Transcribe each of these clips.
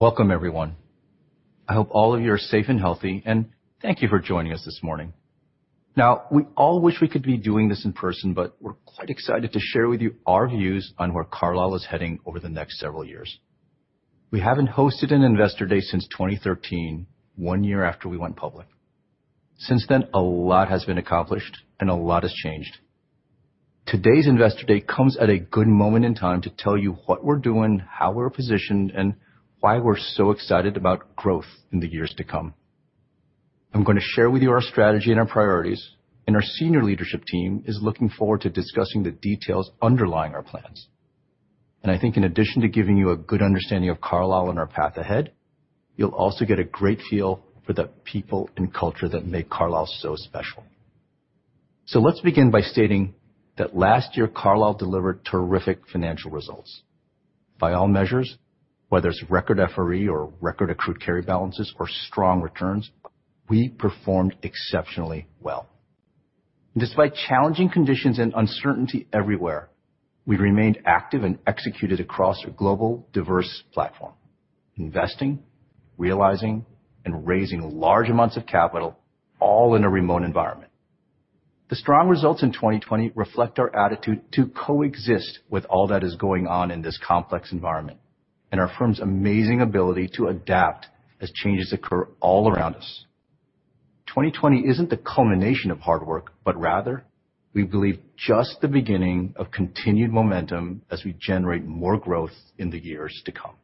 Welcome everyone. I hope all of you are safe and healthy. Thank you for joining us this morning. We all wish we could be doing this in person. We're quite excited to share with you our views on where Carlyle is heading over the next several years. We haven't hosted an Investor Day since 2013, one year after we went public. Since then, a lot has been accomplished. A lot has changed. Today's Investor Day comes at a good moment in time to tell you what we're doing, how we're positioned, why we're so excited about growth in the years to come. I'm going to share with you our strategy and our priorities. Our senior leadership team is looking forward to discussing the details underlying our plans. I think in addition to giving you a good understanding of Carlyle and our path ahead, you'll also get a great feel for the people and culture that make Carlyle so special. Let's begin by stating that last year, Carlyle delivered terrific financial results. By all measures, whether it's record FRE or record accrued carry balances or strong returns, we performed exceptionally well. Despite challenging conditions and uncertainty everywhere, we remained active and executed across a global diverse platform. Investing, realizing, and raising large amounts of capital, all in a remote environment. The strong results in 2020 reflect our attitude to coexist with all that is going on in this complex environment, and our firm's amazing ability to adapt as changes occur all around us. 2020 isn't the culmination of hard work, but rather, we believe just the beginning of continued momentum as we generate more growth in the years to come.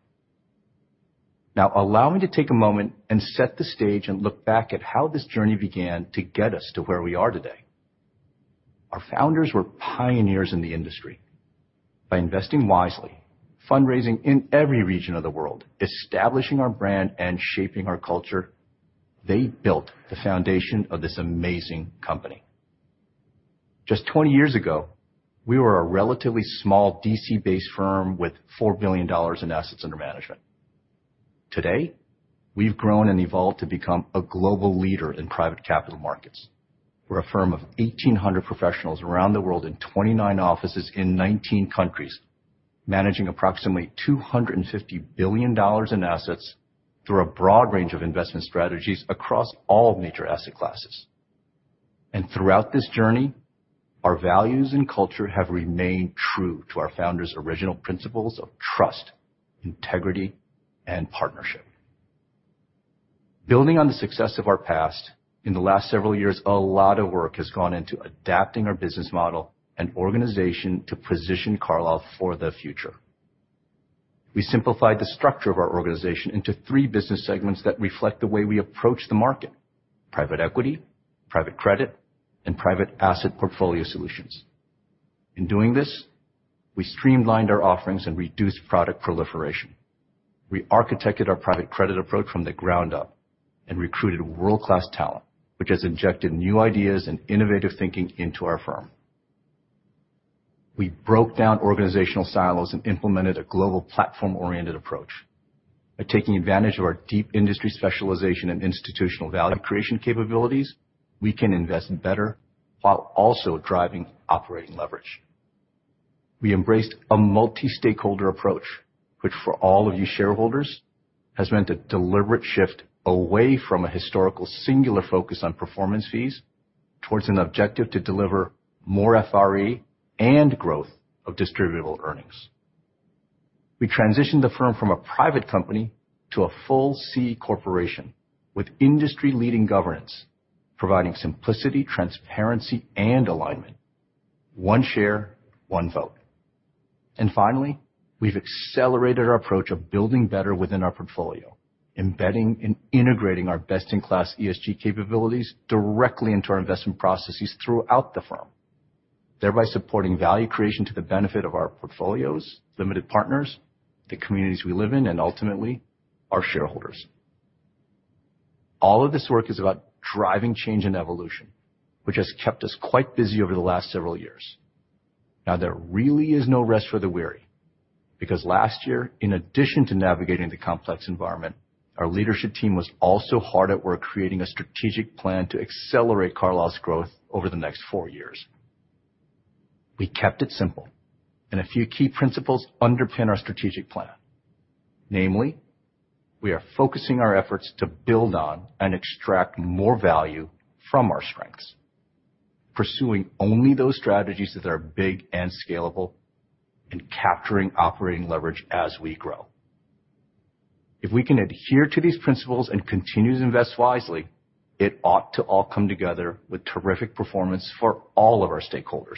Now, allow me to take a moment and set the stage and look back at how this journey began to get us to where we are today. Our founders were pioneers in the industry. By investing wisely, fundraising in every region of the world, establishing our brand, and shaping our culture, they built the foundation of this amazing company. Just 20 years ago, we were a relatively small D.C.-based firm with $4 billion in assets under management. Today, we've grown and evolved to become a global leader in private capital markets. We're a firm of 1,800 professionals around the world in 29 offices in 19 countries, managing approximately $250 billion in assets through a broad range of investment strategies across all major asset classes. Throughout this journey, our values and culture have remained true to our founders' original principles of trust, integrity, and partnership. Building on the success of our past, in the last several years, a lot of work has gone into adapting our business model and organization to position Carlyle for the future. We simplified the structure of our organization into three business segments that reflect the way we approach the market, private equity, private credit, and private asset portfolio solutions. In doing this, we streamlined our offerings and reduced product proliferation. We architected our private credit approach from the ground up and recruited world-class talent, which has injected new ideas and innovative thinking into our firm. We broke down organizational silos and implemented a global platform-oriented approach. By taking advantage of our deep industry specialization and institutional value creation capabilities, we can invest better while also driving operating leverage. We embraced a multi-stakeholder approach, which for all of you shareholders, has meant a deliberate shift away from a historical singular focus on performance fees towards an objective to deliver more FRE and growth of distributable earnings. We transitioned the firm from a private company to a full C corporation with industry-leading governance, providing simplicity, transparency, and alignment. One share, one vote. Finally, we've accelerated our approach of building better within our portfolio, embedding and integrating our best-in-class ESG capabilities directly into our investment processes throughout the firm, thereby supporting value creation to the benefit of our portfolios, limited partners, the communities we live in, and ultimately, our shareholders. All of this work is about driving change and evolution, which has kept us quite busy over the last several years. Now, there really is no rest for the weary, because last year, in addition to navigating the complex environment, our leadership team was also hard at work creating a strategic plan to accelerate Carlyle's growth over the next four years. We kept it simple, and a few key principles underpin our strategic plan. Namely, we are focusing our efforts to build on and extract more value from our strengths, pursuing only those strategies that are big and scalable, and capturing operating leverage as we grow. If we can adhere to these principles and continue to invest wisely, it ought to all come together with terrific performance for all of our stakeholders.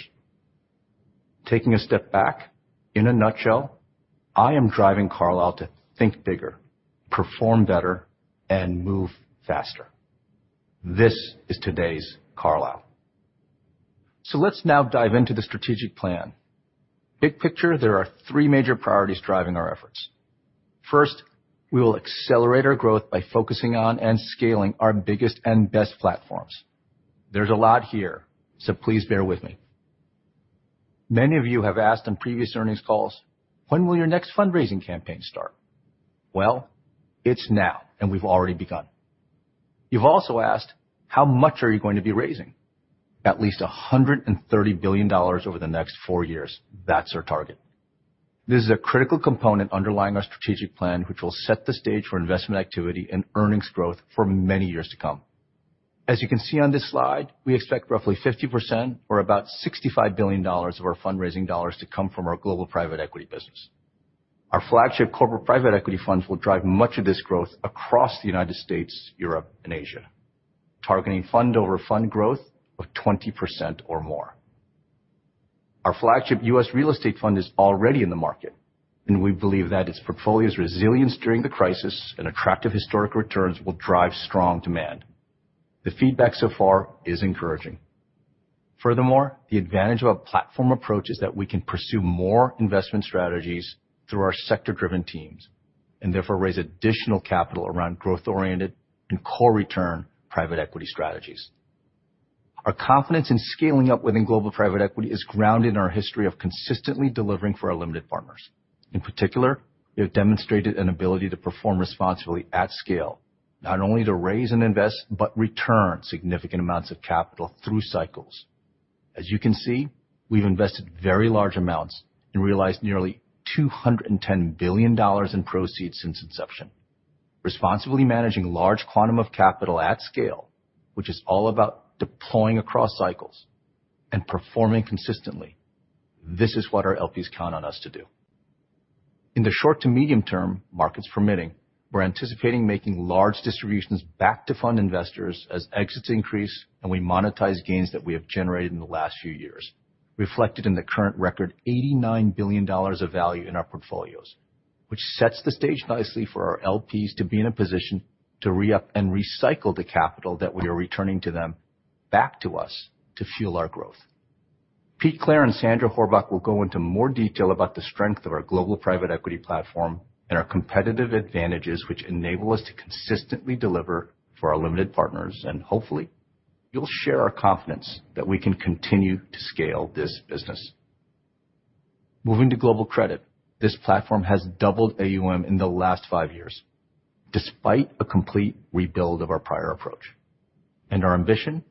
Taking a step back, in a nutshell, I am driving Carlyle to think bigger, perform better, and move faster. This is today's Carlyle. Let's now dive into the strategic plan. Big picture, there are three major priorities driving our efforts. First, we will accelerate our growth by focusing on and scaling our biggest and best platforms. There's a lot here, please bear with me. Many of you have asked on previous earnings calls, "When will your next fundraising campaign start?" It's now, and we've already begun. You've also asked, how much are you going to be raising? At least $130 billion over the next four years. That's our target. This is a critical component underlying our strategic plan, which will set the stage for investment activity and earnings growth for many years to come. As you can see on this slide, we expect roughly 50%, or about $65 billion of our fundraising dollars to come from our global private equity business. Our flagship corporate private equity funds will drive much of this growth across the U.S., Europe, and Asia, targeting fund-over-fund growth of 20% or more. Our flagship U.S. real estate fund is already in the market, and we believe that its portfolio's resilience during the crisis and attractive historic returns will drive strong demand. The feedback so far is encouraging. Furthermore, the advantage of a platform approach is that we can pursue more investment strategies through our sector-driven teams and therefore raise additional capital around growth-oriented and core return private equity strategies. Our confidence in scaling up within global private equity is grounded in our history of consistently delivering for our limited partners. In particular, we have demonstrated an ability to perform responsibly at scale, not only to raise and invest, but return significant amounts of capital through cycles. As you can see, we've invested very large amounts and realized nearly $210 billion in proceeds since inception, responsibly managing large quantum of capital at scale, which is all about deploying across cycles and performing consistently. This is what our LPs count on us to do. In the short to medium term, markets permitting, we're anticipating making large distributions back to fund investors as exits increase and we monetize gains that we have generated in the last few years, reflected in the current record $89 billion of value in our portfolios, which sets the stage nicely for our LPs to be in a position to re-up and recycle the capital that we are returning to them back to us to fuel our growth. Pete Clare and Sandra Horbach will go into more detail about the strength of our global private equity platform and our competitive advantages, which enable us to consistently deliver for our limited partners. Hopefully you'll share our confidence that we can continue to scale this business. Moving to global credit, this platform has doubled AUM in the last five years, despite a complete rebuild of our prior approach. Our ambition,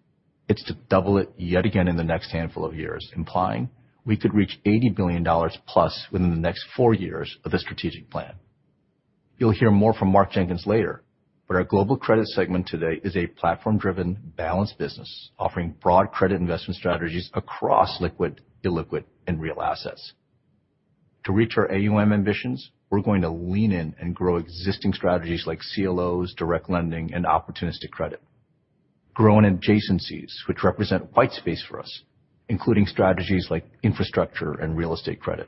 it's to double it yet again in the next handful of years, implying we could reach $80 billion+ within the next four years of the strategic plan. You'll hear more from Mark Jenkins later, our global credit segment today is a platform-driven, balanced business, offering broad credit investment strategies across liquid, illiquid, and real assets. To reach our AUM ambitions, we're going to lean in and grow existing strategies like CLOs, direct lending, and opportunistic credit. Grow in adjacencies, which represent white space for us, including strategies like infrastructure and real estate credit.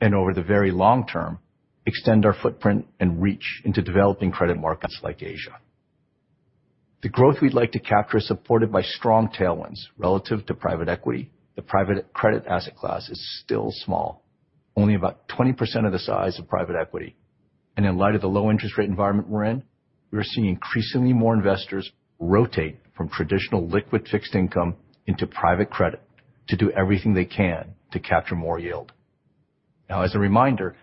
Over the very long term, extend our footprint and reach into developing credit markets like Asia. The growth we'd like to capture is supported by strong tailwinds relative to private equity. The private credit asset class is still small, only about 20% of the size of private equity. In light of the low interest rate environment we're in, we are seeing increasingly more investors rotate from traditional liquid fixed income into private credit to do everything they can to capture more yield. As a reminder,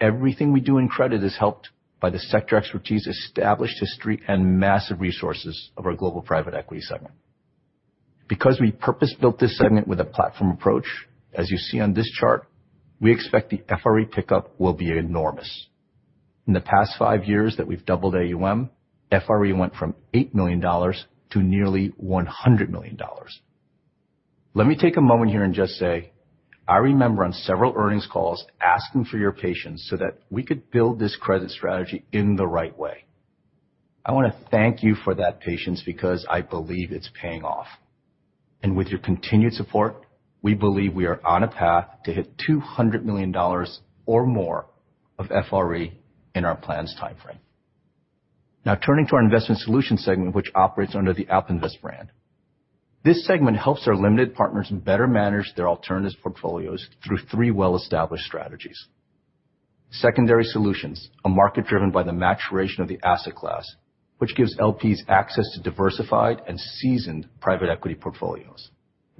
everything we do in credit is helped by the sector expertise, established history, and massive resources of our global private equity segment. Because we purpose-built this segment with a platform approach, as you see on this chart, we expect the FRE pickup will be enormous. In the past five years that we've doubled AUM, FRE went from $8 million to nearly $100 million. Let me take a moment here and just say, I remember on several earnings calls asking for your patience so that we could build this credit strategy in the right way. I want to thank you for that patience because I believe it's paying off. With your continued support, we believe we are on a path to hit $200 million or more of FRE in our plans timeframe. Now turning to our Investment Solutions segment, which operates under the AlpInvest brand. This segment helps our limited partners better manage their alternatives portfolios through three well-established strategies. Secondary Solutions, a market driven by the maturation of the asset class, which gives LPs access to diversified and seasoned private equity portfolios.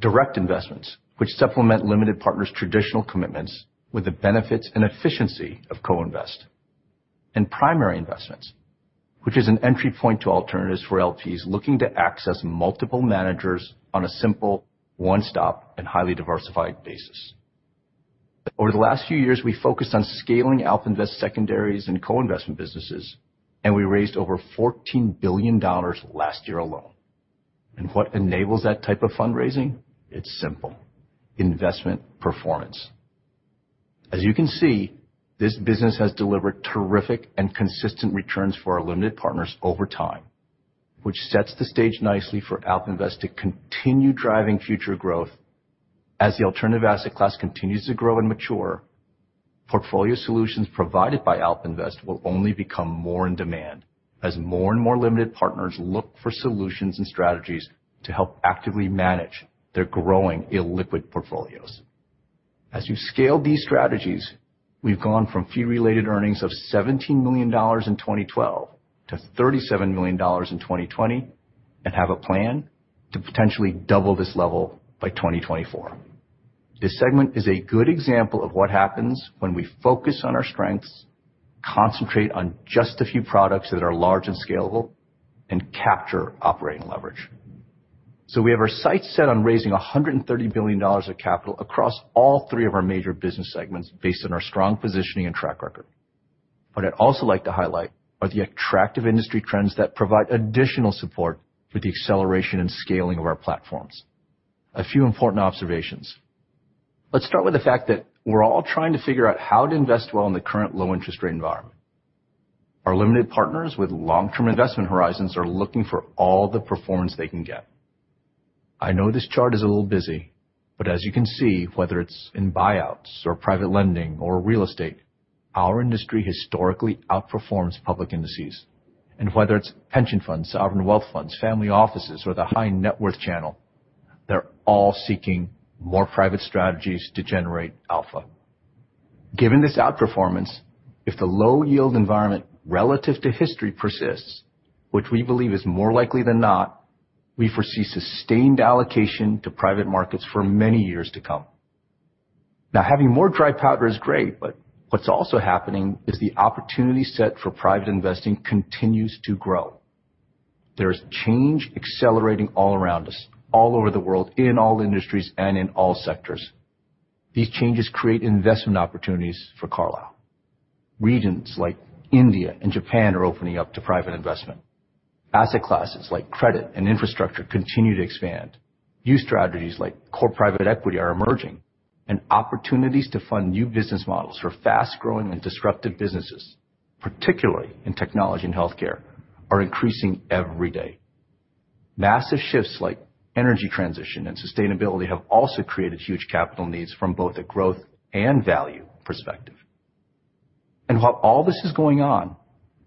Direct investments, which supplement limited partners' traditional commitments with the benefits and efficiency of co-invest. Primary investments, which is an entry point to alternatives for LPs looking to access multiple managers on a simple one-stop and highly diversified basis. Over the last few years, we focused on scaling AlpInvest secondaries and co-investment businesses, and we raised over $14 billion last year alone. What enables that type of fundraising? It's simple, investment performance. As you can see, this business has delivered terrific and consistent returns for our limited partners over time, which sets the stage nicely for AlpInvest to continue driving future growth. As the alternative asset class continues to grow and mature, portfolio solutions provided by AlpInvest will only become more in demand as more and more limited partners look for solutions and strategies to help actively manage their growing illiquid portfolios. As you scale these strategies, we've gone from fee-related earnings of $17 million in 2012 to $37 million in 2020 and have a plan to potentially double this level by 2024. This segment is a good example of what happens when we focus on our strengths, concentrate on just a few products that are large and scalable, and capture operating leverage. We have our sights set on raising $130 billion of capital across all three of our major business segments based on our strong positioning and track record. What I'd also like to highlight are the attractive industry trends that provide additional support for the acceleration and scaling of our platforms. A few important observations. Let's start with the fact that we're all trying to figure out how to invest well in the current low interest rate environment. Our limited partners with long-term investment horizons are looking for all the performance they can get. I know this chart is a little busy, but as you can see, whether it's in buyouts or private lending or real estate, our industry historically outperforms public indices, and whether it's pension funds, sovereign wealth funds, family offices, or the high net worth channel, they're all seeking more private strategies to generate alpha. Given this outperformance, if the low yield environment relative to history persists, which we believe is more likely than not, we foresee sustained allocation to private markets for many years to come. Now, having more dry powder is great, but what's also happening is the opportunity set for private investing continues to grow. There is change accelerating all around us, all over the world, in all industries, and in all sectors. These changes create investment opportunities for Carlyle. Regions like India and Japan are opening up to private investment. Asset classes like credit and infrastructure continue to expand. New strategies like core private equity are emerging, and opportunities to fund new business models for fast-growing and disruptive businesses, particularly in technology and healthcare, are increasing every day. Massive shifts like energy transition and sustainability have also created huge capital needs from both a growth and value perspective. While all this is going on,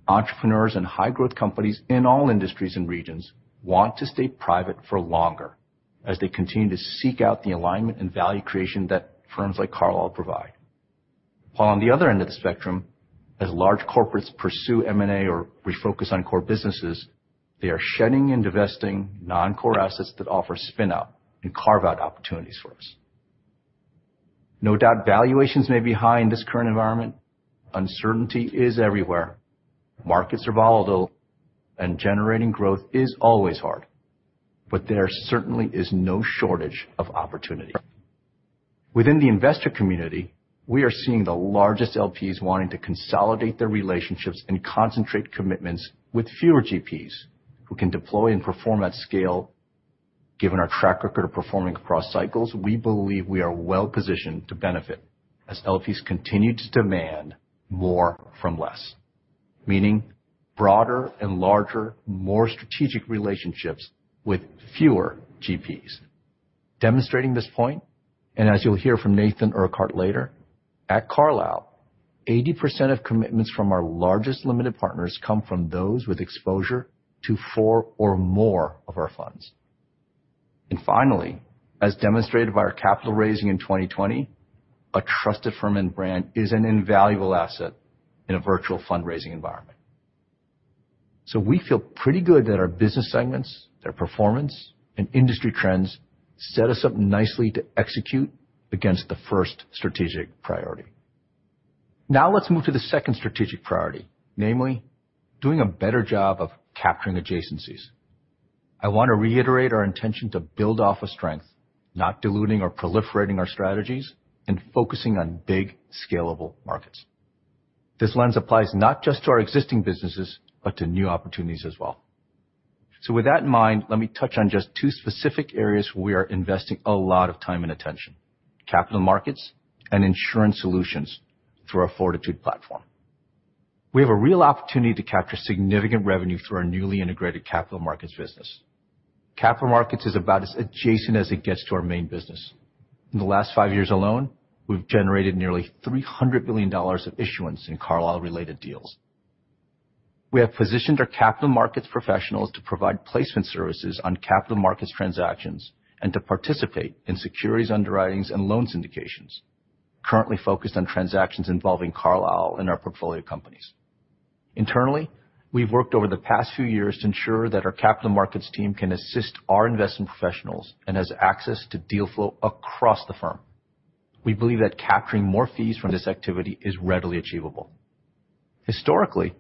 entrepreneurs and high-growth companies in all industries and regions want to stay private for longer as they continue to seek out the alignment and value creation that firms like Carlyle provide. While on the other end of the spectrum, as large corporates pursue M&A or refocus on core businesses, they are shedding and divesting non-core assets that offer spin-out and carve-out opportunities for us. No doubt valuations may be high in this current environment. Uncertainty is everywhere. Markets are volatile and generating growth is always hard. There certainly is no shortage of opportunity. Within the investor community, we are seeing the largest LPs wanting to consolidate their relationships and concentrate commitments with fewer GPs who can deploy and perform at scale. Given our track record of performing across cycles, we believe we are well positioned to benefit as LPs continue to demand more from less, meaning broader and larger, more strategic relationships with fewer GPs. Demonstrating this point, and as you'll hear from Nathan Urquhart later, at Carlyle, 80% of commitments from our largest limited partners come from those with exposure to four or more of our funds. Finally, as demonstrated by our capital raising in 2020, a trusted firm and brand is an invaluable asset in a virtual fundraising environment. We feel pretty good that our business segments, their performance, and industry trends set us up nicely to execute against the first strategic priority. Now let's move to the second strategic priority, namely, doing a better job of capturing adjacencies. I want to reiterate our intention to build off of strength, not diluting or proliferating our strategies, and focusing on big, scalable markets. This lens applies not just to our existing businesses, but to new opportunities as well. With that in mind, let me touch on just two specific areas where we are investing a lot of time and attention, capital markets and insurance solutions through our Fortitude. We have a real opportunity to capture significant revenue through our newly integrated capital markets business. Capital markets is about as adjacent as it gets to our main business. In the last five years alone, we've generated nearly $300 billion of issuance in Carlyle-related deals. We have positioned our capital markets professionals to provide placement services on capital markets transactions and to participate in securities underwritings and loan syndications, currently focused on transactions involving Carlyle and our portfolio companies. Internally, we've worked over the past few years to ensure that our capital markets team can assist our investment professionals and has access to deal flow across the firm. We believe that capturing more fees from this activity is readily achievable. Historically,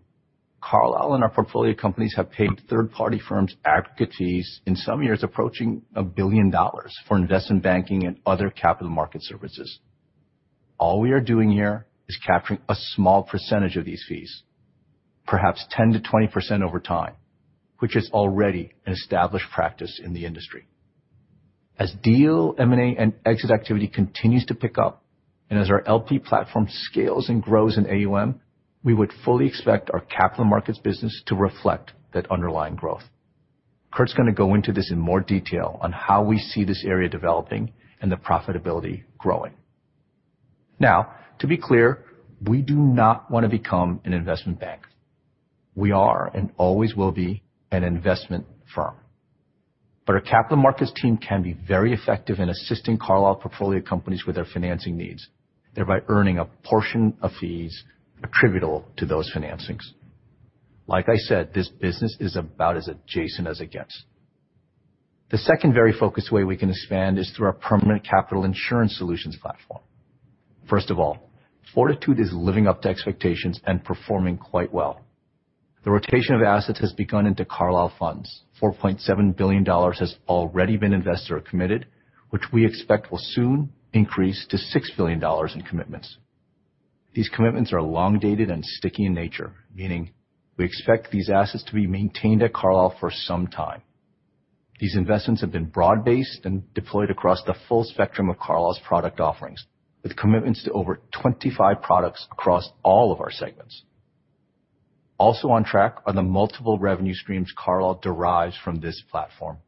Carlyle and our portfolio companies have paid third-party firms aggregate fees in some years approaching $1 billion for investment banking and other capital market services. All we are doing here is capturing a small percentage of these fees, perhaps 10%-20% over time, which is already an established practice in the industry. As deal M&A and exit activity continues to pick up and as our LP platform scales and grows in AUM, we would fully expect our capital markets business to reflect that underlying growth. Curt's going to go into this in more detail on how we see this area developing and the profitability growing. Now, to be clear, we do not want to become an investment bank. We are and always will be an investment firm. Our capital markets team can be very effective in assisting Carlyle portfolio companies with their financing needs, thereby earning a portion of fees attributable to those financings. Like I said, this business is about as adjacent as it gets. The second very focused way we can expand is through our permanent capital insurance solutions platform. First of all, Fortitude is living up to expectations and performing quite well. The rotation of assets has begun into Carlyle funds. $4.7 billion has already been investor committed, which we expect will soon increase to $6 billion in commitments. These commitments are long-dated and sticky in nature, meaning we expect these assets to be maintained at Carlyle for some time. These investments have been broad-based and deployed across the full spectrum of Carlyle's product offerings, with commitments to over 25 products across all of our segments. Also on track are the multiple revenue streams Carlyle derives from this platform.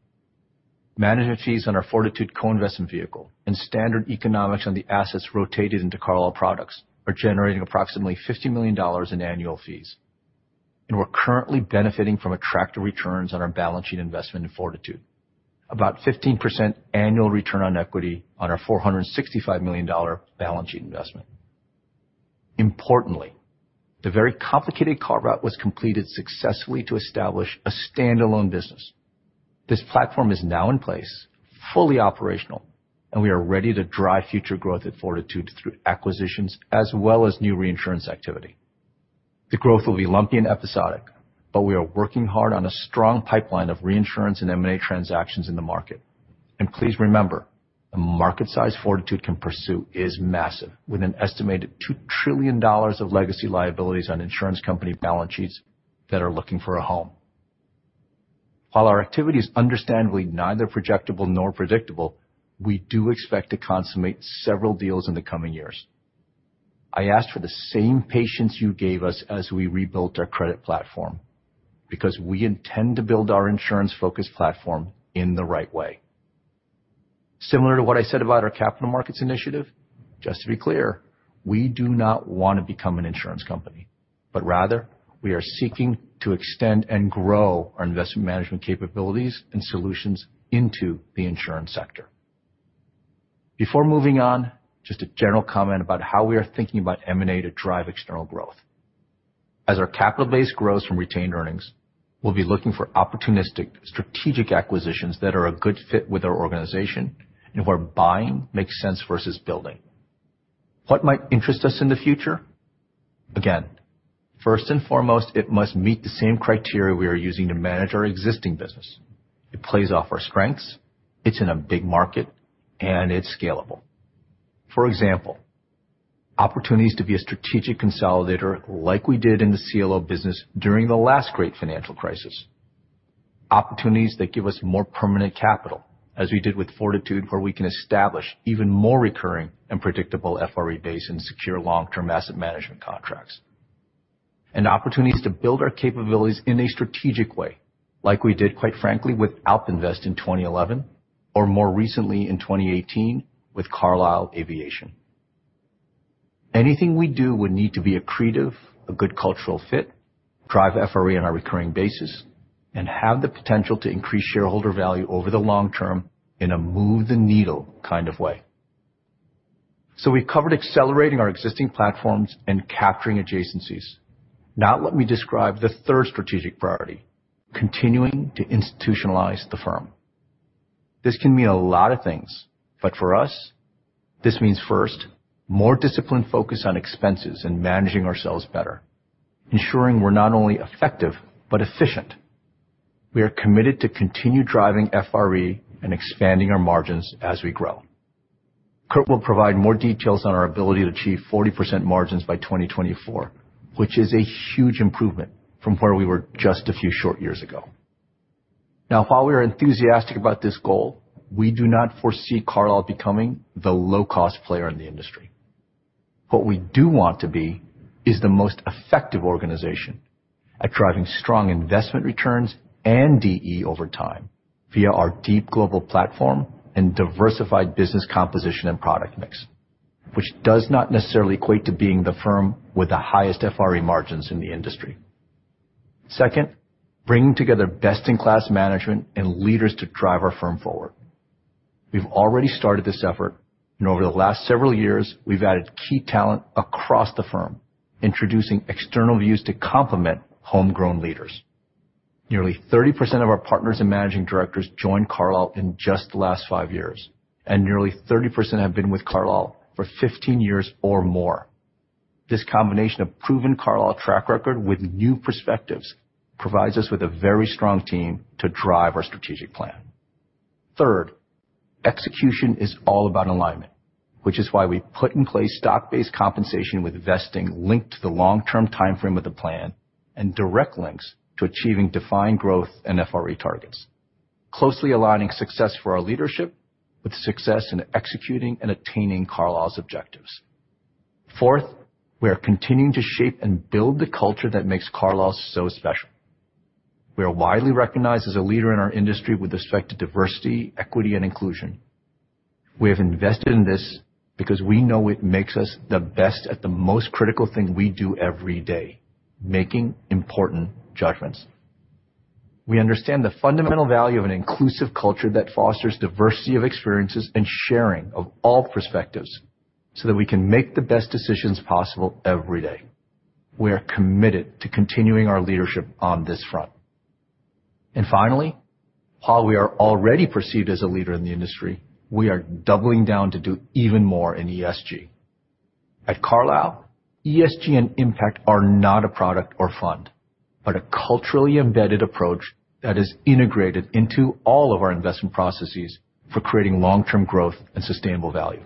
Management fees on our Fortitude co-investment vehicle and standard economics on the assets rotated into Carlyle products are generating approximately $50 million in annual fees, and we're currently benefiting from attractive returns on our balance sheet investment in Fortitude. About 15% annual return on equity on our $465 million balance sheet investment. Importantly, the very complicated carve-out was completed successfully to establish a standalone business. This platform is now in place, fully operational, and we are ready to drive future growth at Fortitude through acquisitions as well as new reinsurance activity. The growth will be lumpy and episodic, but we are working hard on a strong pipeline of reinsurance and M&A transactions in the market. Please remember, the market size Fortitude can pursue is massive, with an estimated $2 trillion of legacy liabilities on insurance company balance sheets that are looking for a home. While our activity is understandably neither projectable nor predictable, we do expect to consummate several deals in the coming years. I ask for the same patience you gave us as we rebuilt our credit platform because we intend to build our insurance-focused platform in the right way. Similar to what I said about our capital markets initiative, just to be clear, we do not want to become an insurance company, but rather, we are seeking to extend and grow our investment management capabilities and solutions into the insurance sector. Before moving on, just a general comment about how we are thinking about M&A to drive external growth. As our capital base grows from retained earnings, we'll be looking for opportunistic, strategic acquisitions that are a good fit with our organization and where buying makes sense versus building. What might interest us in the future? Again, first and foremost, it must meet the same criteria we are using to manage our existing business. It plays off our strengths, it's in a big market, and it's scalable. For example, opportunities to be a strategic consolidator like we did in the CLO business during the last great financial crisis. Opportunities that give us more permanent capital, as we did with Fortitude, where we can establish even more recurring and predictable FRE base and secure long-term asset management contracts. Opportunities to build our capabilities in a strategic way, like we did, quite frankly, with AlpInvest in 2011, or more recently in 2018 with Carlyle Aviation. Anything we do would need to be accretive, a good cultural fit, drive FRE on a recurring basis, and have the potential to increase shareholder value over the long term in a move the needle kind of way. We've covered accelerating our existing platforms and capturing adjacencies. Now let me describe the third strategic priority, continuing to institutionalize the firm. This can mean a lot of things, but for us, this means first, more disciplined focus on expenses and managing ourselves better, ensuring we're not only effective but efficient. We are committed to continue driving FRE and expanding our margins as we grow. Curt will provide more details on our ability to achieve 40% margins by 2024, which is a huge improvement from where we were just a few short years ago. Now, while we are enthusiastic about this goal, we do not foresee Carlyle becoming the low-cost player in the industry. What we do want to be is the most effective organization at driving strong investment returns and DE over time via our deep global platform and diversified business composition and product mix, which does not necessarily equate to being the firm with the highest FRE margins in the industry. Second, bringing together best-in-class management and leaders to drive our firm forward. We've already started this effort, and over the last several years, we've added key talent across the firm, introducing external views to complement homegrown leaders. Nearly 30% of our partners and managing directors joined Carlyle in just the last five years, and nearly 30% have been with Carlyle for 15 years or more. This combination of proven Carlyle track record with new perspectives provides us with a very strong team to drive our strategic plan. Third, execution is all about alignment, which is why we put in place stock-based compensation with vesting linked to the long-term timeframe of the plan and direct links to achieving defined growth and FRE targets, closely aligning success for our leadership with success in executing and attaining Carlyle's objectives. Fourth, we are continuing to shape and build the culture that makes Carlyle so special. We are widely recognized as a leader in our industry with respect to diversity, equity, and inclusion. We have invested in this because we know it makes us the best at the most critical thing we do every day, making important judgments. We understand the fundamental value of an inclusive culture that fosters diversity of experiences and sharing of all perspectives so that we can make the best decisions possible every day. We are committed to continuing our leadership on this front. Finally, while we are already perceived as a leader in the industry, we are doubling down to do even more in ESG. At Carlyle, ESG and impact are not a product or fund, but a culturally embedded approach that is integrated into all of our investment processes for creating long-term growth and sustainable value.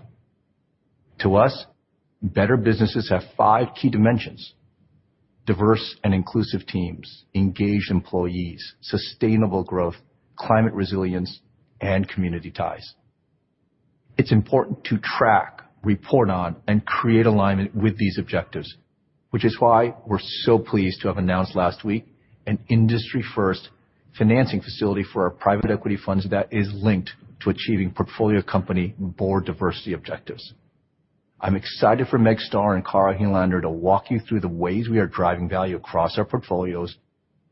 To us, better businesses have five key dimensions, diverse and inclusive teams, engaged employees, sustainable growth, climate resilience, and community ties. It's important to track, report on, and create alignment with these objectives, which is why we're so pleased to have announced last week an industry-first financing facility for our private equity funds that is linked to achieving portfolio company board diversity objectives. I'm excited for Meg Starr and Kara Helander to walk you through the ways we are driving value across our portfolios,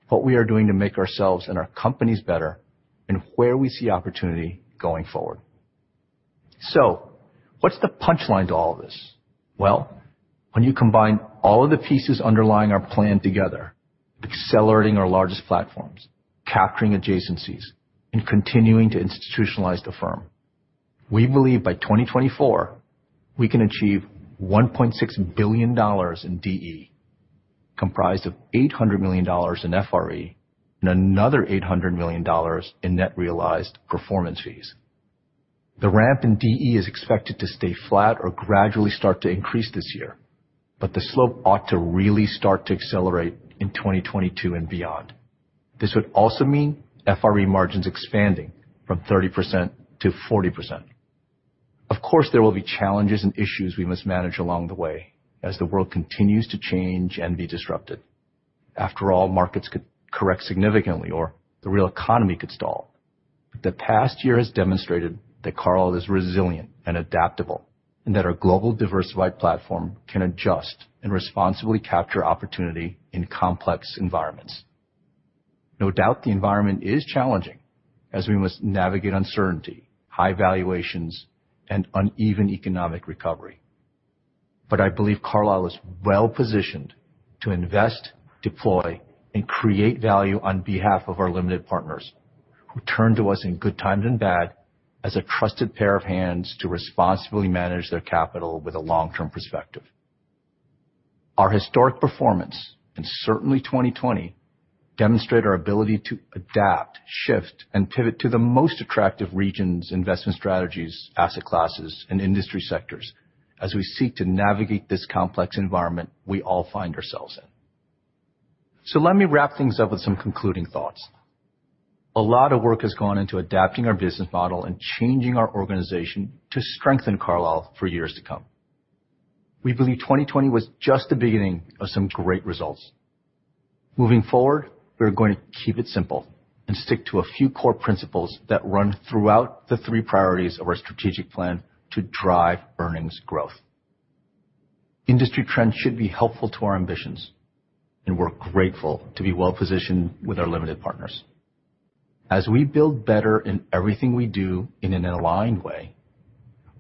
what we are doing to make ourselves and our companies better, and where we see opportunity going forward. What's the punchline to all of this? When you combine all of the pieces underlying our plan together, accelerating our largest platforms, capturing adjacencies, and continuing to institutionalize the firm, we believe by 2024, we can achieve $1.6 billion in DE, comprised of $800 million in FRE and another $800 million in net realized performance fees. The ramp in DE is expected to stay flat or gradually start to increase this year, but the slope ought to really start to accelerate in 2022 and beyond. This would also mean FRE margins expanding from 30% to 40%. Of course, there will be challenges and issues we must manage along the way as the world continues to change and be disrupted. After all, markets could correct significantly or the real economy could stall. The past year has demonstrated that Carlyle is resilient and adaptable, and that our global diversified platform can adjust and responsibly capture opportunity in complex environments. No doubt the environment is challenging as we must navigate uncertainty, high valuations, and uneven economic recovery. I believe Carlyle is well-positioned to invest, deploy, and create value on behalf of our limited partners, who turn to us in good times and bad as a trusted pair of hands to responsibly manage their capital with a long-term perspective. Our historic performance, and certainly 2020, demonstrate our ability to adapt, shift, and pivot to the most attractive regions, investment strategies, asset classes, and industry sectors as we seek to navigate this complex environment we all find ourselves in. Let me wrap things up with some concluding thoughts. A lot of work has gone into adapting our business model and changing our organization to strengthen Carlyle for years to come. We believe 2020 was just the beginning of some great results. Moving forward, we are going to keep it simple and stick to a few core principles that run throughout the three priorities of our strategic plan to drive earnings growth. Industry trends should be helpful to our ambitions, we're grateful to be well-positioned with our limited partners. As we build better in everything we do in an aligned way,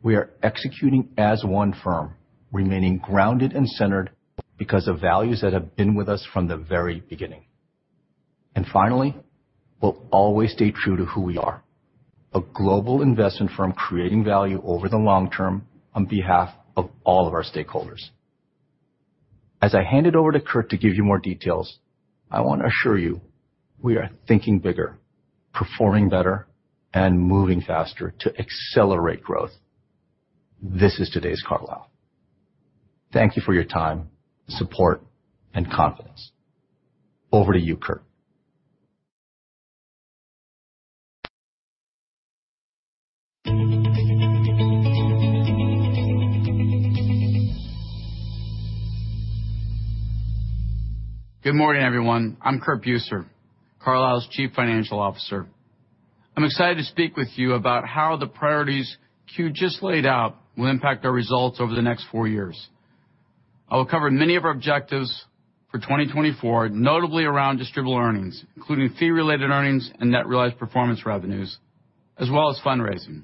we are executing as one firm, remaining grounded and centered because of values that have been with us from the very beginning. Finally, we'll always stay true to who we are, a global investment firm creating value over the long term on behalf of all of our stakeholders. As I hand it over to Curt to give you more details, I want to assure you, we are thinking bigger, performing better, and moving faster to accelerate growth. This is today's Carlyle. Thank you for your time, support, and confidence. Over to you, Curt. Good morning, everyone. I'm Curt Buser, Carlyle's Chief Financial Officer. I'm excited to speak with you about how the priorities Kew just laid out will impact our results over the next four years. I will cover many of our objectives for 2024, notably around distributable earnings, including fee-related earnings and net realized performance revenues, as well as fundraising.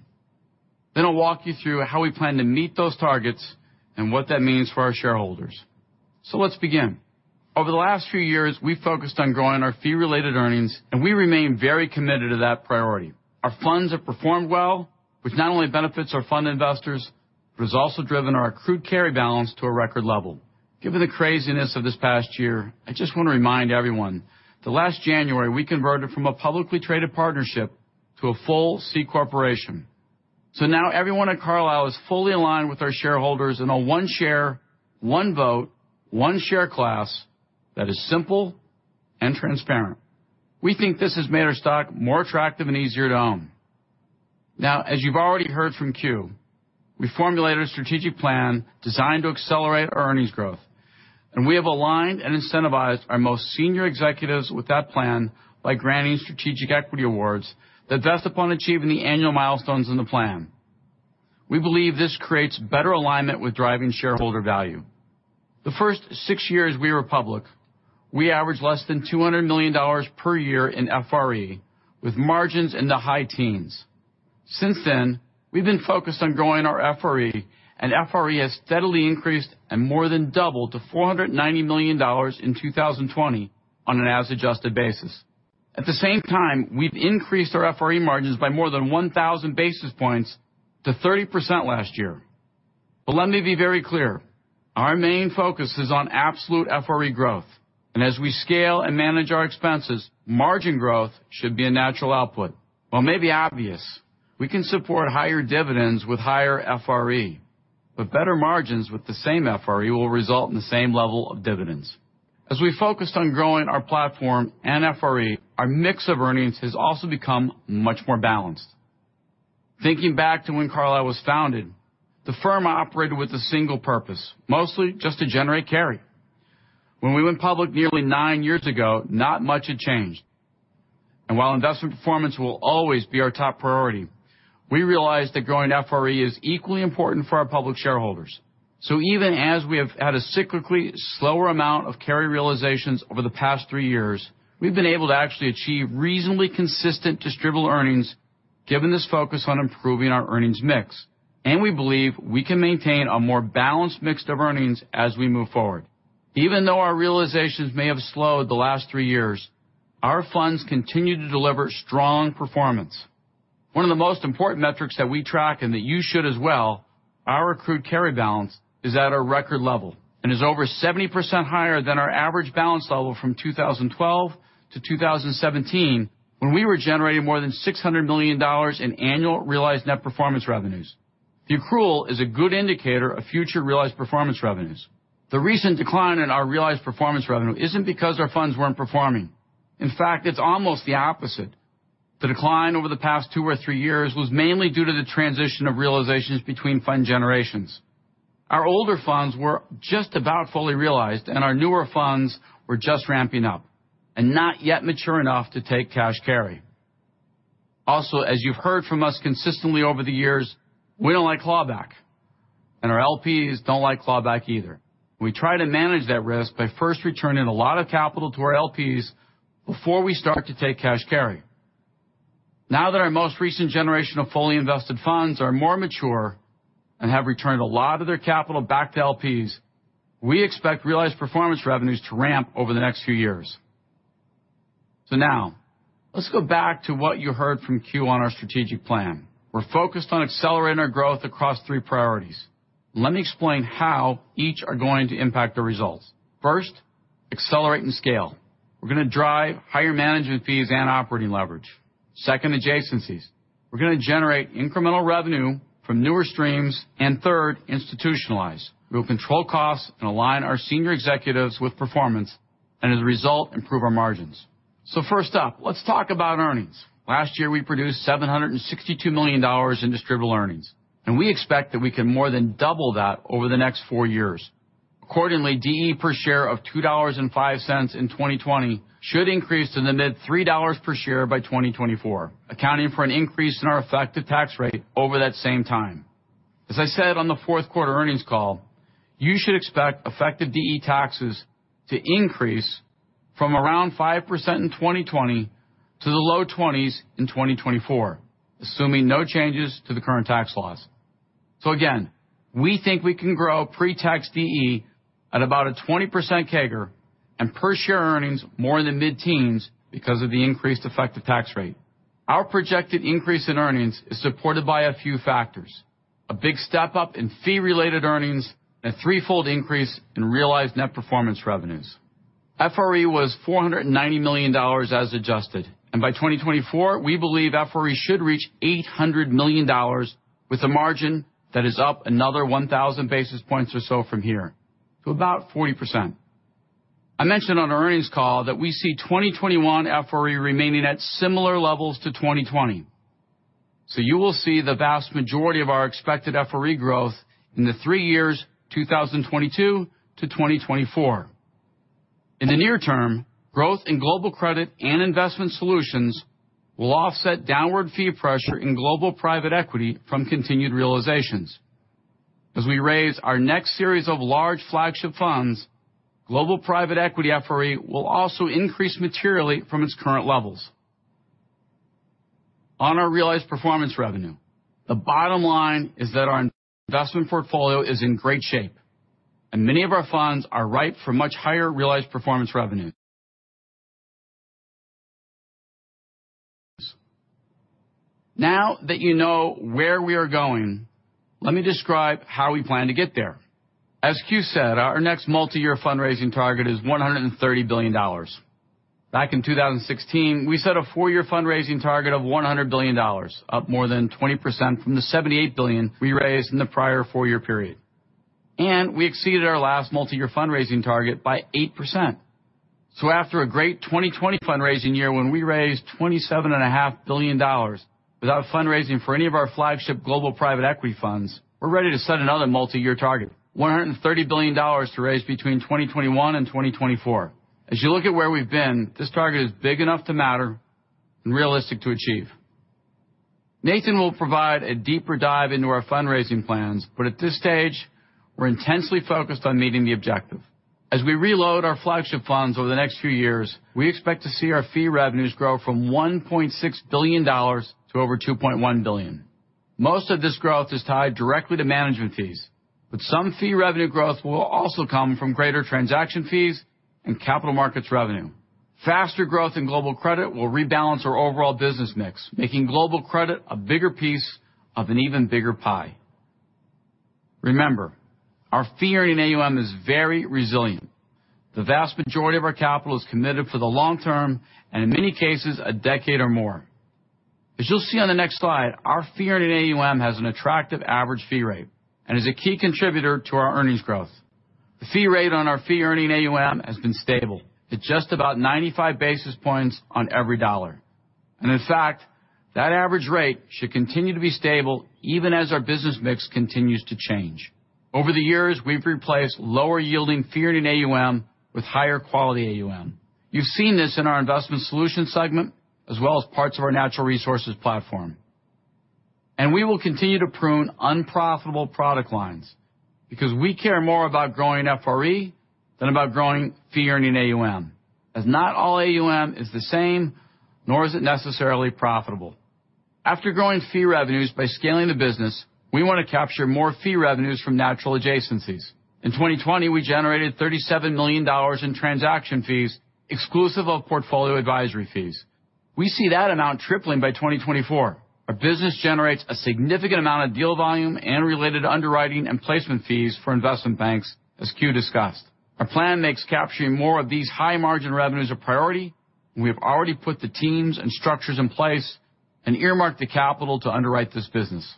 I'll walk you through how we plan to meet those targets and what that means for our shareholders. Let's begin. Over the last few years, we focused on growing our fee-related earnings, and we remain very committed to that priority. Our funds have performed well, which not only benefits our fund investors, but has also driven our accrued carry balance to a record level. Given the craziness of this past year, I just want to remind everyone that last January, we converted from a publicly traded partnership to a full C corporation. Now everyone at Carlyle is fully aligned with our shareholders in a one share, one vote, one share class that is simple and transparent. We think this has made our stock more attractive and easier to own. As you've already heard from Kew, we formulated a strategic plan designed to accelerate our earnings growth, and we have aligned and incentivized our most senior executives with that plan by granting strategic equity awards that vest upon achieving the annual milestones in the plan. We believe this creates better alignment with driving shareholder value. The first six years we were public, we averaged less than $200 million per year in FRE, with margins in the high teens. Since then, we've been focused on growing our FRE, and FRE has steadily increased and more than doubled to $490 million in 2020 on an as-adjusted basis. At the same time, we've increased our FRE margins by more than 1,000 basis points to 30% last year. Let me be very clear. Our main focus is on absolute FRE growth, and as we scale and manage our expenses, margin growth should be a natural output. While maybe obvious, we can support higher dividends with higher FRE, but better margins with the same FRE will result in the same level of dividends. As we focused on growing our platform and FRE, our mix of earnings has also become much more balanced. Thinking back to when Carlyle was founded, the firm operated with a single purpose, mostly just to generate carry. When we went public nearly nine years ago, not much had changed. While investment performance will always be our top priority, we realized that growing FRE is equally important for our public shareholders. Even as we have had a cyclically slower amount of carry realizations over the past three years, we've been able to actually achieve reasonably consistent distributable earnings given this focus on improving our earnings mix, and we believe we can maintain a more balanced mix of earnings as we move forward. Even though our realizations may have slowed the last three years, our funds continue to deliver strong performance. One of the most important metrics that we track and that you should as well, our accrued carry balance, is at a record level and is over 70% higher than our average balance level from 2012 to 2017 when we were generating more than $600 million in annual realized net performance revenues. The accrual is a good indicator of future realized performance revenues. The recent decline in our realized performance revenue isn't because our funds weren't performing. In fact, it's almost the opposite. The decline over the past two or three years was mainly due to the transition of realizations between fund generations. Our older funds were just about fully realized, and our newer funds were just ramping up and not yet mature enough to take cash carry. Also, as you've heard from us consistently over the years, we don't like clawback, and our LPs don't like clawback either. We try to manage that risk by first returning a lot of capital to our LPs before we start to take cash carry. That our most recent generation of fully invested funds are more mature and have returned a lot of their capital back to LPs, we expect realized performance revenues to ramp over the next few years. Now, let's go back to what you heard from Kew on our strategic plan. We're focused on accelerating our growth across three priorities. Let me explain how each are going to impact the results. First, accelerate and scale. We're going to drive higher management fees and operating leverage. Second, adjacencies. We're going to generate incremental revenue from newer streams. Third, institutionalize. We'll control costs and align our senior executives with performance, and as a result, improve our margins. First up, let's talk about earnings. Last year, we produced $762 million in distributable earnings. We expect that we can more than double that over the next four years. Accordingly, DE per share of $2.05 in 2020 should increase to the mid $3 per share by 2024, accounting for an increase in our effective tax rate over that same time. As I said on the fourth quarter earnings call, you should expect effective DE taxes to increase from around 5% in 2020 to the low 20s in 2024, assuming no changes to the current tax laws. Again, we think we can grow pre-tax DE at about a 20% CAGR and per share earnings more in the mid-teens because of the increased effective tax rate. Our projected increase in earnings is supported by a few factors. A big step-up in fee-related earnings and a threefold increase in realized net performance revenues. FRE was $490 million as adjusted. By 2024, we believe FRE should reach $800 million with a margin that is up another 1,000 basis points or so from here to about 40%. I mentioned on our earnings call that we see 2021 FRE remaining at similar levels to 2020. You will see the vast majority of our expected FRE growth in the three years 2022 to 2024. In the near term, growth in global credit and investment solutions will offset downward fee pressure in global private equity from continued realizations. As we raise our next series of large flagship funds, global private equity FRE will also increase materially from its current levels. On our realized performance revenue, the bottom line is that our investment portfolio is in great shape, and many of our funds are ripe for much higher realized performance revenues. Now that you know where we are going, let me describe how we plan to get there. As Kew said, our next multi-year fundraising target is $130 billion. Back in 2016, we set a four-year fundraising target of $100 billion, up more than 20% from the $78 billion we raised in the prior four-year period. We exceeded our last multi-year fundraising target by 8%. After a great 2020 fundraising year when we raised $27.5 billion without fundraising for any of our flagship global private equity funds, we're ready to set another multi-year target, $130 billion to raise between 2021 and 2024. As you look at where we've been, this target is big enough to matter and realistic to achieve. Nathan will provide a deeper dive into our fundraising plans, but at this stage, we're intensely focused on meeting the objective. As we reload our flagship funds over the next few years, we expect to see our fee revenues grow from $1.6 billion to over $2.1 billion. Most of this growth is tied directly to management fees, but some fee revenue growth will also come from greater transaction fees and capital markets revenue. Faster growth in global credit will rebalance our overall business mix, making global credit a bigger piece of an even bigger pie. Remember, our fee-earning AUM is very resilient. The vast majority of our capital is committed for the long term, and in many cases, a decade or more. As you'll see on the next slide, our fee-earning AUM has an attractive average fee rate and is a key contributor to our earnings growth. The fee rate on our fee-earning AUM has been stable at just about 95 basis points on every dollar. In fact, that average rate should continue to be stable even as our business mix continues to change. Over the years, we've replaced lower yielding fee-earning AUM with higher quality AUM. You've seen this in our Investment Solutions segment, as well as parts of our natural resources platform. We will continue to prune unprofitable product lines because we care more about growing FRE than about growing fee-earning AUM, as not all AUM is the same, nor is it necessarily profitable. After growing fee revenues by scaling the business, we want to capture more fee revenues from natural adjacencies. In 2020, we generated $37 million in transaction fees, exclusive of portfolio advisory fees. We see that amount tripling by 2024. Our business generates a significant amount of deal volume and related underwriting and placement fees for investment banks, as Kew discussed. Our plan makes capturing more of these high margin revenues a priority, we have already put the teams and structures in place and earmarked the capital to underwrite this business.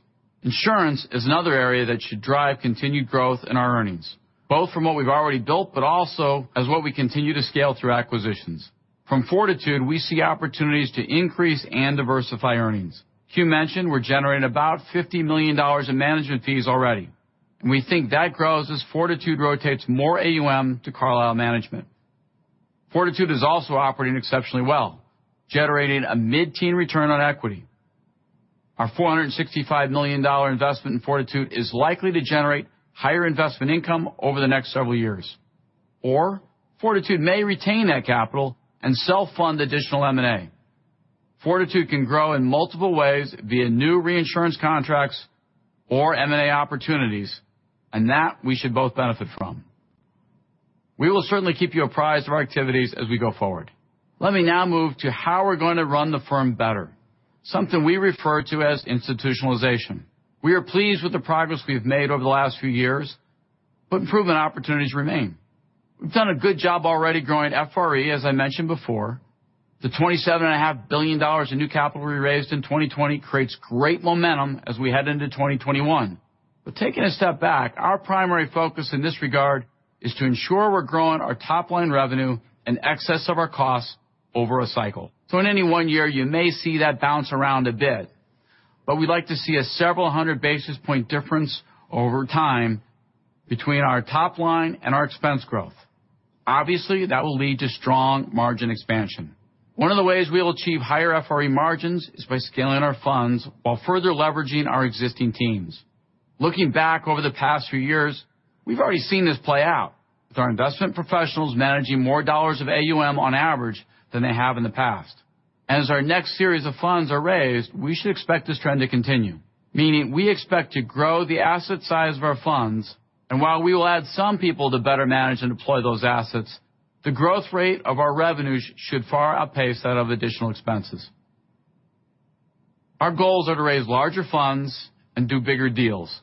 Insurance is another area that should drive continued growth in our earnings, both from what we've already built, also as what we continue to scale through acquisitions. From Fortitude, we see opportunities to increase and diversify earnings. Kew mentioned we're generating about $50 million in management fees already, we think that grows as Fortitude rotates more AUM to Carlyle management. Fortitude is also operating exceptionally well, generating a mid-teen return on equity. Our $465 million investment in Fortitude is likely to generate higher investment income over the next several years. Fortitude may retain that capital and self-fund additional M&A. Fortitude can grow in multiple ways via new reinsurance contracts or M&A opportunities, and that we should both benefit from. We will certainly keep you apprised of our activities as we go forward. Let me now move to how we're going to run the firm better, something we refer to as institutionalization. We are pleased with the progress we've made over the last few years, improvement opportunities remain. We've done a good job already growing FRE, as I mentioned before. The $27.5 billion in new capital we raised in 2020 creates great momentum as we head into 2021. Taking a step back, our primary focus in this regard is to ensure we're growing our top-line revenue in excess of our costs over a cycle. In any one year, you may see that bounce around a bit, but we'd like to see a several hundred basis points difference over time between our top line and our expense growth. Obviously, that will lead to strong margin expansion. One of the ways we will achieve higher FRE margins is by scaling our funds while further leveraging our existing teams. Looking back over the past few years, we've already seen this play out with our investment professionals managing more dollars of AUM on average than they have in the past. As our next series of funds are raised, we should expect this trend to continue, meaning we expect to grow the asset size of our funds, and while we will add some people to better manage and deploy those assets, the growth rate of our revenues should far outpace that of additional expenses. Our goals are to raise larger funds and do bigger deals.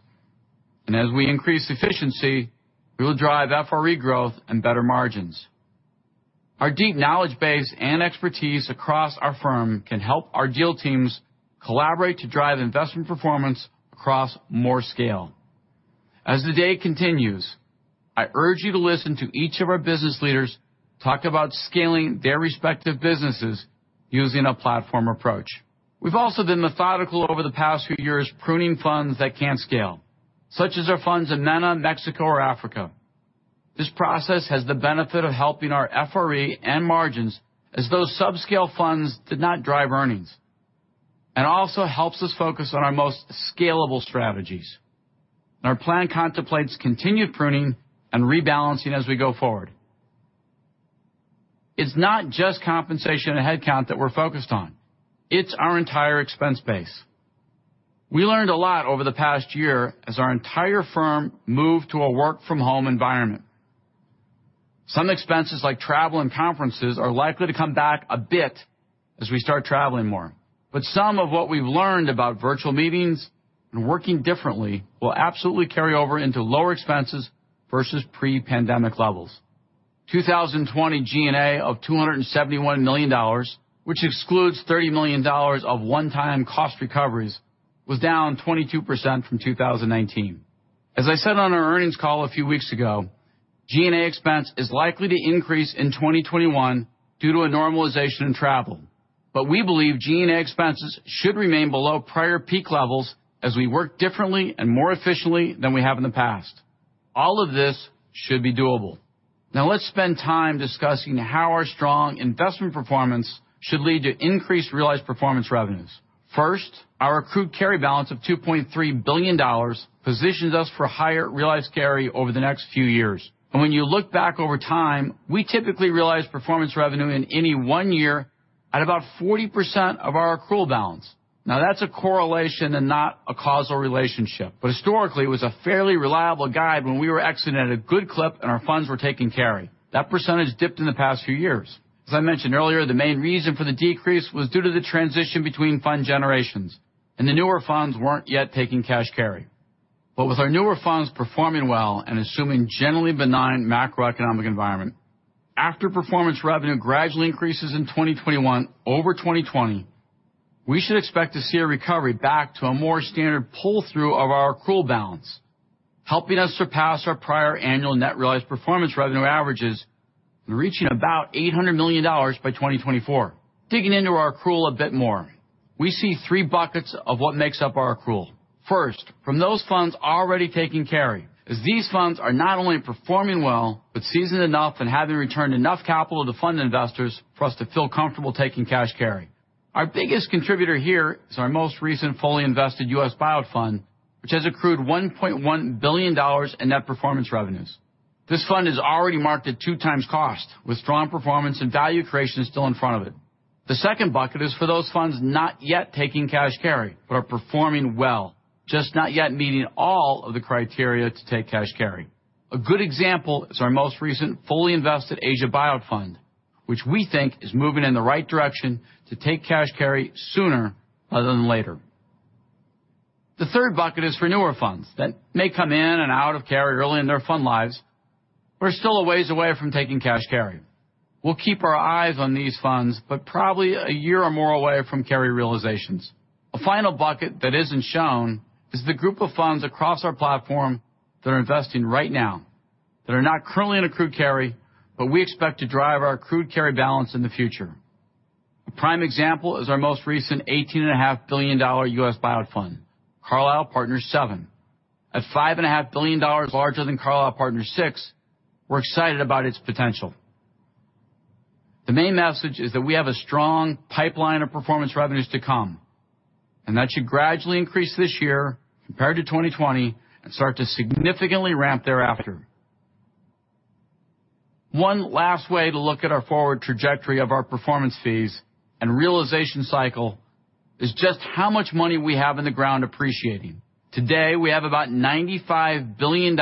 As we increase efficiency, we will drive FRE growth and better margins. Our deep knowledge base and expertise across our firm can help our deal teams collaborate to drive investment performance across more scale. As the day continues, I urge you to listen to each of our business leaders talk about scaling their respective businesses using a platform approach. We've also been methodical over the past few years, pruning funds that can't scale, such as our funds in MENA, Mexico, or Africa. This process has the benefit of helping our FRE and margins as those subscale funds did not drive earnings. Also helps us focus on our most scalable strategies. Our plan contemplates continued pruning and rebalancing as we go forward. It's not just compensation and headcount that we're focused on. It's our entire expense base. We learned a lot over the past year as our entire firm moved to a work from home environment. Some expenses like travel and conferences are likely to come back a bit as we start traveling more. Some of what we've learned about virtual meetings and working differently will absolutely carry over into lower expenses versus pre-pandemic levels. 2020 G&A of $271 million, which excludes $30 million of one-time cost recoveries, was down 22% from 2019. As I said on our earnings call a few weeks ago, G&A expense is likely to increase in 2021 due to a normalization in travel. We believe G&A expenses should remain below prior peak levels as we work differently and more efficiently than we have in the past. All of this should be doable. Let's spend time discussing how our strong investment performance should lead to increased realized performance revenues. Our accrued carry balance of $2.3 billion positions us for higher realized carry over the next few years. When you look back over time, we typically realize performance revenue in any one year at about 40% of our accrual balance. That's a correlation and not a causal relationship. Historically, it was a fairly reliable guide when we were exiting at a good clip and our funds were taking carry. That percentage dipped in the past few years. As I mentioned earlier, the main reason for the decrease was due to the transition between fund generations, and the newer funds weren't yet taking cash carry. With our newer funds performing well and assuming a generally benign macroeconomic environment, after performance revenue gradually increases in 2021 over 2020, we should expect to see a recovery back to a more standard pull-through of our accrual balance, helping us surpass our prior annual net realized performance revenue averages, reaching about $800 million by 2024. Digging into our accrual a bit more, we see three buckets of what makes up our accrual. First, from those funds already taking carry, as these funds are not only performing well, but seasoned enough and have returned enough capital to fund investors for us to feel comfortable taking cash carry. Our biggest contributor here is our most recent fully invested U.S. buyout fund, which has accrued $1.1 billion in net performance revenues. This fund is already marked at 2x cost, with strong performance and value creation still in front of it. The second bucket is for those funds not yet taking cash carry, but are performing well, just not yet meeting all of the criteria to take cash carry. A good example is our most recent fully invested Asia buyout fund, which we think is moving in the right direction to take cash carry sooner rather than later. The third bucket is for newer funds that may come in and out of carry early in their fund lives. We're still a ways away from taking cash carry. We'll keep our eyes on these funds, but probably a year or more away from carry realizations. A final bucket that isn't shown is the group of funds across our platform that are investing right now, that are not currently in accrued carry, but we expect to drive our accrued carry balance in the future. A prime example is our most recent $18.5 billion U.S. buyout fund, Carlyle Partners VII. At $5.5 billion larger than Carlyle Partners VI, we're excited about its potential. The main message is that we have a strong pipeline of performance revenues to come, and that should gradually increase this year compared to 2020 and start to significantly ramp thereafter. One last way to look at our forward trajectory of our performance fees and realization cycle is just how much money we have in the ground appreciating. Today, we have about $95 billion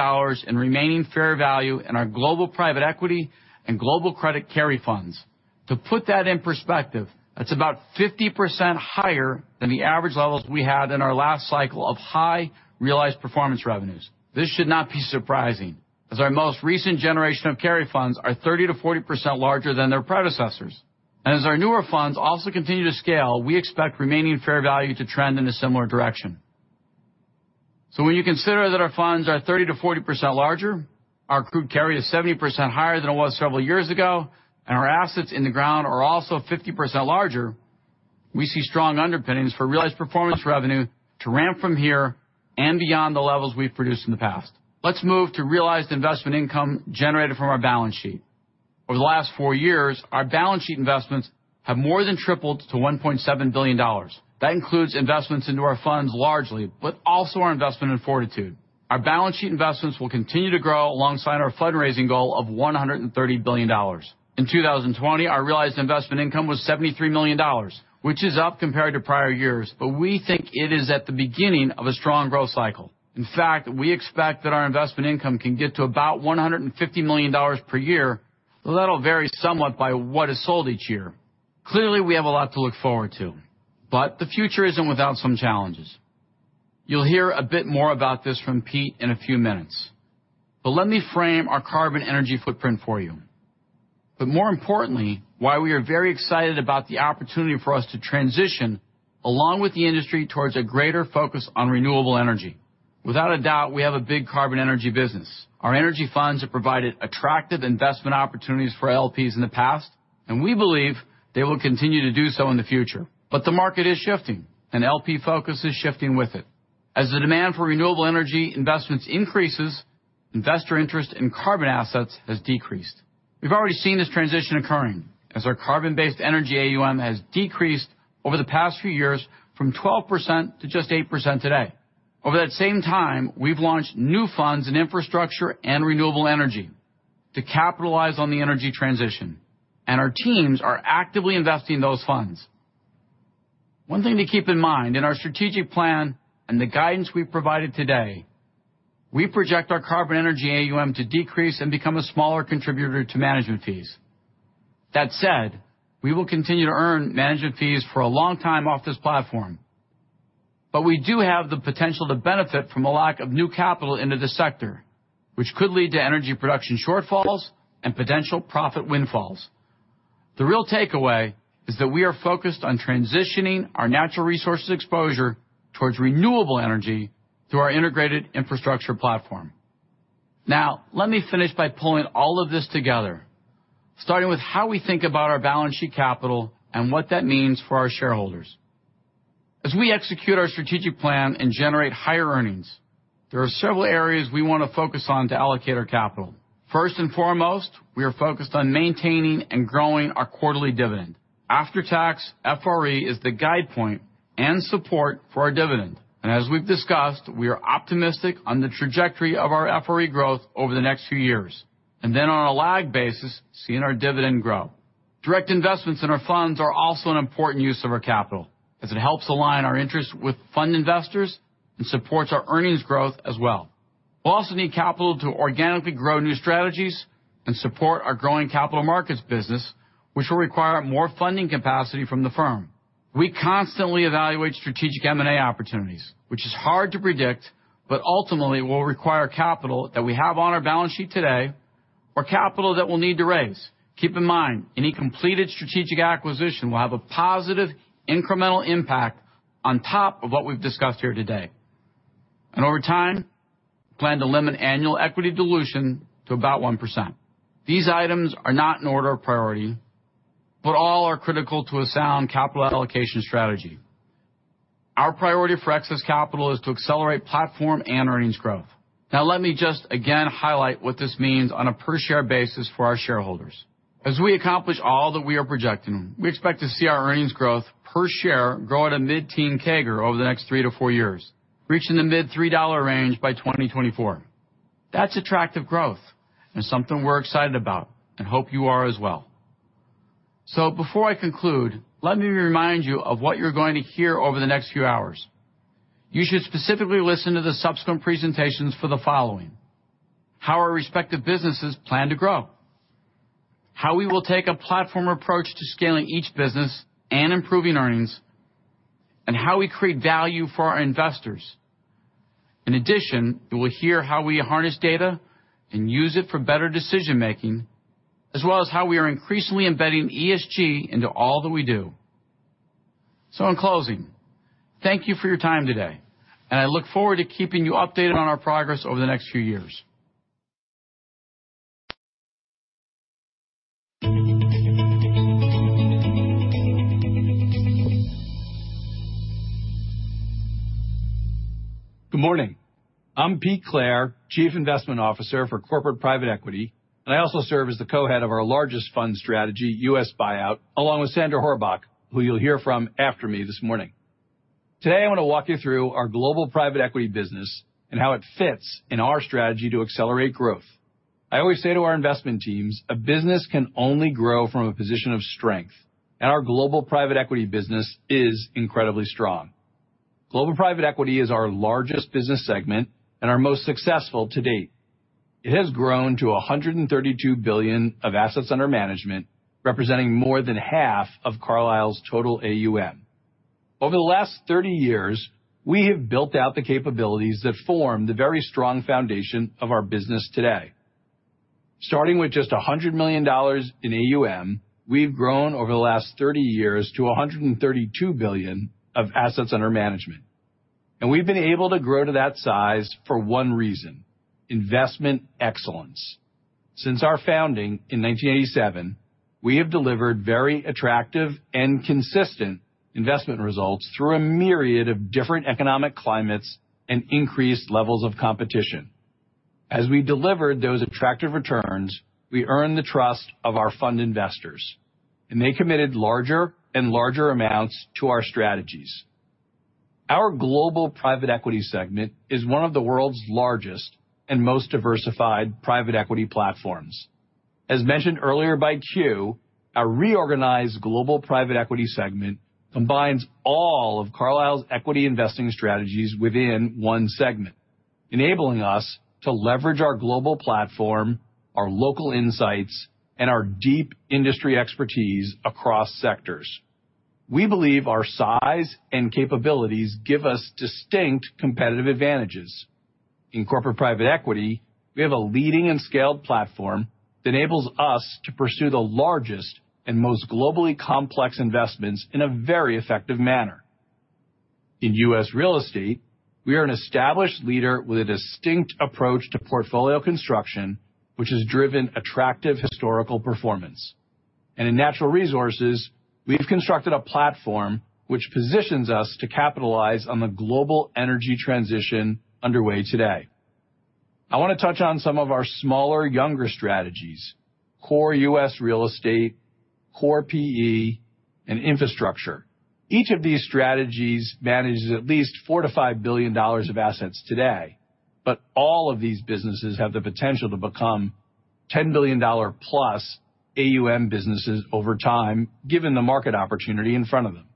in remaining fair value in our global private equity and global credit carry funds. To put that in perspective, that's about 50% higher than the average levels we had in our last cycle of high realized performance revenues. This should not be surprising, as our most recent generation of carry funds are 30%-40% larger than their predecessors. As our newer funds also continue to scale, we expect remaining fair value to trend in a similar direction. When you consider that our funds are 30%-40% larger, our accrued carry is 70% higher than it was several years ago, and our assets in the ground are also 50% larger, we see strong underpinnings for realized performance revenue to ramp from here and beyond the levels we've produced in the past. Let's move to realized investment income generated from our balance sheet. Over the last four years, our balance sheet investments have more than tripled to $1.7 billion. That includes investments into our funds largely, but also our investment in Fortitude Re. Our balance sheet investments will continue to grow alongside our fundraising goal of $130 billion. In 2020, our realized investment income was $73 million, which is up compared to prior years, but we think it is at the beginning of a strong growth cycle. In fact, we expect that our investment income can get to about $150 million per year, although that'll vary somewhat by what is sold each year. Clearly, we have a lot to look forward to, but the future isn't without some challenges. You'll hear a bit more about this from Pete in a few minutes. Let me frame our carbon energy footprint for you, but more importantly, why we are very excited about the opportunity for us to transition along with the industry towards a greater focus on renewable energy. Without a doubt, we have a big carbon energy business. Our energy funds have provided attractive investment opportunities for LPs in the past, and we believe they will continue to do so in the future. The market is shifting, and LP focus is shifting with it. As the demand for renewable energy investments increases, investor interest in carbon assets has decreased. We've already seen this transition occurring, as our carbon-based energy AUM has decreased over the past few years from 12% to just 8% today. Over that same time, we've launched new funds in infrastructure and renewable energy to capitalize on the energy transition, and our teams are actively investing those funds. One thing to keep in mind, in our strategic plan and the guidance we've provided today, we project our carbon energy AUM to decrease and become a smaller contributor to management fees. That said, we will continue to earn management fees for a long time off this platform. We do have the potential to benefit from a lack of new capital into the sector, which could lead to energy production shortfalls and potential profit windfalls. The real takeaway is that we are focused on transitioning our natural resources exposure towards renewable energy through our integrated infrastructure platform. Let me finish by pulling all of this together, starting with how we think about our balance sheet capital and what that means for our shareholders. As we execute our strategic plan and generate higher earnings, there are several areas we want to focus on to allocate our capital. First and foremost, we are focused on maintaining and growing our quarterly dividend. After-tax FRE is the guide point and support for our dividend. As we've discussed, we are optimistic on the trajectory of our FRE growth over the next few years. On a lag basis, seeing our dividend grow. Direct investments in our funds are also an important use of our capital, as it helps align our interests with fund investors and supports our earnings growth as well. We'll also need capital to organically grow new strategies and support our growing capital markets business, which will require more funding capacity from the firm. We constantly evaluate strategic M&A opportunities, which is hard to predict, but ultimately will require capital that we have on our balance sheet today, or capital that we'll need to raise. Keep in mind, any completed strategic acquisition will have a positive incremental impact on top of what we've discussed here today. Over time, plan to limit annual equity dilution to about 1%. These items are not in order of priority, but all are critical to a sound capital allocation strategy. Our priority for excess capital is to accelerate platform and earnings growth. Now let me just again highlight what this means on a per share basis for our shareholders. As we accomplish all that we are projecting, we expect to see our earnings growth per share grow at a mid-teen CAGR over the next three to four years, reaching the mid-$3 range by 2024. That's attractive growth and something we're excited about, and hope you are as well. Before I conclude, let me remind you of what you're going to hear over the next few hours. You should specifically listen to the subsequent presentations for the following. How our respective businesses plan to grow, how we will take a platform approach to scaling each business and improving earnings, and how we create value for our investors. In addition, you will hear how we harness data and use it for better decision-making, as well as how we are increasingly embedding ESG into all that we do. In closing, thank you for your time today, and I look forward to keeping you updated on our progress over the next few years. Good morning. I'm Peter Clare, Chief Investment Officer for Corporate Private Equity, and I also serve as the Co-Head of our largest fund strategy, U.S. Buyout, along with Sandra Horbach, who you'll hear from after me this morning. Today, I want to walk you through our global private equity business and how it fits in our strategy to accelerate growth. I always say to our investment teams, a business can only grow from a position of strength, and our Global Private Equity business is incredibly strong. Global Private Equity is our largest business segment and our most successful to date. It has grown to $132 billion of assets under management, representing more than half of Carlyle's total AUM. Over the last 30 years, we have built out the capabilities that form the very strong foundation of our business today. Starting with just $100 million in AUM, we've grown over the last 30 years to $132 billion of assets under management. We've been able to grow to that size for one reason, investment excellence. Since our founding in 1987, we have delivered very attractive and consistent investment results through a myriad of different economic climates and increased levels of competition. As we delivered those attractive returns, we earned the trust of our fund investors, and they committed larger and larger amounts to our strategies. Our global private equity segment is one of the world's largest and most diversified private equity platforms. As mentioned earlier by Kew, our reorganized global private equity segment combines all of Carlyle's equity investing strategies within one segment, enabling us to leverage our global platform, our local insights, and our deep industry expertise across sectors. We believe our size and capabilities give us distinct competitive advantages. In corporate private equity, we have a leading and scaled platform that enables us to pursue the largest and most globally complex investments in a very effective manner. In U.S. real estate, we are an established leader with a distinct approach to portfolio construction, which has driven attractive historical performance. In natural resources, we've constructed a platform which positions us to capitalize on the global energy transition underway today. I want to touch on some of our smaller, younger strategies, core U.S. real estate, core PE, and infrastructure. Each of these strategies manages at least $4 billion-$5 billion of assets today, but all of these businesses have the potential to become $10 billion+ AUM businesses over time, given the market opportunity in front of them.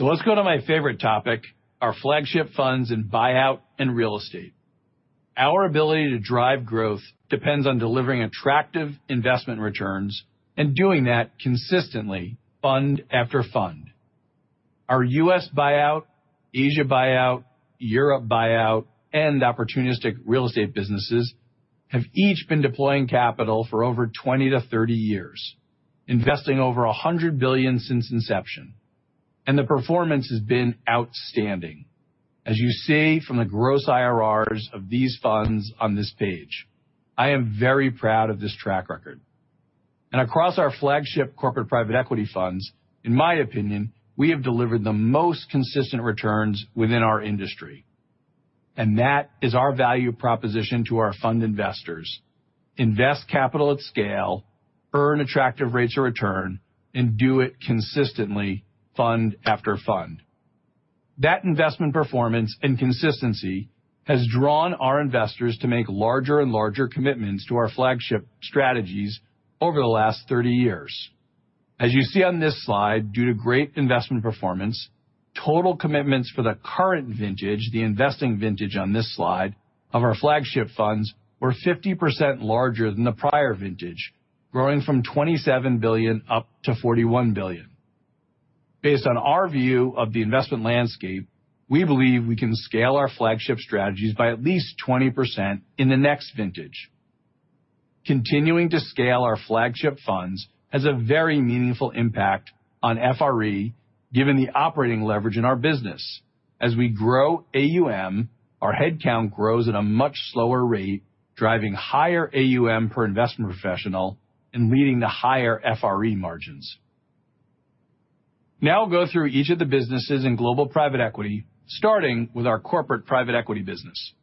Let's go to my favorite topic, our flagship funds in buyout and real estate. Our ability to drive growth depends on delivering attractive investment returns and doing that consistently fund after fund. Our U.S. buyout, Asia buyout, Europe buyout, and opportunistic real estate businesses have each been deploying capital for over 20-30 years, investing over $100 billion since inception, and the performance has been outstanding. As you see from the gross IRRs of these funds on this page, I am very proud of this track record. Across our flagship corporate private equity funds, in my opinion, we have delivered the most consistent returns within our industry. That is our value proposition to our fund investors. Invest capital at scale, earn attractive rates of return, and do it consistently fund after fund. That investment performance and consistency has drawn our investors to make larger and larger commitments to our flagship strategies over the last 30 years. As you see on this slide, due to great investment performance, total commitments for the current vintage, the investing vintage on this slide of our flagship funds, were 50% larger than the prior vintage, growing from $27 billion up to $41 billion. Based on our view of the investment landscape, we believe we can scale our flagship strategies by at least 20% in the next vintage. Continuing to scale our flagship funds has a very meaningful impact on FRE given the operating leverage in our business. As we grow AUM, our headcount grows at a much slower rate, driving higher AUM per investment professional and leading to higher FRE margins. We'll go through each of the businesses in global private equity, starting with our corporate private equity business.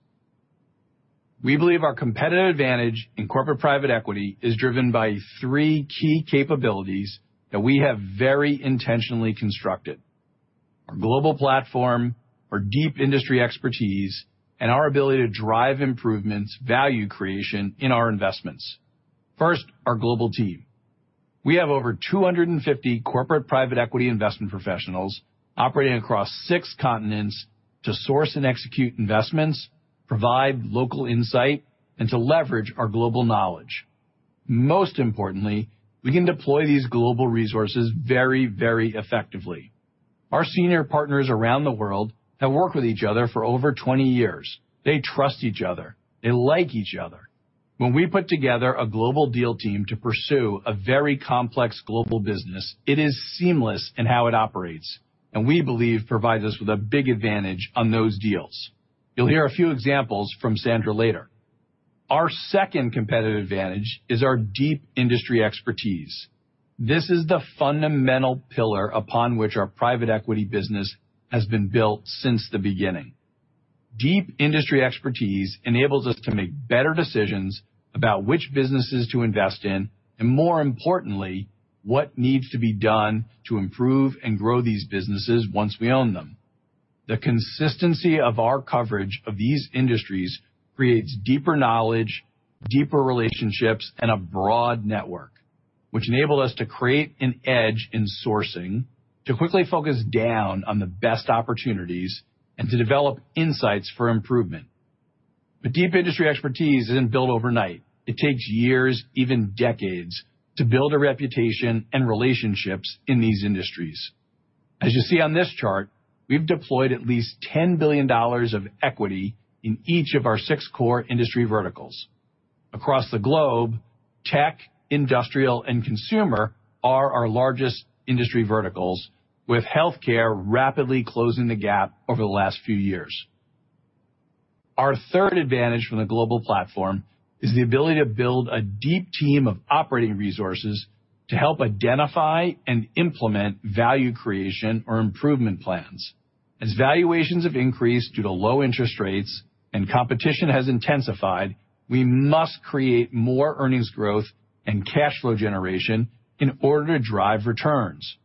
We believe our competitive advantage in corporate private equity is driven by three key capabilities that we have very intentionally constructed. Our global platform, our deep industry expertise, and our ability to drive improvements, value creation in our investments. Our global team. We have over 250 corporate private equity investment professionals operating across six continents to source and execute investments, provide local insight, and to leverage our global knowledge. We can deploy these global resources very effectively. Our senior partners around the world have worked with each other for over 20 years. They trust each other. They like each other. When we put together a global deal team to pursue a very complex global business, it is seamless in how it operates, and we believe provides us with a big advantage on those deals. You'll hear a few examples from Sandra later. Our second competitive advantage is our deep industry expertise. This is the fundamental pillar upon which our private equity business has been built since the beginning. Deep industry expertise enables us to make better decisions about which businesses to invest in, and more importantly, what needs to be done to improve and grow these businesses once we own them. The consistency of our coverage of these industries creates deeper knowledge, deeper relationships, and a broad network, which enable us to create an edge in sourcing to quickly focus down on the best opportunities and to develop insights for improvement. Deep industry expertise isn't built overnight. It takes years, even decades, to build a reputation and relationships in these industries. As you see on this chart, we've deployed at least $10 billion of equity in each of our six core industry verticals. Across the globe, tech, industrial, and consumer are our largest industry verticals, with healthcare rapidly closing the gap over the last few years. Our third advantage from the global platform is the ability to build a deep team of operating resources to help identify and implement value creation or improvement plans. As valuations have increased due to low interest rates and competition has intensified, we must create more earnings growth and cash flow generation in order to drive returns.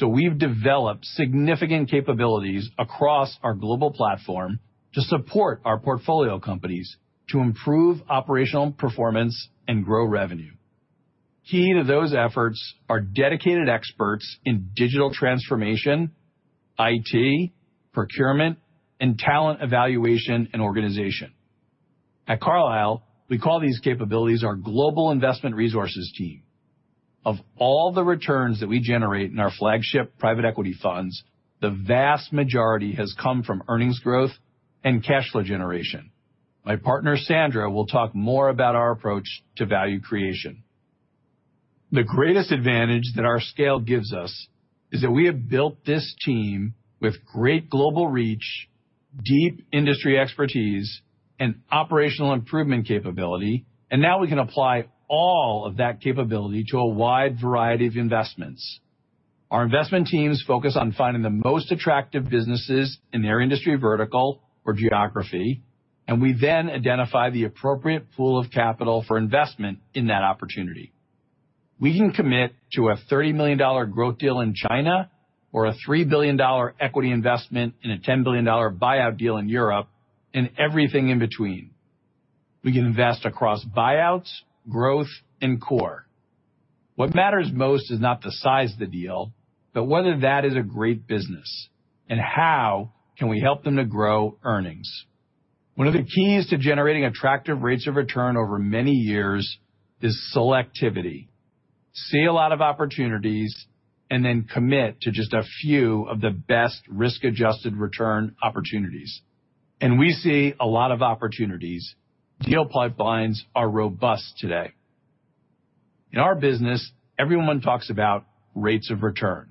We've developed significant capabilities across our global platform to support our portfolio companies to improve operational performance and grow revenue. Key to those efforts are dedicated experts in digital transformation, IT, procurement, and talent evaluation and organization. At Carlyle, we call these capabilities our global investment resources team. Of all the returns that we generate in our flagship private equity funds, the vast majority has come from earnings growth and cash flow generation. My partner Sandra will talk more about our approach to value creation. The greatest advantage that our scale gives us is that we have built this team with great global reach, deep industry expertise, and operational improvement capability, and now we can apply all of that capability to a wide variety of investments. Our investment teams focus on finding the most attractive businesses in their industry vertical or geography, and we then identify the appropriate pool of capital for investment in that opportunity. We can commit to a $30 million growth deal in China or a $3 billion equity investment in a $10 billion buyout deal in Europe, and everything in between. We can invest across buyouts, growth, and core. What matters most is not the size of the deal, but whether that is a great business, and how can we help them to grow earnings? One of the keys to generating attractive rates of return over many years is selectivity. See a lot of opportunities, then commit to just a few of the best risk-adjusted return opportunities. We see a lot of opportunities. Deal pipelines are robust today. In our business, everyone talks about rates of return.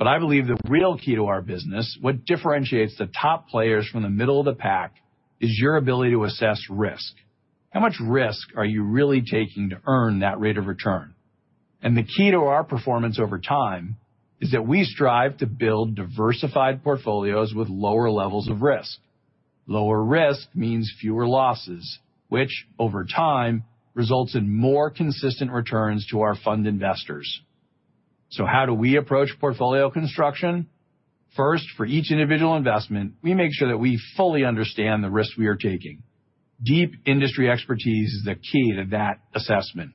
I believe the real key to our business, what differentiates the top players from the middle of the pack, is your ability to assess risk. How much risk are you really taking to earn that rate of return? The key to our performance over time is that we strive to build diversified portfolios with lower levels of risk. Lower risk means fewer losses, which over time results in more consistent returns to our fund investors. How do we approach portfolio construction? First, for each individual investment, we make sure that we fully understand the risk we are taking. Deep industry expertise is the key to that assessment.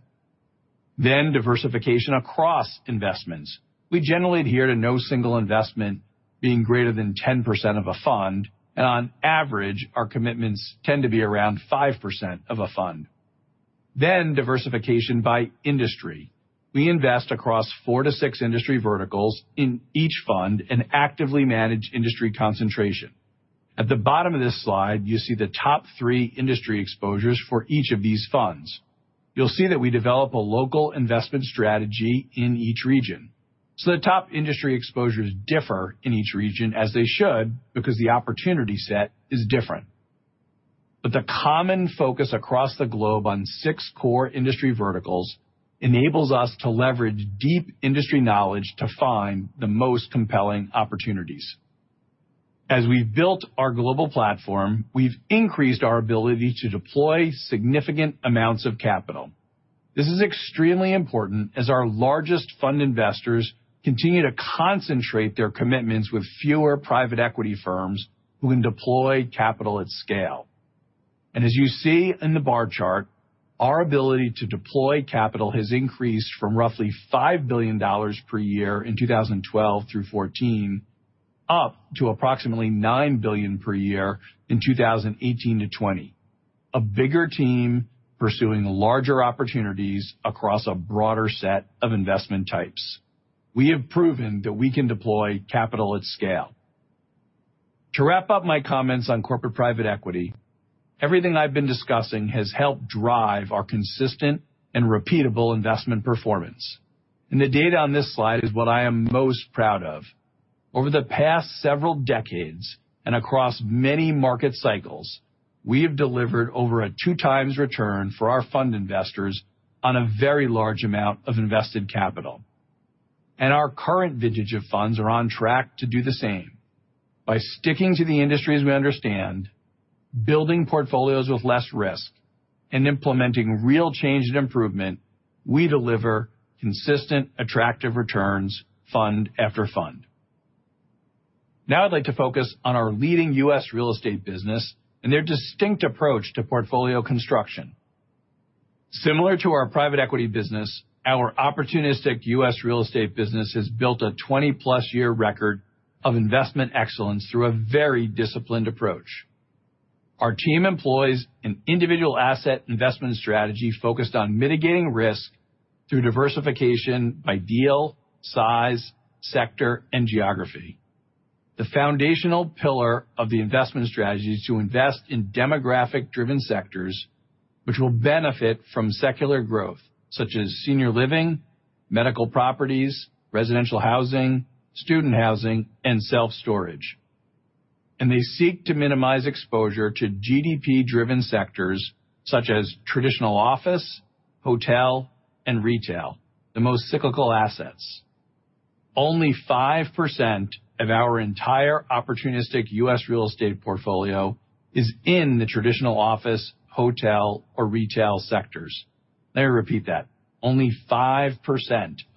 Diversification across investments. We generally adhere to no single investment being greater than 10% of a fund, and on average, our commitments tend to be around 5% of a fund. Diversification by industry. We invest across four to six industry verticals in each fund and actively manage industry concentration. At the bottom of this slide, you see the top three industry exposures for each of these funds. You'll see that we develop a local investment strategy in each region. The top industry exposures differ in each region, as they should, because the opportunity set is different. The common focus across the globe on six core industry verticals enables us to leverage deep industry knowledge to find the most compelling opportunities. As we've built our global platform, we've increased our ability to deploy significant amounts of capital. This is extremely important as our largest fund investors continue to concentrate their commitments with fewer private equity firms who can deploy capital at scale. As you see in the bar chart, our ability to deploy capital has increased from roughly $5 billion per year in 2012-2014, up to approximately $9 billion per year in 2018-2020. A bigger team pursuing larger opportunities across a broader set of investment types. We have proven that we can deploy capital at scale. To wrap up my comments on corporate private equity, everything I've been discussing has helped drive our consistent and repeatable investment performance. The data on this slide is what I am most proud of. Over the past several decades and across many market cycles, we have delivered over a two times return for our fund investors on a very large amount of invested capital. Our current vintage of funds are on track to do the same. By sticking to the industries we understand, building portfolios with less risk, and implementing real change and improvement, we deliver consistent, attractive returns fund after fund. I'd like to focus on our leading U.S. real estate business and their distinct approach to portfolio construction. Similar to our private equity business, our opportunistic U.S. real estate business has built a 20-plus year record of investment excellence through a very disciplined approach. Our team employs an individual asset investment strategy focused on mitigating risk through diversification by deal, size, sector, and geography. The foundational pillar of the investment strategy is to invest in demographic-driven sectors which will benefit from secular growth, such as senior living, medical properties, residential housing, student housing, and self-storage. They seek to minimize exposure to GDP-driven sectors such as traditional office, hotel, and retail, the most cyclical assets. Only 5% of our entire opportunistic U.S. real estate portfolio is in the traditional office, hotel, or retail sectors. Let me repeat that. Only 5%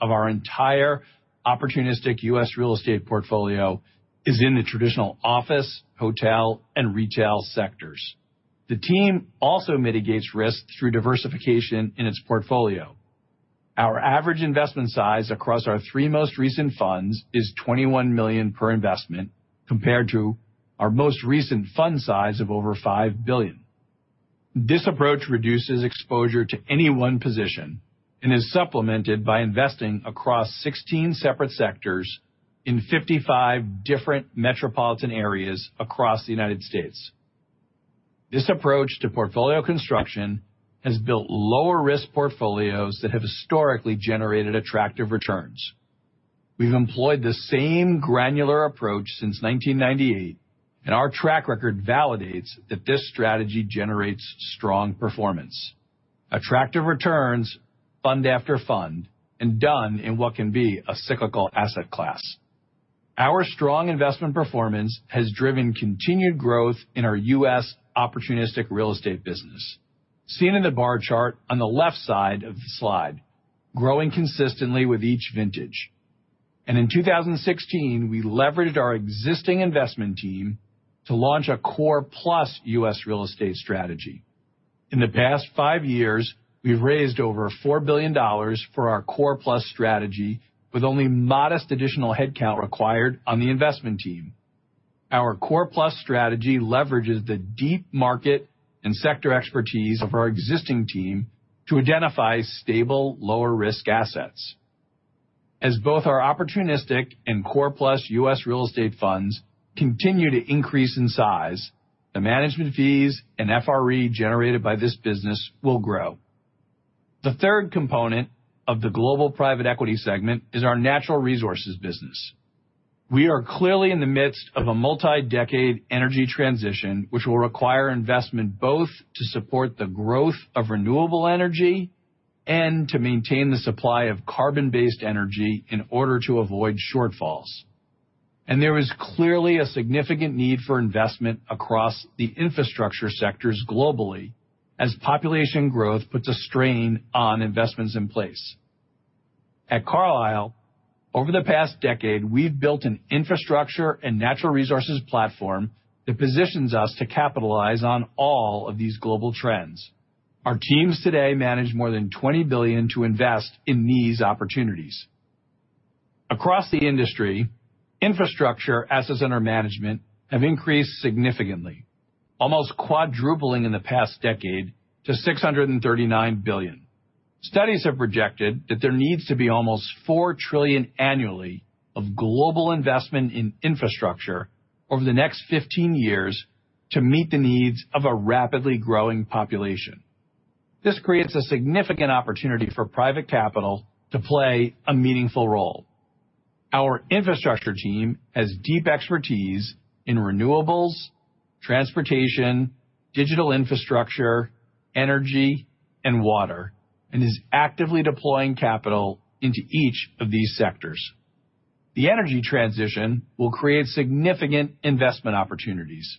of our entire opportunistic U.S. real estate portfolio is in the traditional office, hotel, and retail sectors. The team also mitigates risk through diversification in its portfolio. Our average investment size across our three most recent funds is $21 million per investment, compared to our most recent fund size of over $5 billion. This approach reduces exposure to any one position and is supplemented by investing across 16 separate sectors in 55 different metropolitan areas across the United States. This approach to portfolio construction has built lower risk portfolios that have historically generated attractive returns. We've employed the same granular approach since 1998, and our track record validates that this strategy generates strong performance. Attractive returns fund after fund, done in what can be a cyclical asset class. Our strong investment performance has driven continued growth in our U.S. opportunistic real estate business. Seen in the bar chart on the left side of the slide, growing consistently with each vintage. In 2016, we leveraged our existing investment team to launch a core plus U.S. real estate strategy. In the past five years, we've raised over $4 billion for our core plus strategy with only modest additional headcount required on the investment team. Our core plus strategy leverages the deep market and sector expertise of our existing team to identify stable, lower risk assets. As both our opportunistic and core plus U.S. real estate funds continue to increase in size, the management fees and FRE generated by this business will grow. The third component of the global private equity segment is our natural resources business. We are clearly in the midst of a multi-decade energy transition, which will require investment both to support the growth of renewable energy and to maintain the supply of carbon-based energy in order to avoid shortfalls. There is clearly a significant need for investment across the infrastructure sectors globally as population growth puts a strain on investments in place. At Carlyle, over the past decade, we've built an infrastructure and natural resources platform that positions us to capitalize on all of these global trends. Our teams today manage more than $20 billion to invest in these opportunities. Across the industry, infrastructure assets under management have increased significantly, almost quadrupling in the past decade to $639 billion. Studies have projected that there needs to be almost $4 trillion annually of global investment in infrastructure over the next 15 years to meet the needs of a rapidly growing population. This creates a significant opportunity for private capital to play a meaningful role. Our infrastructure team has deep expertise in renewables, transportation, digital infrastructure, energy, and water, and is actively deploying capital into each of these sectors. The energy transition will create significant investment opportunities.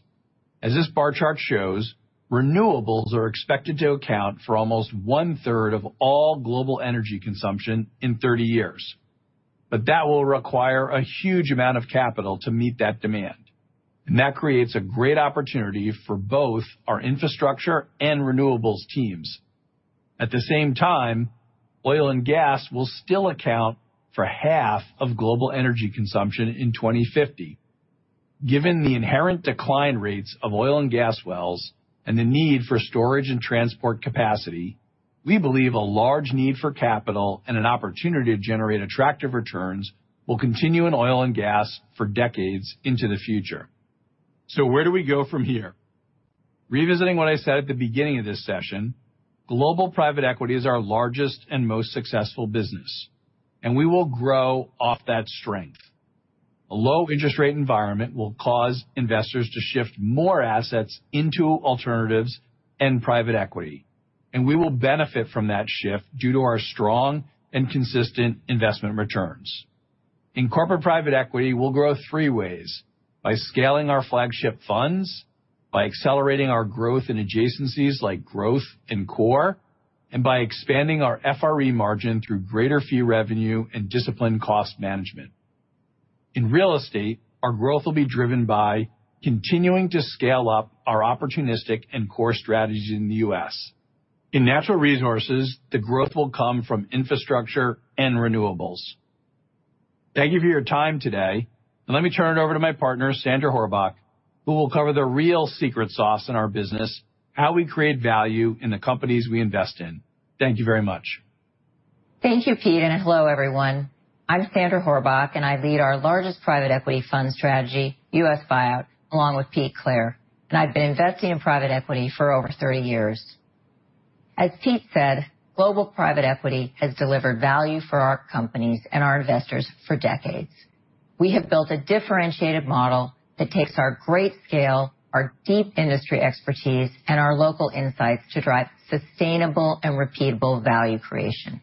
As this bar chart shows, renewables are expected to account for almost one-third of all global energy consumption in 30 years. That will require a huge amount of capital to meet that demand, and that creates a great opportunity for both our infrastructure and renewables teams. At the same time, oil and gas will still account for half of global energy consumption in 2050. Given the inherent decline rates of oil and gas wells and the need for storage and transport capacity, we believe a large need for capital and an opportunity to generate attractive returns will continue in oil and gas for decades into the future. Where do we go from here? Revisiting what I said at the beginning of this session, global private equity is our largest and most successful business, and we will grow off that strength. A low interest rate environment will cause investors to shift more assets into alternatives and private equity, and we will benefit from that shift due to our strong and consistent investment returns. In corporate private equity, we'll grow three ways. By scaling our flagship funds, by accelerating our growth in adjacencies like growth and core, and by expanding our FRE margin through greater fee revenue and disciplined cost management. In real estate, our growth will be driven by continuing to scale up our opportunistic and core strategies in the U.S. In natural resources, the growth will come from infrastructure and renewables. Thank you for your time today, and let me turn it over to my partner, Sandra Horbach, who will cover the real secret sauce in our business, how we create value in the companies we invest in. Thank you very much. Thank you, Pete, and hello, everyone. I'm Sandra Horbach, and I lead our largest private equity fund strategy, US Buyout, along with Peter Clare, and I've been investing in private equity for over 30 years. As Pete said, global private equity has delivered value for our companies and our investors for decades. We have built a differentiated model that takes our great scale, our deep industry expertise, and our local insights to drive sustainable and repeatable value creation.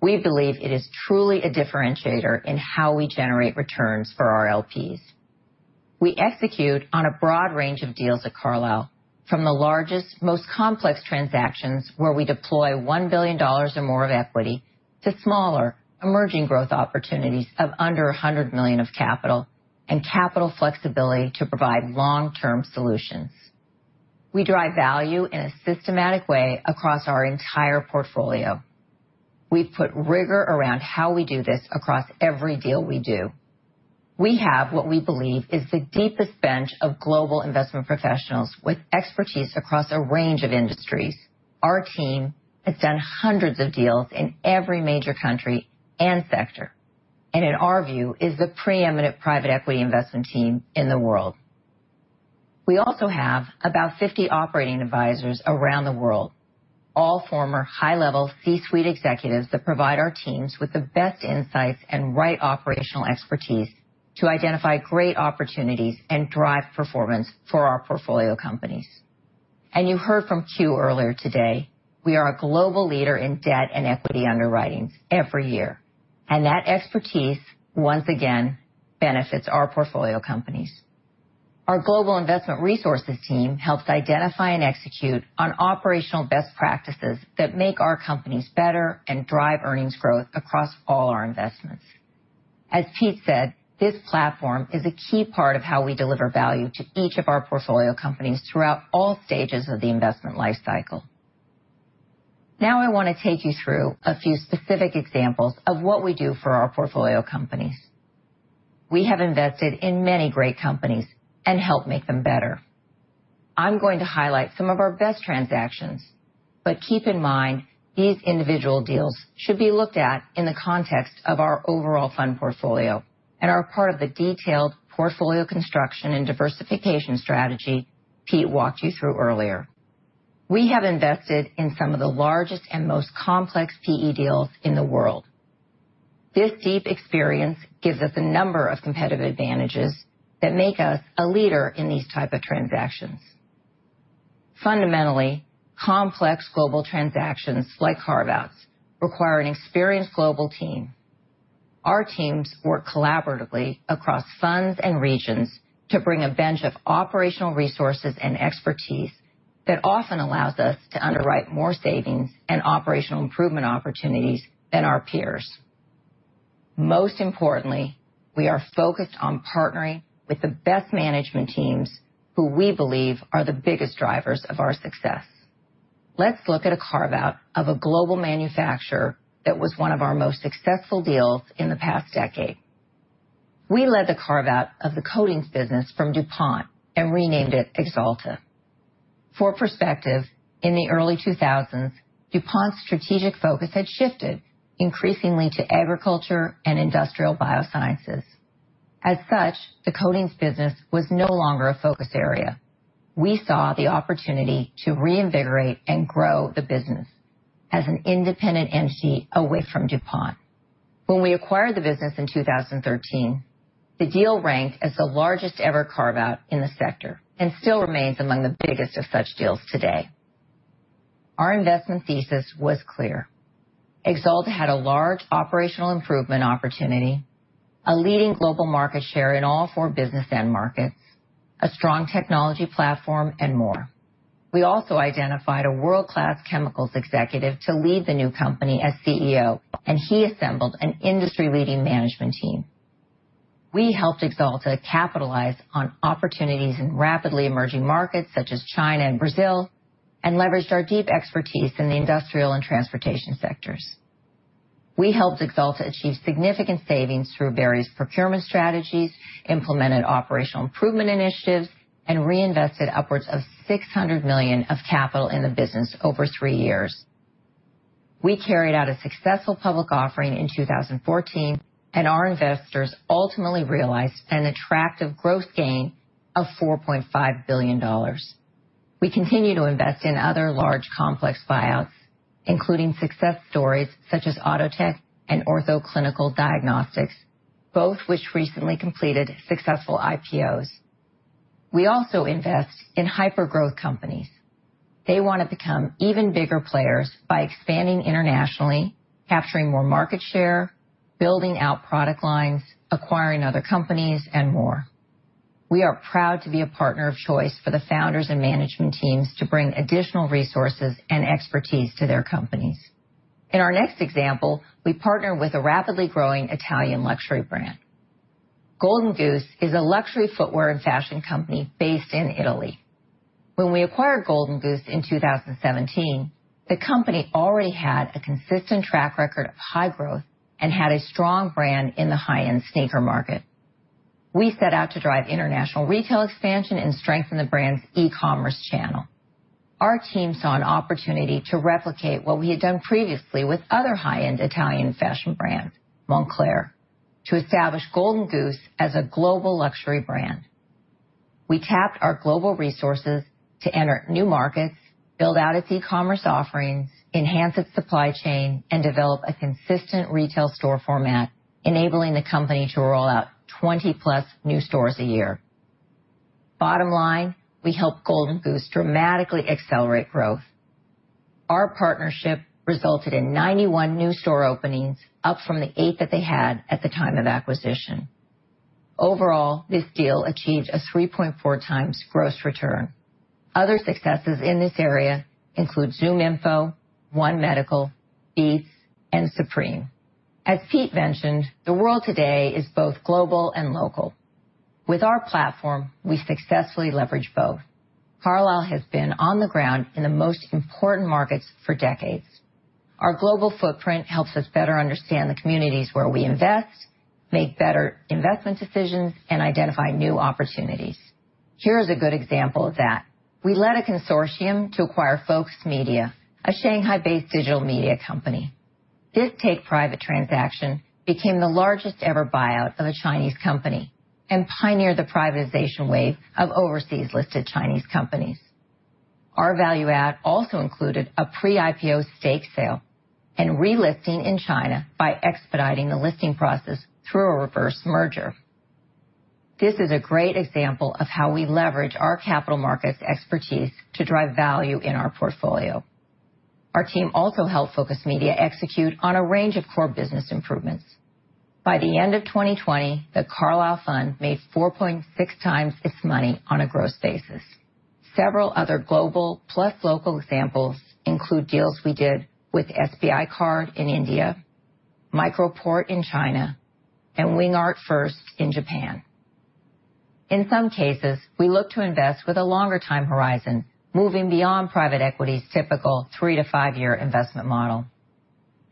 We believe it is truly a differentiator in how we generate returns for our LPs. We execute on a broad range of deals at Carlyle, from the largest, most complex transactions, where we deploy $1 billion or more of equity, to smaller, emerging growth opportunities of under $100 million of capital and capital flexibility to provide long-term solutions. We drive value in a systematic way across our entire portfolio. We've put rigor around how we do this across every deal we do. We have what we believe is the deepest bench of global investment professionals with expertise across a range of industries. Our team has done hundreds of deals in every major country and sector, and in our view, is the preeminent private equity investment team in the world. We also have about 50 operating advisors around the world, all former high-level C-suite executives that provide our teams with the best insights and right operational expertise to identify great opportunities and drive performance for our portfolio companies. You heard from Kew earlier today, we are a global leader in debt and equity underwriting every year, and that expertise, once again, benefits our portfolio companies. Our global investment resources team helps identify and execute on operational best practices that make our companies better and drive earnings growth across all our investments. As Pete said, this platform is a key part of how we deliver value to each of our portfolio companies throughout all stages of the investment life cycle. Now, I want to take you through a few specific examples of what we do for our portfolio companies. We have invested in many great companies and helped make them better. I'm going to highlight some of our best transactions, but keep in mind these individual deals should be looked at in the context of our overall fund portfolio and are a part of the detailed portfolio construction and diversification strategy Pete walked you through earlier. We have invested in some of the largest and most complex PE deals in the world. This deep experience gives us a number of competitive advantages that make us a leader in these type of transactions. Fundamentally, complex global transactions like carve-outs require an experienced global team. Our teams work collaboratively across funds and regions to bring a bench of operational resources and expertise that often allows us to underwrite more savings and operational improvement opportunities than our peers. Most importantly, we are focused on partnering with the best management teams who we believe are the biggest drivers of our success. Let's look at a carve-out of a global manufacturer that was one of our most successful deals in the past decade. We led the carve-out of the coatings business from DuPont and renamed it Axalta. For perspective, in the early 2000s, DuPont's strategic focus had shifted increasingly to agriculture and industrial biosciences. As such, the coatings business was no longer a focus area. We saw the opportunity to reinvigorate and grow the business as an independent entity away from DuPont. When we acquired the business in 2013, the deal ranked as the largest-ever carve-out in the sector and still remains among the biggest of such deals today. Our investment thesis was clear. Axalta had a large operational improvement opportunity, a leading global market share in all four business end markets, a strong technology platform, and more. We also identified a world-class chemicals executive to lead the new company as CEO, and he assembled an industry-leading management team. We helped Axalta capitalize on opportunities in rapidly emerging markets such as China and Brazil, and leveraged our deep expertise in the industrial and transportation sectors. We helped Axalta achieve significant savings through various procurement strategies, implemented operational improvement initiatives, and reinvested upwards of $600 million of capital in the business over three years. We carried out a successful public offering in 2014, and our investors ultimately realized an attractive gross gain of $4.5 billion. We continue to invest in other large complex buyouts, including success stories such as Atotech and Ortho Clinical Diagnostics, both which recently completed successful IPOs. We also invest in hyper-growth companies. They want to become even bigger players by expanding internationally, capturing more market share, building out product lines, acquiring other companies, and more. We are proud to be a partner of choice for the founders and management teams to bring additional resources and expertise to their companies. In our next example, we partner with a rapidly growing Italian luxury brand. Golden Goose is a luxury footwear and fashion company based in Italy. When we acquired Golden Goose in 2017, the company already had a consistent track record of high growth and had a strong brand in the high-end sneaker market. We set out to drive international retail expansion and strengthen the brand's e-commerce channel. Our team saw an opportunity to replicate what we had done previously with other high-end Italian fashion brands, Moncler, to establish Golden Goose as a global luxury brand. We tapped our global resources to enter new markets, build out its e-commerce offerings, enhance its supply chain, and develop a consistent retail store format, enabling the company to roll out 20-plus new stores a year. Bottom line, we helped Golden Goose dramatically accelerate growth. Our partnership resulted in 91 new store openings, up from the eight that they had at the time of acquisition. Overall, this deal achieved a 3.4 times gross return. Other successes in this area include ZoomInfo, One Medical, Beats, and Supreme. As Pete mentioned, the world today is both global and local. With our platform, we successfully leverage both. Carlyle has been on the ground in the most important markets for decades. Our global footprint helps us better understand the communities where we invest, make better investment decisions, and identify new opportunities. Here is a good example of that. We led a consortium to acquire Focus Media, a Shanghai-based digital media company. This take-private transaction became the largest-ever buyout of a Chinese company and pioneered the privatization wave of overseas-listed Chinese companies. Our value add also included a pre-IPO stake sale and relisting in China by expediting the listing process through a reverse merger. This is a great example of how we leverage our capital markets expertise to drive value in our portfolio. Our team also helped Focus Media execute on a range of core business improvements. By the end of 2020, The Carlyle fund made 4.6 times its money on a gross basis. Several other global plus local examples include deals we did with SBI Card in India, MicroPort in China, and WingArc1st in Japan. In some cases, we look to invest with a longer time horizon, moving beyond private equity's typical three to five-year investment model.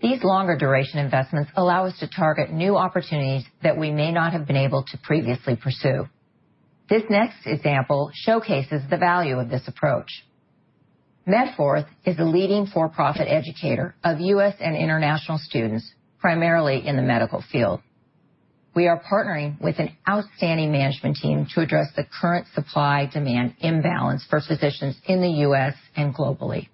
These longer duration investments allow us to target new opportunities that we may not have been able to previously pursue. This next example showcases the value of this approach. Medforth is a leading for-profit educator of U.S. and international students, primarily in the medical field. We are partnering with an outstanding management team to address the current supply-demand imbalance for physicians in the U.S. and globally.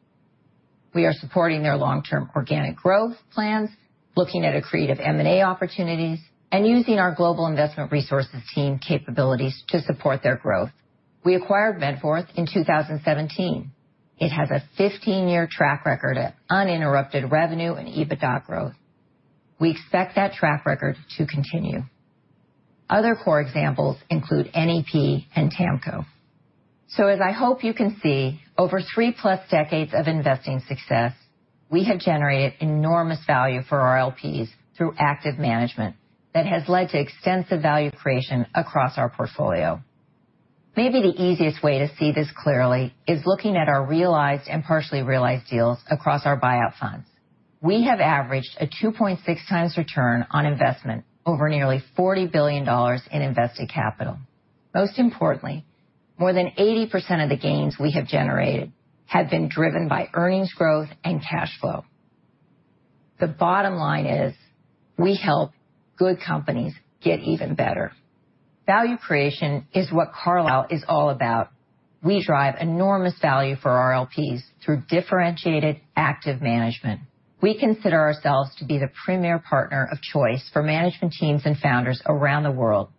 We are supporting their long-term organic growth plans, looking at accretive M&A opportunities, and using our global investment resources team capabilities to support their growth. We acquired Medforth in 2017. It has a 15-year track record of uninterrupted revenue and EBITDA growth. We expect that track record to continue. Other core examples include NEP and TAMKO. As I hope you can see, over three-plus decades of investing success, we have generated enormous value for our LPs through active management that has led to extensive value creation across our portfolio. Maybe the easiest way to see this clearly is looking at our realized and partially realized deals across our buyout funds. We have averaged a 2.6 times return on investment over nearly $40 billion in invested capital. Most importantly, more than 80% of the gains we have generated have been driven by earnings growth and cash flow. The bottom line is we help good companies get even better. Value creation is what Carlyle is all about. We drive enormous value for our LPs through differentiated active management. We consider ourselves to be the premier partner of choice for management teams and founders around the world,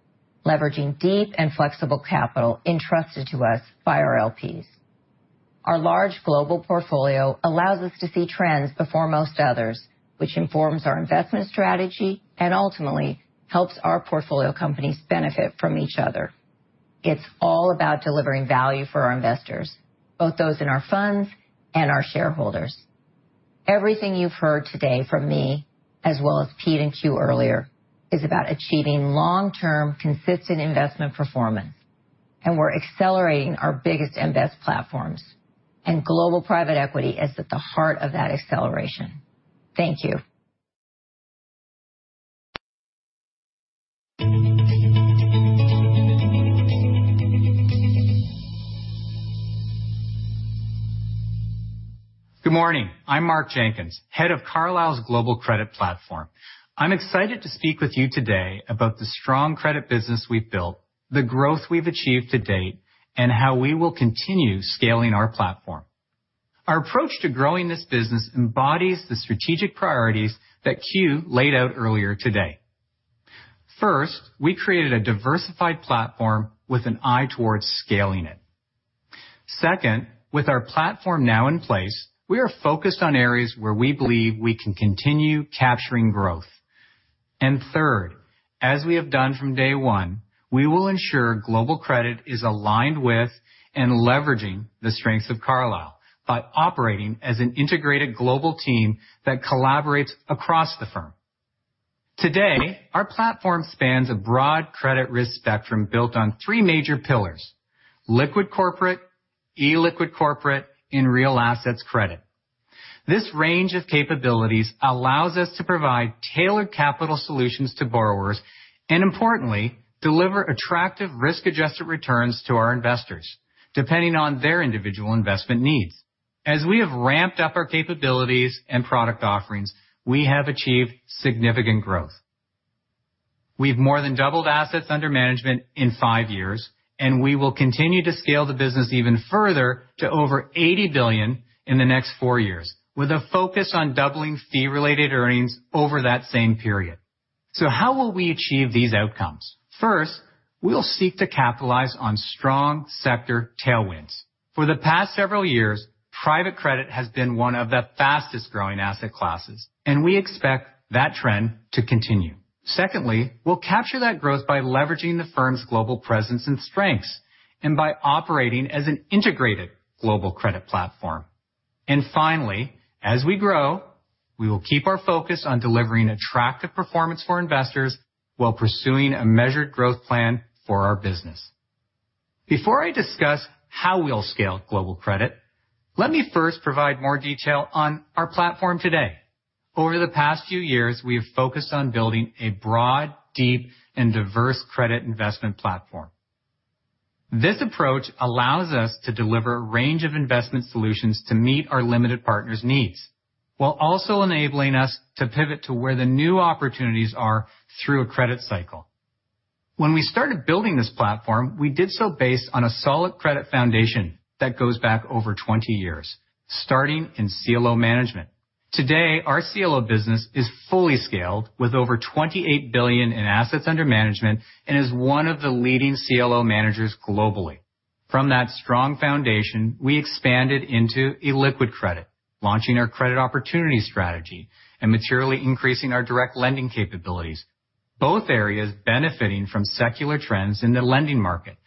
leveraging deep and flexible capital entrusted to us by our LPs. Our large global portfolio allows us to see trends before most others, which informs our investment strategy and ultimately helps our portfolio companies benefit from each other. It's all about delivering value for our investors, both those in our funds and our shareholders. Everything you've heard today from me, as well as Pete and Kew earlier, is about achieving long-term consistent investment performance, and we're accelerating our biggest and best platforms. Global private equity is at the heart of that acceleration. Thank you. Good morning. I'm Mark Jenkins, head of Carlyle's Global Credit platform. I'm excited to speak with you today about the strong credit business we've built, the growth we've achieved to date, and how we will continue scaling our platform. Our approach to growing this business embodies the strategic priorities that Kew laid out earlier today. First, we created a diversified platform with an eye towards scaling it. Second, with our platform now in place, we are focused on areas where we believe we can continue capturing growth. Third, as we have done from day one, we will ensure Global Credit is aligned with and leveraging the strengths of Carlyle by operating as an integrated global team that collaborates across the firm. Today, our platform spans a broad credit risk spectrum built on three major pillars: Liquid corporate, illiquid corporate, and real assets credit. This range of capabilities allows us to provide tailored capital solutions to borrowers, and importantly, deliver attractive risk-adjusted returns to our investors, depending on their individual investment needs. As we have ramped up our capabilities and product offerings, we have achieved significant growth. We've more than doubled assets under management in five years, and we will continue to scale the business even further to over $80 billion in the next four years, with a focus on doubling fee-related earnings over that same period. How will we achieve these outcomes? First, we'll seek to capitalize on strong sector tailwinds. For the past several years, private credit has been one of the fastest-growing asset classes, and we expect that trend to continue. Secondly, we'll capture that growth by leveraging the firm's global presence and strengths, and by operating as an integrated global credit platform. Finally, as we grow, we will keep our focus on delivering attractive performance for investors while pursuing a measured growth plan for our business. Before I discuss how we'll scale Global Credit, let me first provide more detail on our platform today. Over the past few years, we have focused on building a broad, deep, and diverse credit investment platform. This approach allows us to deliver a range of investment solutions to meet our limited partners' needs, while also enabling us to pivot to where the new opportunities are through a credit cycle. When we started building this platform, we did so based on a solid credit foundation that goes back over 20 years, starting in CLO management. Today, our CLO business is fully scaled with over $28 billion in AUM and is one of the leading CLO managers globally. From that strong foundation, we expanded into illiquid credit, launching our Credit Opportunities strategy and materially increasing our direct lending capabilities, both areas benefiting from secular trends in the lending market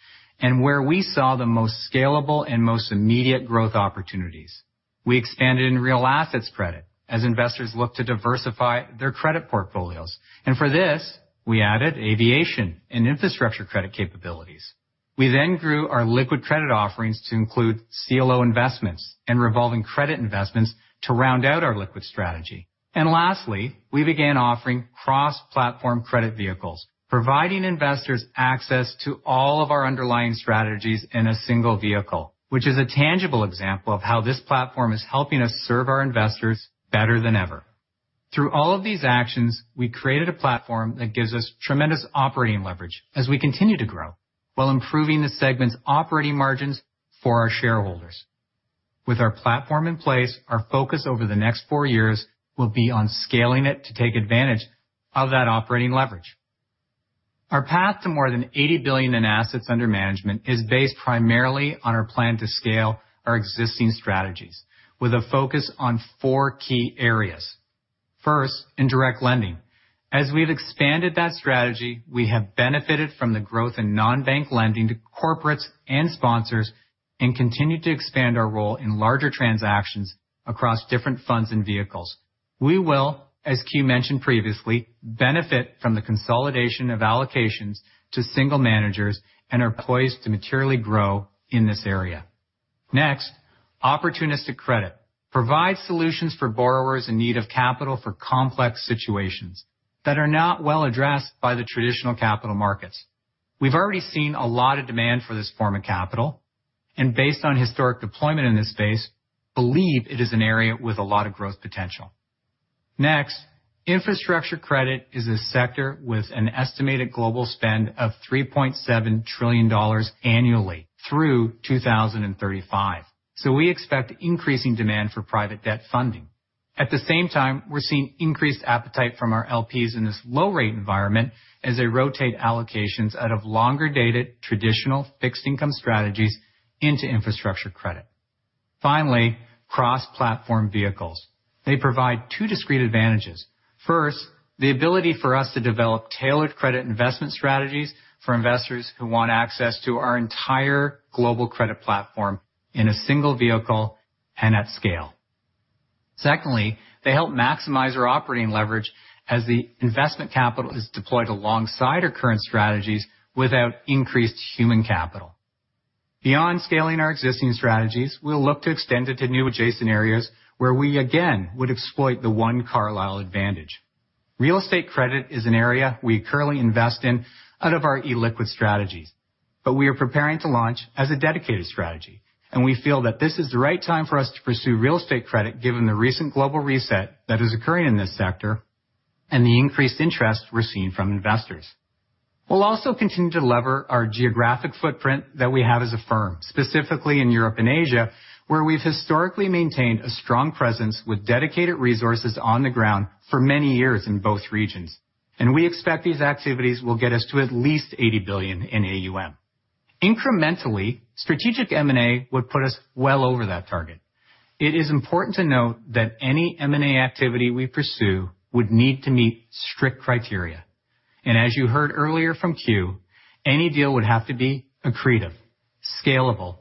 and where we saw the most scalable and most immediate growth opportunities. We expanded in real assets credit as investors look to diversify their credit portfolios. For this, we added aviation and infrastructure credit capabilities. We grew our liquid credit offerings to include CLO investments and revolving credit investments to round out our liquid strategy. Lastly, we began offering cross-platform credit vehicles, providing investors access to all of our underlying strategies in a single vehicle, which is a tangible example of how this platform is helping us serve our investors better than ever. Through all of these actions, we created a platform that gives us tremendous operating leverage as we continue to grow, while improving the segment's operating margins for our shareholders. With our platform in place, our focus over the next four years will be on scaling it to take advantage of that operating leverage. Our path to more than $80 billion in assets under management is based primarily on our plan to scale our existing strategies with a focus on four key areas. First, in direct lending. As we've expanded that strategy, we have benefited from the growth in non-bank lending to corporates and sponsors, and continue to expand our role in larger transactions across different funds and vehicles. We will, as Kew mentioned previously, benefit from the consolidation of allocations to single managers and are poised to materially grow in this area. Next, opportunistic credit provides solutions for borrowers in need of capital for complex situations that are not well addressed by the traditional capital markets. We've already seen a lot of demand for this form of capital, and based on historic deployment in this space, believe it is an area with a lot of growth potential. Next, infrastructure credit is a sector with an estimated global spend of $3.7 trillion annually through 2035, so we expect increasing demand for private debt funding. At the same time, we're seeing increased appetite from our LPs in this low rate environment as they rotate allocations out of longer-dated traditional fixed income strategies into infrastructure credit. Finally, cross-platform vehicles. They provide two discrete advantages. First, the ability for us to develop tailored credit investment strategies for investors who want access to our entire global credit platform in a single vehicle and at scale. Secondly, they help maximize our operating leverage as the investment capital is deployed alongside our current strategies without increased human capital. Beyond scaling our existing strategies, we'll look to extend it to new adjacent areas where we, again, would exploit the One Carlyle advantage. Real estate credit is an area we currently invest in out of our illiquid strategies. We are preparing to launch as a dedicated strategy. We feel that this is the right time for us to pursue real estate credit given the recent global reset that is occurring in this sector and the increased interest we're seeing from investors. We'll also continue to lever our geographic footprint that we have as a firm, specifically in Europe and Asia, where we've historically maintained a strong presence with dedicated resources on the ground for many years in both regions. We expect these activities will get us to at least $80 billion in AUM. Incrementally, strategic M&A would put us well over that target. It is important to note that any M&A activity we pursue would need to meet strict criteria. As you heard earlier from Kew, any deal would have to be accretive, scalable,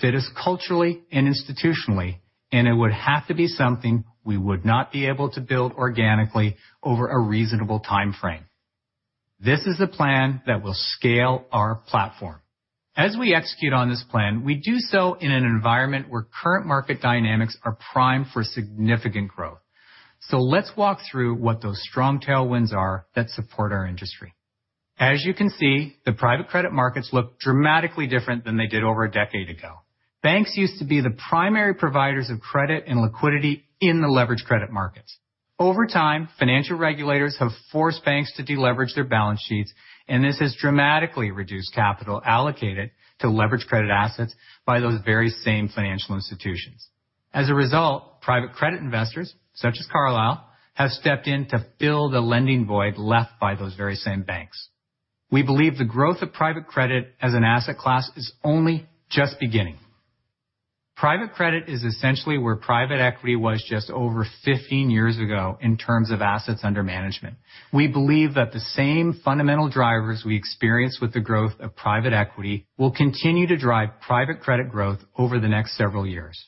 fit us culturally and institutionally, and it would have to be something we would not be able to build organically over a reasonable timeframe. This is a plan that will scale our platform. As we execute on this plan, we do so in an environment where current market dynamics are primed for significant growth. Let's walk through what those strong tailwinds are that support our industry. As you can see, the private credit markets look dramatically different than they did over a decade ago. Banks used to be the primary providers of credit and liquidity in the leverage credit markets. Over time, financial regulators have forced banks to deleverage their balance sheets, and this has dramatically reduced capital allocated to leverage credit assets by those very same financial institutions. As a result, private credit investors, such as Carlyle, have stepped in to fill the lending void left by those very same banks. We believe the growth of private credit as an asset class is only just beginning. Private credit is essentially where private equity was just over 15 years ago in terms of assets under management. We believe that the same fundamental drivers we experience with the growth of private equity will continue to drive private credit growth over the next several years.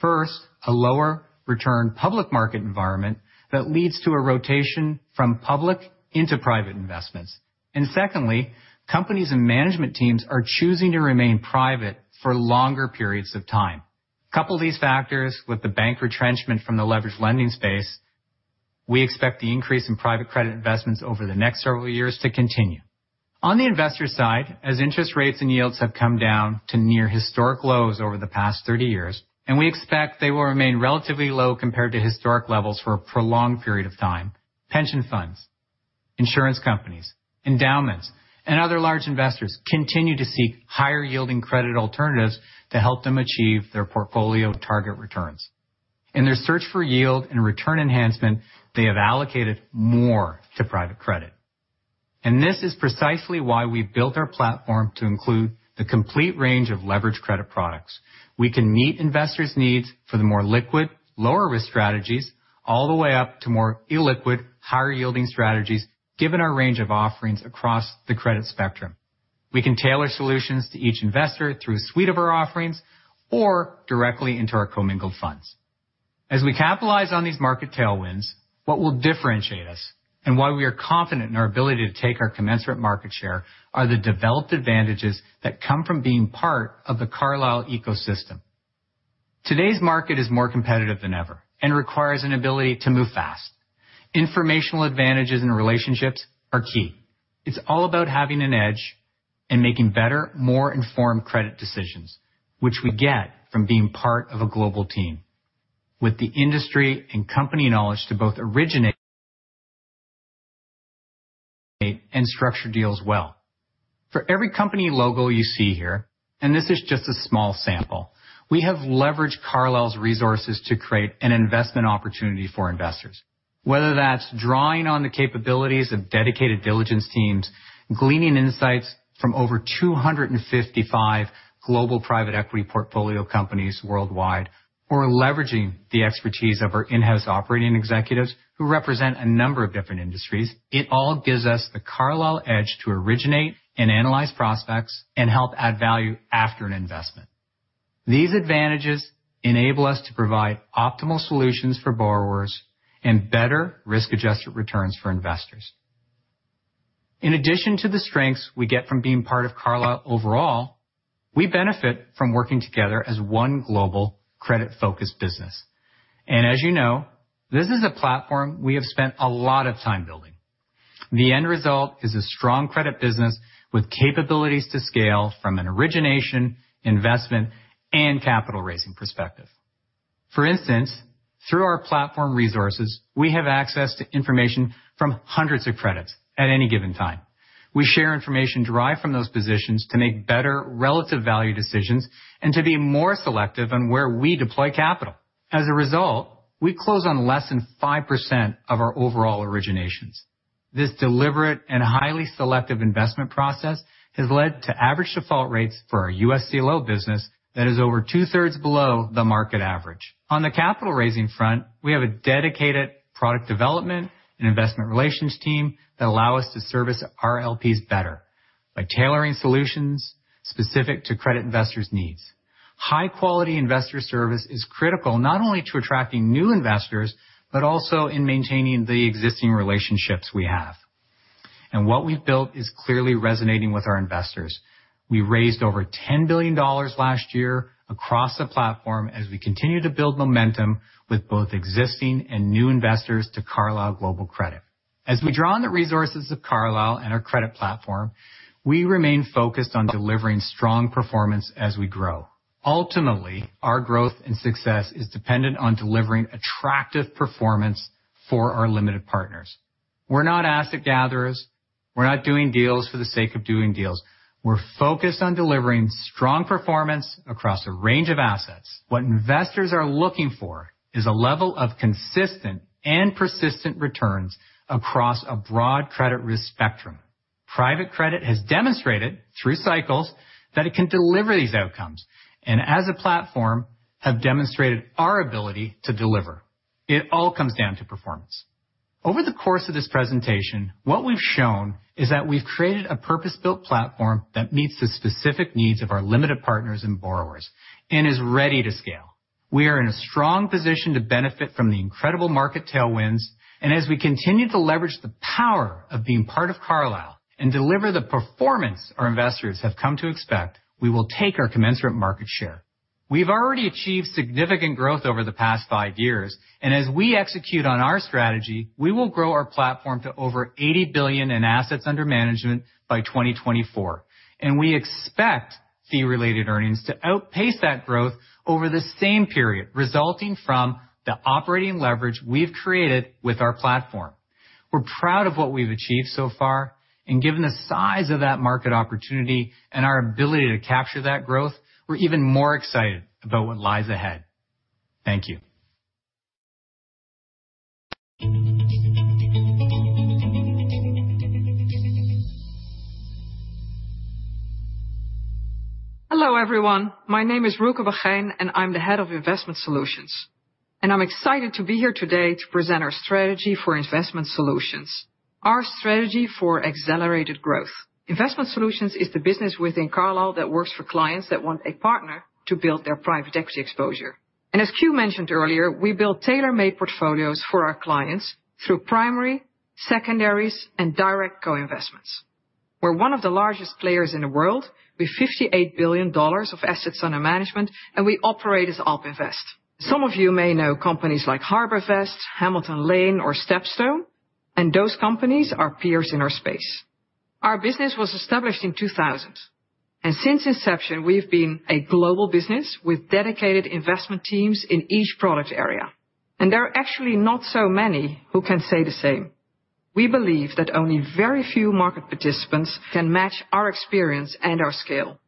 First, a lower return public market environment that leads to a rotation from public into private investments. Secondly, companies and management teams are choosing to remain private for longer periods of time. Couple these factors with the bank retrenchment from the leveraged lending space, we expect the increase in private credit investments over the next several years to continue. On the investor side, as interest rates and yields have come down to near historic lows over the past 30 years, and we expect they will remain relatively low compared to historic levels for a prolonged period of time, pension funds, insurance companies, endowments, and other large investors continue to seek higher yielding credit alternatives to help them achieve their portfolio target returns. In their search for yield and return enhancement, they have allocated more to private credit. This is precisely why we've built our platform to include the complete range of leverage credit products. We can meet investors' needs for the more liquid, lower risk strategies all the way up to more illiquid, higher yielding strategies, given our range of offerings across the credit spectrum. We can tailor solutions to each investor through a suite of our offerings or directly into our commingled funds. As we capitalize on these market tailwinds, what will differentiate us and why we are confident in our ability to take our commensurate market share are the developed advantages that come from being part of the Carlyle ecosystem. Today's market is more competitive than ever and requires an ability to move fast. Informational advantages and relationships are key. It's all about having an edge and making better, more informed credit decisions, which we get from being part of a global team. With the industry and company knowledge to both originate and structure deals well. For every company logo you see here, and this is just a small sample, we have leveraged Carlyle's resources to create an investment opportunity for investors. Whether that's drawing on the capabilities of dedicated diligence teams, gleaning insights from over 255 global private equity portfolio companies worldwide, or leveraging the expertise of our in-house operating executives who represent a number of different industries, it all gives us the Carlyle edge to originate and analyze prospects and help add value after an investment. These advantages enable us to provide optimal solutions for borrowers and better risk-adjusted returns for investors. In addition to the strengths we get from being part of Carlyle overall, we benefit from working together as one global credit-focused business. As you know, this is a platform we have spent a lot of time building. The end result is a strong credit business with capabilities to scale from an origination, investment, and capital-raising perspective. For instance, through our platform resources, we have access to information from hundreds of credits at any given time. We share information derived from those positions to make better relative value decisions and to be more selective in where we deploy capital. As a result, we close on less than 5% of our overall originations. This deliberate and highly selective investment process has led to average default rates for our U.S. CLO business that is over two-thirds below the market average. On the capital-raising front, we have a dedicated product development and investment relations team that allow us to service our LPs better by tailoring solutions specific to credit investors' needs. High-quality investor service is critical not only to attracting new investors, but also in maintaining the existing relationships we have. What we've built is clearly resonating with our investors. We raised over $10 billion last year across the platform as we continue to build momentum with both existing and new investors to Carlyle Global Credit. As we draw on the resources of Carlyle and our credit platform, we remain focused on delivering strong performance as we grow. Ultimately, our growth and success is dependent on delivering attractive performance for our limited partners. We're not asset gatherers. We're not doing deals for the sake of doing deals. We're focused on delivering strong performance across a range of assets. What investors are looking for is a level of consistent and persistent returns across a broad credit risk spectrum. Private credit has demonstrated, through cycles, that it can deliver these outcomes, and as a platform, have demonstrated our ability to deliver. It all comes down to performance. Over the course of this presentation, what we've shown is that we've created a purpose-built platform that meets the specific needs of our limited partners and borrowers and is ready to scale. We are in a strong position to benefit from the incredible market tailwinds, and as we continue to leverage the power of being part of Carlyle and deliver the performance our investors have come to expect, we will take our commensurate market share. We've already achieved significant growth over the past five years. As we execute on our strategy, we will grow our platform to over $80 billion in assets under management by 2024. We expect fee-related earnings to outpace that growth over the same period, resulting from the operating leverage we've created with our platform. We're proud of what we've achieved so far, and given the size of that market opportunity and our ability to capture that growth, we're even more excited about what lies ahead. Thank you. Hello, everyone. My name is Ruulke Bagijn, and I'm the head of Investment Solutions. I'm excited to be here today to present our strategy for Investment Solutions, our strategy for accelerated growth. Investment Solutions is the business within Carlyle that works for clients that want a partner to build their private equity exposure. As Kew mentioned earlier, we build tailor-made portfolios for our clients through primary, secondaries, and direct co-investments. We're one of the largest players in the world with $58 billion of assets under management, and we operate as AlpInvest. Some of you may know companies like HarbourVest, Hamilton Lane, or StepStone, and those companies are peers in our space. Our business was established in 2000, and since inception, we have been a global business with dedicated investment teams in each product area. There are actually not so many who can say the same. We believe that only very few market participants can match our experience and our scale.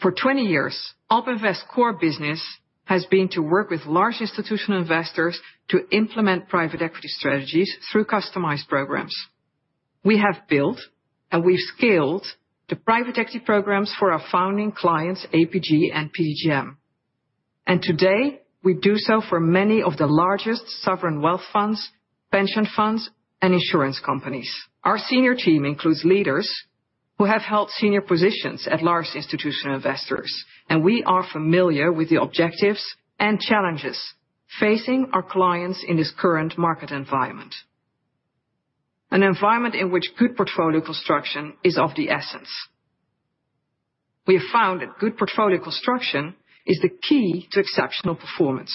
For 20 years, AlpInvest's core business has been to work with large institutional investors to implement private equity strategies through customized programs. We have built and we've scaled the private equity programs for our founding clients, APG and PGGM. Today, we do so for many of the largest sovereign wealth funds, pension funds, and insurance companies. Our senior team includes leaders who have held senior positions at large institutional investors, and we are familiar with the objectives and challenges facing our clients in this current market environment. An environment in which good portfolio construction is of the essence. We have found that good portfolio construction is the key to exceptional performance.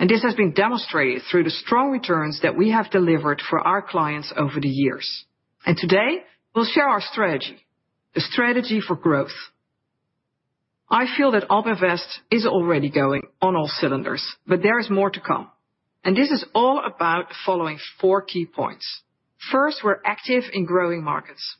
This has been demonstrated through the strong returns that we have delivered for our clients over the years. Today, we'll share our strategy, the strategy for growth. I feel that AlpInvest is already going on all cylinders, but there is more to come, and this is all about following four key points. First, we're active in growing markets.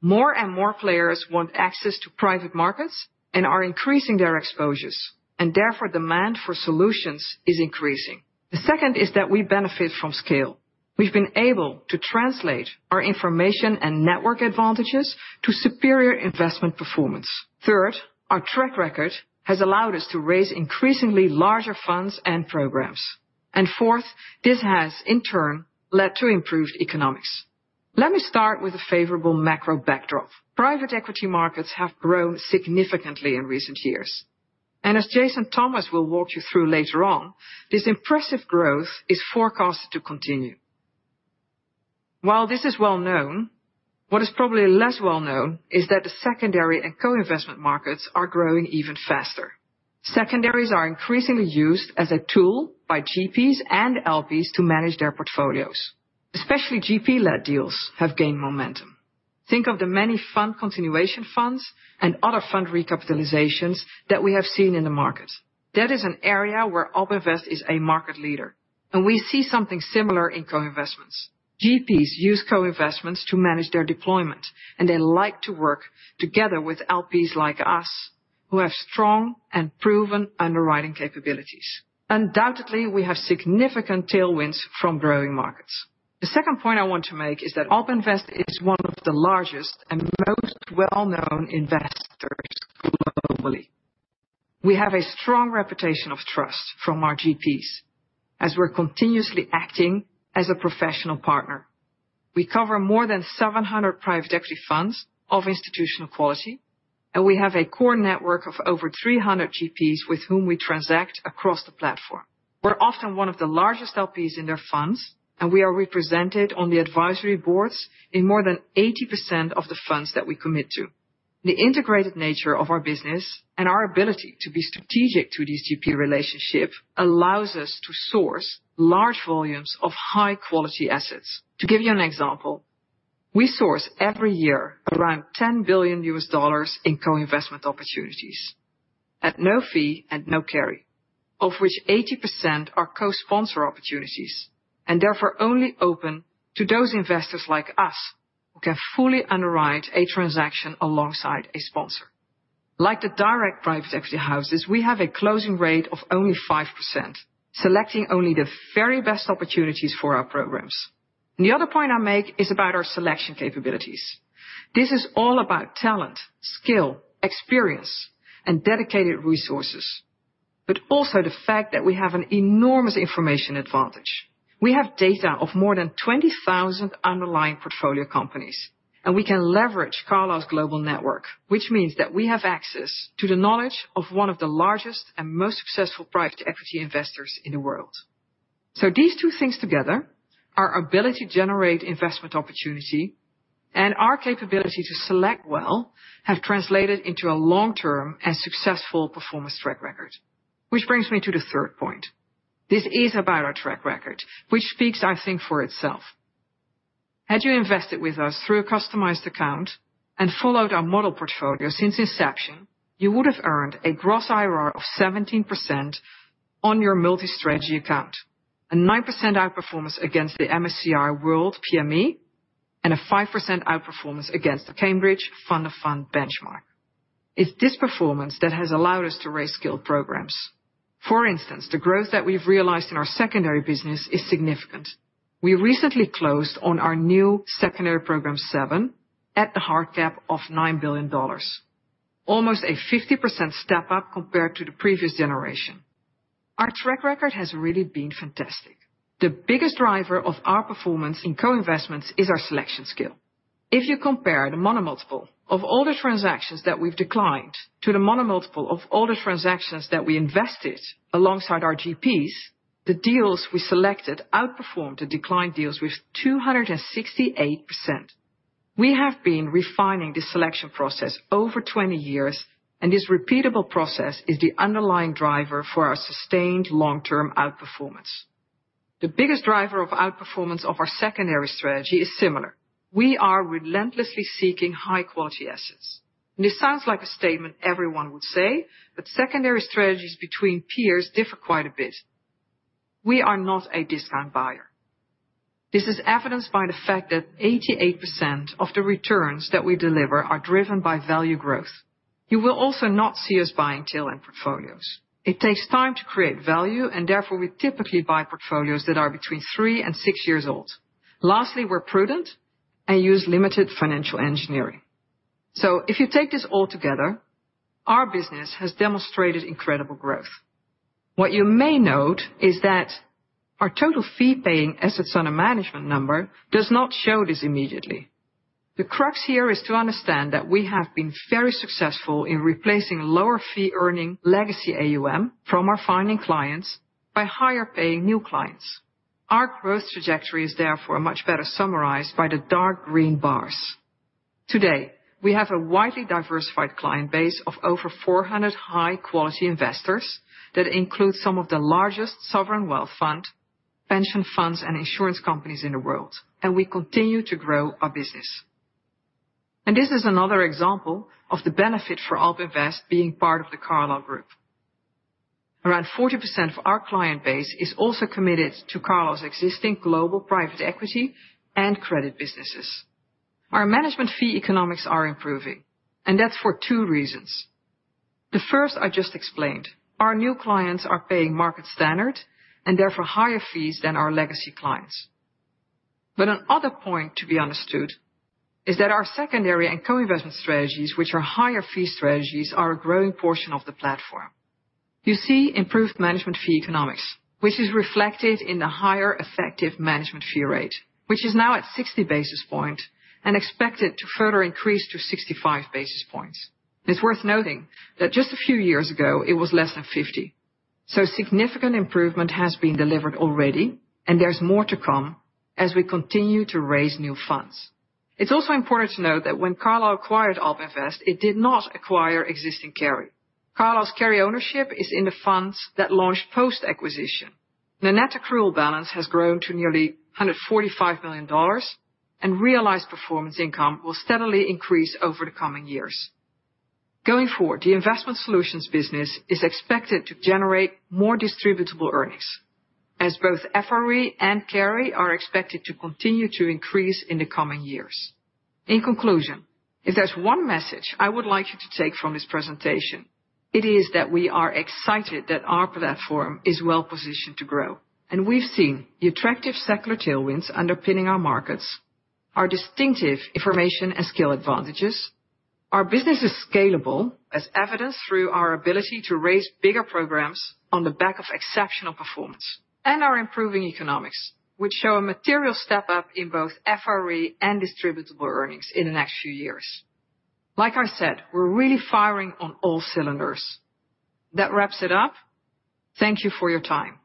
More and more players want access to private markets and are increasing their exposures, and therefore demand for solutions is increasing. The second is that we benefit from scale. We've been able to translate our information and network advantages to superior investment performance. Third, our track record has allowed us to raise increasingly larger funds and programs. Fourth, this has, in turn, led to improved economics. Let me start with the favorable macro backdrop. Private equity markets have grown significantly in recent years. As Jason Thomas will walk you through later on, this impressive growth is forecasted to continue. While this is well-known, what is probably less well-known is that the secondary and co-investment markets are growing even faster. Secondaries are increasingly used as a tool by GPs and LPs to manage their portfolios. Especially GP-led deals have gained momentum. Think of the many fund continuation funds and other fund recapitalizations that we have seen in the market. That is an area where AlpInvest is a market leader, and we see something similar in co-investments. GPs use co-investments to manage their deployment, and they like to work together with LPs like us, who have strong and proven underwriting capabilities. Undoubtedly, we have significant tailwinds from growing markets. The second point I want to make is that AlpInvest is one of the largest and most well-known investors globally. We have a strong reputation of trust from our GPs, as we're continuously acting as a professional partner. We cover more than 700 private equity funds of institutional quality, and we have a core network of over 300 GPs with whom we transact across the platform. We're often one of the largest LPs in their funds, and we are represented on the advisory boards in more than 80% of the funds that we commit to. The integrated nature of our business and our ability to be strategic to these GP relationships allows us to source large volumes of high-quality assets. To give you an example, we source every year around $10 billion in co-investment opportunities at no fee and no carry, of which 80% are co-sponsor opportunities and therefore only open to those investors like us who can fully underwrite a transaction alongside a sponsor. Like the direct private equity houses, we have a closing rate of only 5%, selecting only the very best opportunities for our programs. The other point I'll make is about our selection capabilities. This is all about talent, skill, experience, and dedicated resources, but also the fact that we have an enormous information advantage. We have data of more than 20,000 underlying portfolio companies, and we can leverage Carlyle's global network, which means that we have access to the knowledge of one of the largest and most successful private equity investors in the world. These two things together, our ability to generate investment opportunity and our capability to select well, have translated into a long-term and successful performance track record. Which brings me to the third point. This is about our track record, which speaks, I think, for itself. Had you invested with us through a customized account and followed our model portfolio since inception, you would have earned a gross IRR of 17% on your multi-strategy account, a 9% outperformance against the MSCI World PME, and a 5% outperformance against the Cambridge Fund of Funds benchmark. It's this performance that has allowed us to raise scaled programs. For instance, the growth that we've realized in our secondary business is significant. We recently closed on our new Secondaries Program VII at the hard cap of $9 billion. Almost a 50% step-up compared to the previous generation. Our track record has really been fantastic. The biggest driver of our performance in co-investments is our selection skill. If you compare the MOIC multiple of all the transactions that we've declined to the MOIC multiple of all the transactions that we invested alongside our GPs, the deals we selected outperformed the declined deals with 268%. We have been refining the selection process over 20 years, and this repeatable process is the underlying driver for our sustained long-term outperformance. The biggest driver of outperformance of our secondary strategy is similar. We are relentlessly seeking high-quality assets. This sounds like a statement everyone would say, but secondary strategies between peers differ quite a bit. We are not a discount buyer. This is evidenced by the fact that 88% of the returns that we deliver are driven by value growth. You will also not see us buying tail-end portfolios. It takes time to create value, and therefore we typically buy portfolios that are between three and six years old. Lastly, we're prudent and use limited financial engineering. If you take this all together, our business has demonstrated incredible growth. What you may note is that our total fee-earning assets under management number does not show this immediately. The crux here is to understand that we have been very successful in replacing lower fee-earning legacy AUM from our founding clients by higher-paying new clients. Our growth trajectory is therefore much better summarized by the dark green bars. Today, we have a widely diversified client base of over 400 high quality investors that include some of the largest sovereign wealth funds, pension funds, and insurance companies in the world, and we continue to grow our business. This is another example of the benefit for AlpInvest being part of The Carlyle Group. Around 40% of our client base is also committed to Carlyle's existing global private equity and credit businesses. Our management fee economics are improving. That's for two reasons. The first I just explained. Our new clients are paying market standard and therefore higher fees than our legacy clients. Another point to be understood is that our secondary and co-investment strategies, which are higher fee strategies, are a growing portion of the platform. You see improved management fee economics, which is reflected in the higher effective management fee rate, which is now at 60 basis point and expected to further increase to 65 basis points. It's worth noting that just a few years ago, it was less than 50. Significant improvement has been delivered already. There's more to come as we continue to raise new funds. It's also important to note that when Carlyle acquired AlpInvest, it did not acquire existing carry. Carlyle's carry ownership is in the funds that launched post-acquisition. The net accrual balance has grown to nearly $145 million. Realized performance income will steadily increase over the coming years. Going forward, the investment solutions business is expected to generate more distributable earnings, as both FRE and carry are expected to continue to increase in the coming years. In conclusion, if there's one message I would like you to take from this presentation, it is that we are excited that our platform is well-positioned to grow. We've seen the attractive secular tailwinds underpinning our markets, our distinctive information and skill advantages. Our business is scalable, as evidenced through our ability to raise bigger programs on the back of exceptional performance, and our improving economics, which show a material step up in both FRE and distributable earnings in the next few years. Like I said, we're really firing on all cylinders. That wraps it up. Thank you for your time.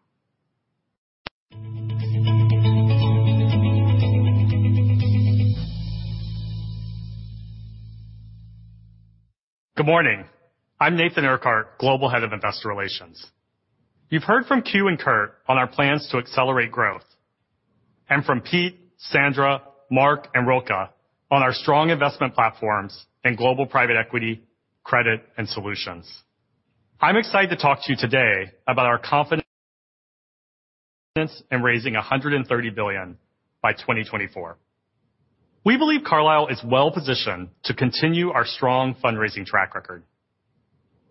Good morning. I'm Nathan Urquhart, Global Head of Investor Relations. You've heard from Kew and Curt on our plans to accelerate growth, and from Pete, Sandra, Mark, and Ruulke on our strong investment platforms and Global Private Equity, Credit, and Solutions. I'm excited to talk to you today about our confidence in raising $130 billion by 2024. We believe Carlyle is well-positioned to continue our strong fundraising track record.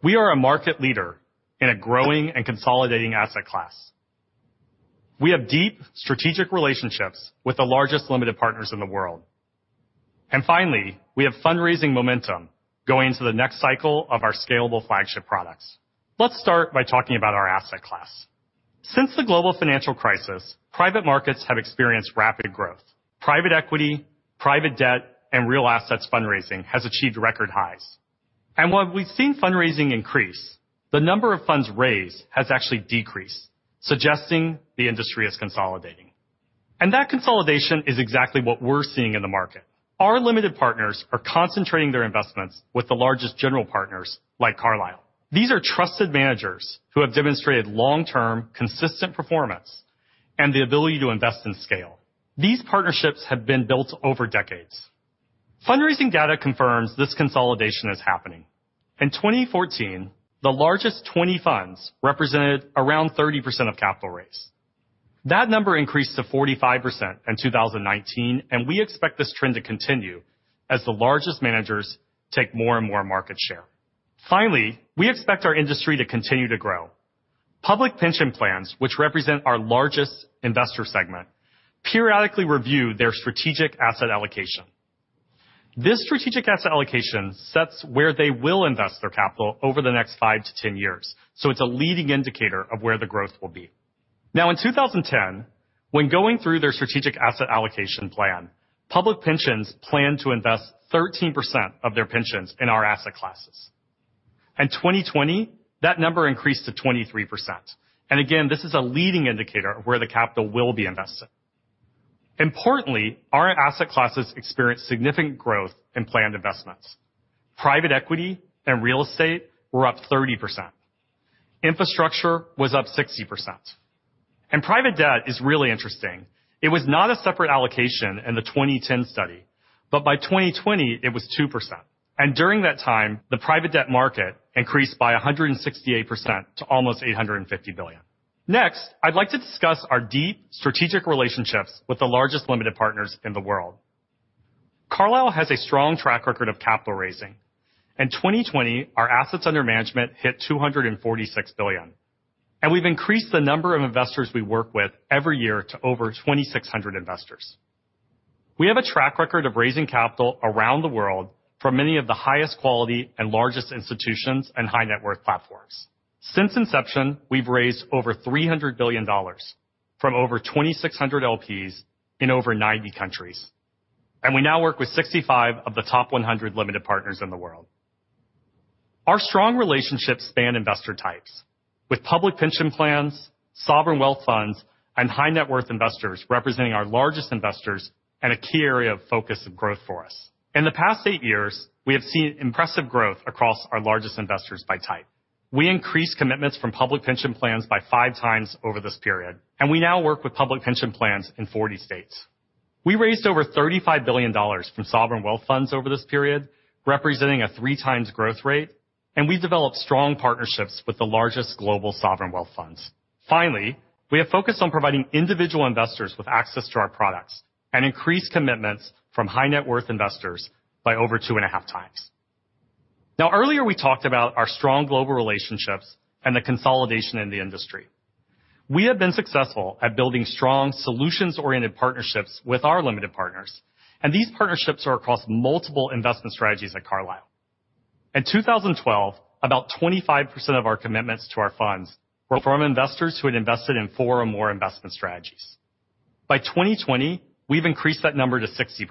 We are a market leader in a growing and consolidating asset class. We have deep strategic relationships with the largest limited partners in the world. Finally, we have fundraising momentum going into the next cycle of our scalable flagship products. Let's start by talking about our asset class. Since the global financial crisis, private markets have experienced rapid growth. Private equity, private debt, and real assets fundraising has achieved record highs. While we've seen fundraising increase, the number of funds raised has actually decreased, suggesting the industry is consolidating. That consolidation is exactly what we're seeing in the market. Our limited partners are concentrating their investments with the largest general partners like Carlyle. These are trusted managers who have demonstrated long-term consistent performance and the ability to invest in scale. These partnerships have been built over decades. Fundraising data confirms this consolidation is happening. In 2014, the largest 20 funds represented around 30% of capital raised. That number increased to 45% in 2019, and we expect this trend to continue as the largest managers take more and more market share. Finally, we expect our industry to continue to grow. Public pension plans, which represent our largest investor segment, periodically review their strategic asset allocation. This strategic asset allocation sets where they will invest their capital over the next 5 to 10 years. It's a leading indicator of where the growth will be. In 2010, when going through their strategic asset allocation plan, public pensions planned to invest 13% of their pensions in our asset classes. In 2020, that number increased to 23%. Again, this is a leading indicator of where the capital will be invested. Importantly, our asset classes experienced significant growth in planned investments. Private equity and real estate were up 30%. Infrastructure was up 60%. Private debt is really interesting. It was not a separate allocation in the 2010 study, but by 2020, it was 2%. During that time, the private debt market increased by 168% to almost $850 billion. Next, I'd like to discuss our deep strategic relationships with the largest limited partners in the world. Carlyle has a strong track record of capital raising. In 2020, our assets under management hit $246 billion. We've increased the number of investors we work with every year to over 2,600 investors. We have a track record of raising capital around the world for many of the highest quality and largest institutions and high net worth platforms. Since inception, we've raised over $300 billion from over 2,600 LPs in over 90 countries. We now work with 65 of the top 100 limited partners in the world. Our strong relationships span investor types with public pension plans, sovereign wealth funds, and high net worth investors representing our largest investors and a key area of focus and growth for us. In the past eight years, we have seen impressive growth across our largest investors by type. We increased commitments from public pension plans by five times over this period, and we now work with public pension plans in 40 states. We raised over $35 billion from sovereign wealth funds over this period, representing a three times growth rate, and we developed strong partnerships with the largest global sovereign wealth funds. We have focused on providing individual investors with access to our products and increased commitments from high net worth investors by over two and a half times. Earlier we talked about our strong global relationships and the consolidation in the industry. We have been successful at building strong solutions-oriented partnerships with our limited partners, and these partnerships are across multiple investment strategies at Carlyle. In 2012, about 25% of our commitments to our funds were from investors who had invested in four or more investment strategies. By 2020, we've increased that number to 60%.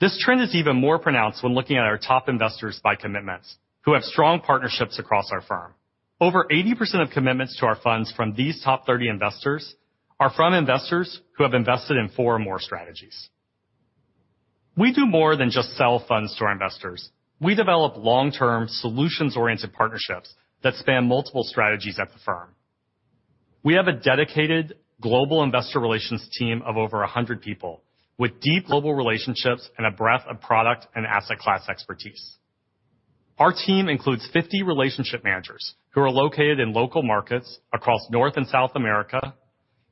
This trend is even more pronounced when looking at our top investors by commitments who have strong partnerships across our firm. Over 80% of commitments to our funds from these top 30 investors are from investors who have invested in four or more strategies. We do more than just sell funds to our investors. We develop long-term solutions-oriented partnerships that span multiple strategies at the firm. We have a dedicated global investor relations team of over 100 people with deep global relationships and a breadth of product and asset class expertise. Our team includes 50 relationship managers who are located in local markets across North and South America,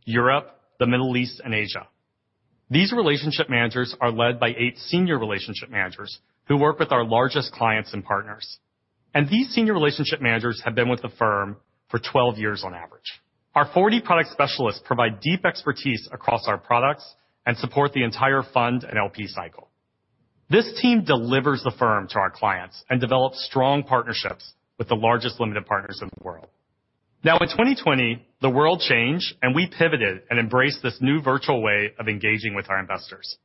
Europe, the Middle East, and Asia. These relationship managers are led by eight senior relationship managers who work with our largest clients and partners. These senior relationship managers have been with the firm for 12 years on average. Our 40 product specialists provide deep expertise across our products and support the entire fund and LP cycle. This team delivers the firm to our clients and develops strong partnerships with the largest limited partners in the world. In 2020, the world changed, we pivoted and embraced this new virtual way of engaging with our investors.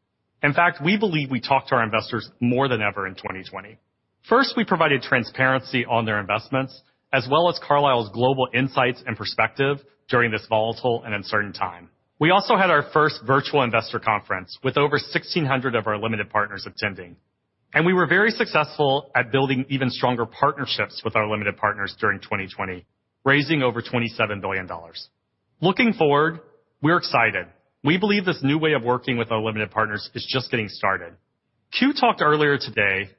In fact, we believe we talked to our investors more than ever in 2020. First, we provided transparency on their investments, as well as Carlyle's global insights and perspective during this volatile and uncertain time. We also had our first virtual investor conference with over 1,600 of our limited partners attending. We were very successful at building even stronger partnerships with our limited partners during 2020, raising over $27 billion. Looking forward, we're excited. We believe this new way of working with our limited partners is just getting started. Kew talked earlier today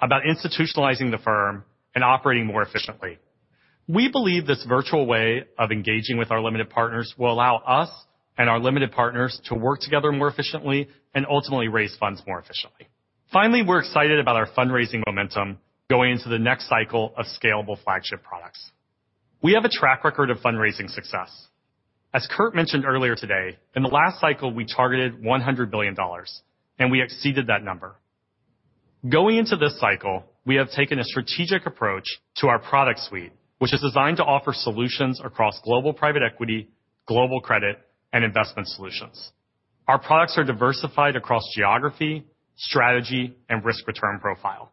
about institutionalizing the firm and operating more efficiently. We believe this virtual way of engaging with our limited partners will allow us and our limited partners to work together more efficiently and ultimately raise funds more efficiently. Finally, we're excited about our fundraising momentum going into the next cycle of scalable flagship products. We have a track record of fundraising success. As Curt mentioned earlier today, in the last cycle, we targeted $100 billion, and we exceeded that number. Going into this cycle, we have taken a strategic approach to our product suite, which is designed to offer solutions across global private equity, global credit, and investment solutions. Our products are diversified across geography, strategy, and risk return profile.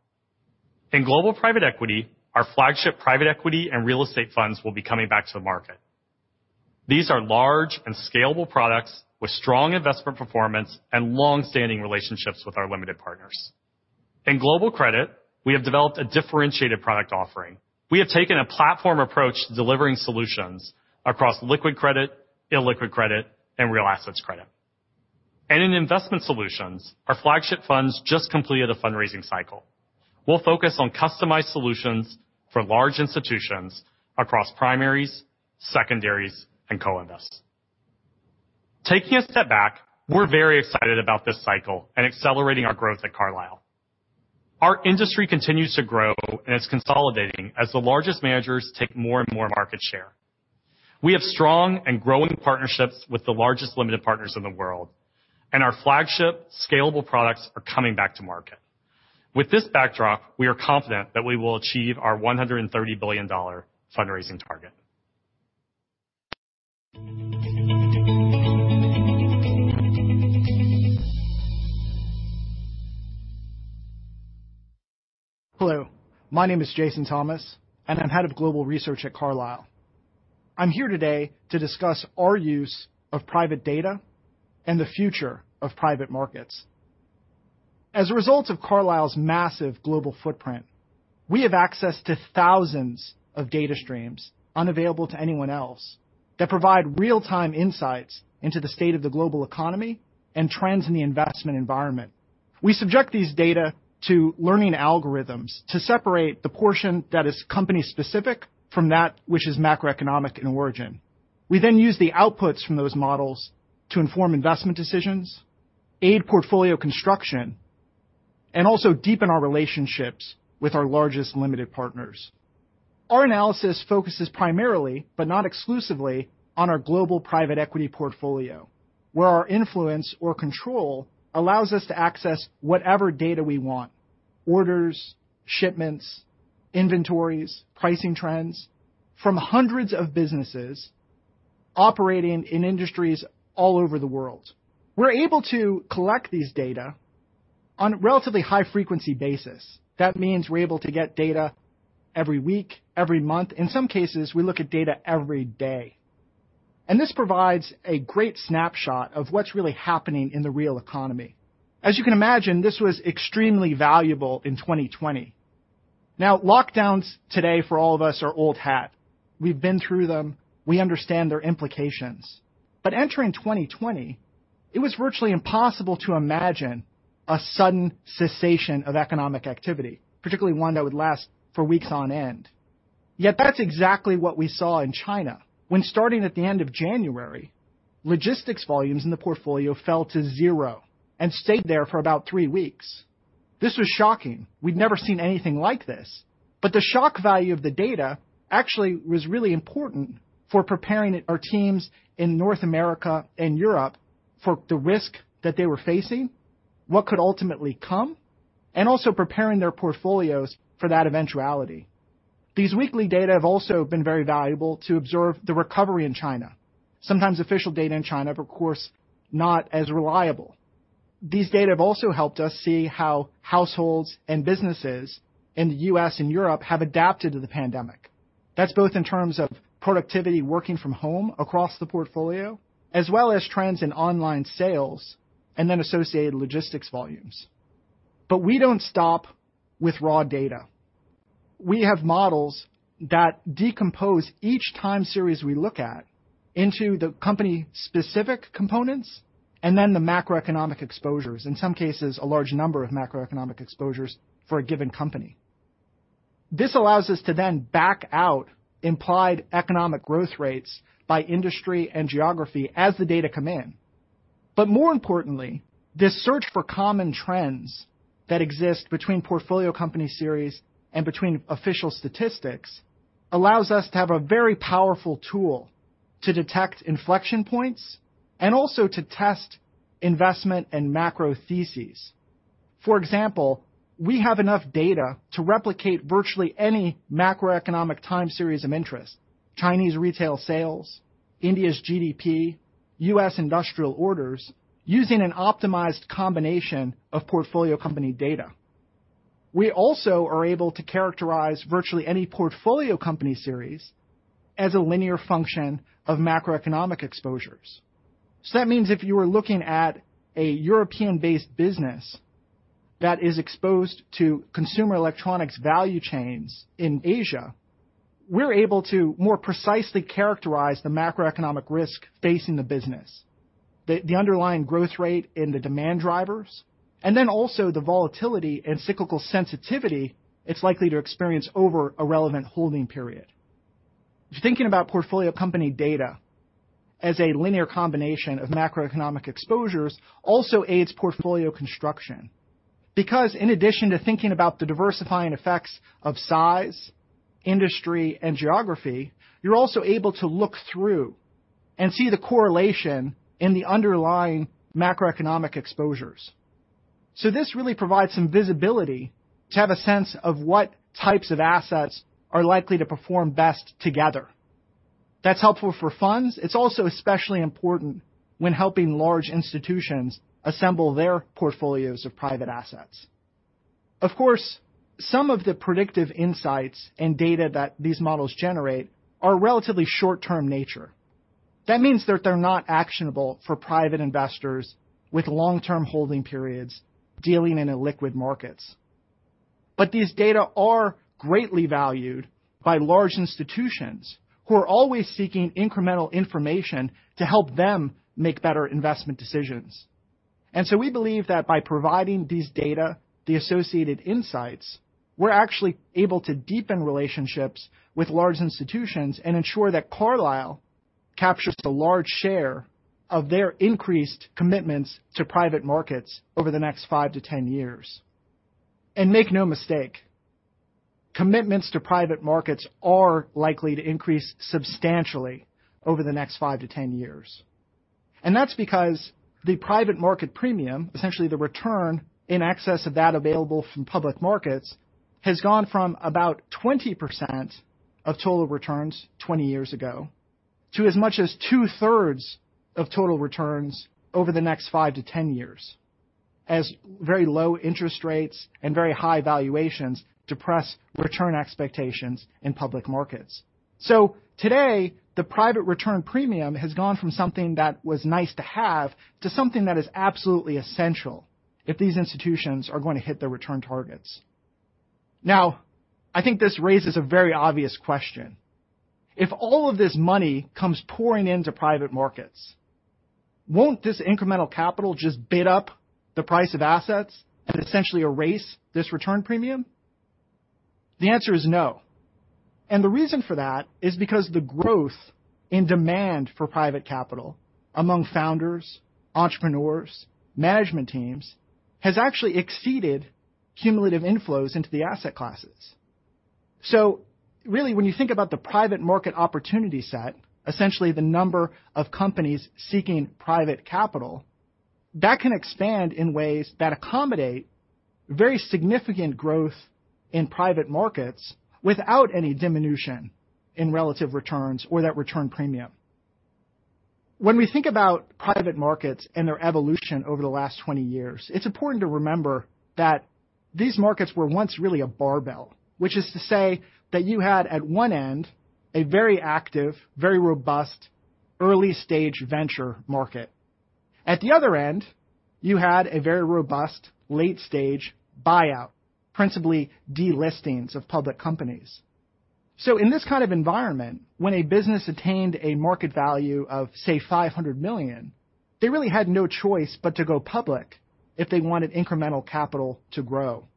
In global private equity, our flagship private equity and real estate funds will be coming back to the market. These are large and scalable products with strong investment performance and long-standing relationships with our limited partners. In global credit, we have developed a differentiated product offering. We have taken a platform approach to delivering solutions across liquid credit, illiquid credit, and real assets credit. In investment solutions, our flagship funds just completed a fundraising cycle. We'll focus on customized solutions for large institutions across primaries, secondaries, and co-invest. Taking a step back, we're very excited about this cycle and accelerating our growth at Carlyle. Our industry continues to grow, and it's consolidating as the largest managers take more and more market share. We have strong and growing partnerships with the largest limited partners in the world, and our flagship scalable products are coming back to market. With this backdrop, we are confident that we will achieve our $130 billion fundraising target. Hello, my name is Jason Thomas. I'm Head of Global Research at Carlyle. I'm here today to discuss our use of private data and the future of private markets. As a result of Carlyle's massive global footprint, we have access to thousands of data streams unavailable to anyone else that provide real-time insights into the state of the global economy and trends in the investment environment. We subject these data to learning algorithms to separate the portion that is company specific from that which is macroeconomic in origin. We use the outputs from those models to inform investment decisions, aid portfolio construction, and also deepen our relationships with our largest limited partners. Our analysis focuses primarily, but not exclusively, on our global private equity portfolio, where our influence or control allows us to access whatever data we want, orders, shipments, inventories, pricing trends from hundreds of businesses. Operating in industries all over the world. We're able to collect these data on a relatively high-frequency basis. That means we're able to get data every week, every month. In some cases, we look at data every day. This provides a great snapshot of what's really happening in the real economy. As you can imagine, this was extremely valuable in 2020. Lockdowns today for all of us are old hat. We've been through them. We understand their implications. Entering 2020, it was virtually impossible to imagine a sudden cessation of economic activity, particularly one that would last for weeks on end. That's exactly what we saw in China, when starting at the end of January, logistics volumes in the portfolio fell to zero and stayed there for about three weeks. This was shocking. We'd never seen anything like this. The shock value of the data actually was really important for preparing our teams in North America and Europe for the risk that they were facing, what could ultimately come, and also preparing their portfolios for that eventuality. These weekly data have also been very valuable to observe the recovery in China. Sometimes official data in China are, of course, not as reliable. These data have also helped us see how households and businesses in the U.S. and Europe have adapted to the pandemic. That's both in terms of productivity, working from home across the portfolio, as well as trends in online sales, and then associated logistics volumes. We don't stop with raw data. We have models that decompose each time series we look at into the company-specific components and then the macroeconomic exposures, in some cases, a large number of macroeconomic exposures for a given company. This allows us to then back out implied economic growth rates by industry and geography as the data come in. More importantly, this search for common trends that exist between portfolio company series and between official statistics allows us to have a very powerful tool to detect inflection points and also to test investment and macro theses. For example, we have enough data to replicate virtually any macroeconomic time series of interest, Chinese retail sales, India's GDP, U.S. industrial orders, using an optimized combination of portfolio company data. We also are able to characterize virtually any portfolio company series as a linear function of macroeconomic exposures. That means if you are looking at a European-based business that is exposed to consumer electronics value chains in Asia, we're able to more precisely characterize the macroeconomic risk facing the business, the underlying growth rate and the demand drivers, and then also the volatility and cyclical sensitivity it's likely to experience over a relevant holding period. Thinking about portfolio company data as a linear combination of macroeconomic exposures also aids portfolio construction. In addition to thinking about the diversifying effects of size, industry, and geography, you're also able to look through and see the correlation in the underlying macroeconomic exposures. This really provides some visibility to have a sense of what types of assets are likely to perform best together. That's helpful for funds. It's also especially important when helping large institutions assemble their portfolios of private assets. Of course, some of the predictive insights and data that these models generate are relatively short-term nature. That means that they're not actionable for private investors with long-term holding periods dealing in illiquid markets. These data are greatly valued by large institutions who are always seeking incremental information to help them make better investment decisions. We believe that by providing these data, the associated insights, we're actually able to deepen relationships with large institutions and ensure that Carlyle captures a large share of their increased commitments to private markets over the next 5-10 years. Make no mistake, commitments to private markets are likely to increase substantially over the next 5-10 years. That's because the private market premium, essentially the return in excess of that available from public markets, has gone from about 20% of total returns 20 years ago to as much as two-thirds of total returns over the next 5 to 10 years, as very low interest rates and very high valuations depress return expectations in public markets. Today, the private return premium has gone from something that was nice to have to something that is absolutely essential if these institutions are going to hit their return targets. I think this raises a very obvious question. If all of this money comes pouring into private markets, won't this incremental capital just bid up the price of assets and essentially erase this return premium? The answer is no. The reason for that is because the growth in demand for private capital among founders, entrepreneurs, management teams, has actually exceeded cumulative inflows into the asset classes. Really when you think about the private market opportunity set, essentially the number of companies seeking private capital that can expand in ways that accommodate very significant growth in private markets without any diminution in relative returns or that return premium. When we think about private markets and their evolution over the last 20 years, it's important to remember that these markets were once really a barbell, which is to say that you had, at one end, a very active, very robust early-stage venture market. At the other end, you had a very robust late-stage buyout, principally delistings of public companies. In this kind of environment, when a business attained a market value of, say, $500 million, they really had no choice but to go public if they wanted incremental capital to grow.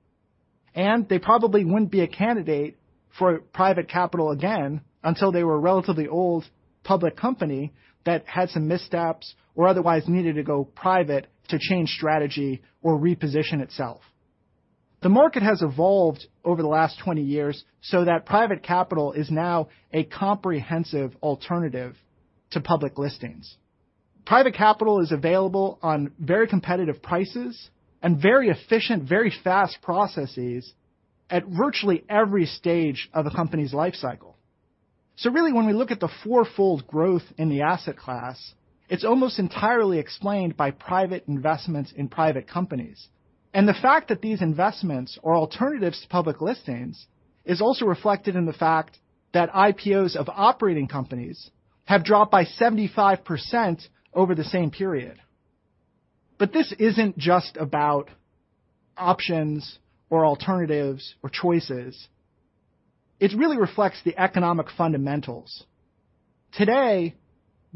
They probably wouldn't be a candidate for private capital again until they were a relatively old public company that had some missteps or otherwise needed to go private to change strategy or reposition itself. The market has evolved over the last 20 years that private capital is now a comprehensive alternative to public listings. Private capital is available on very competitive prices and very efficient, very fast processes at virtually every stage of a company's life cycle. Really, when we look at the four-fold growth in the asset class, it's almost entirely explained by private investments in private companies. The fact that these investments are alternatives to public listings is also reflected in the fact that IPOs of operating companies have dropped by 75% over the same period. This isn't just about options or alternatives or choices. It really reflects the economic fundamentals. Today,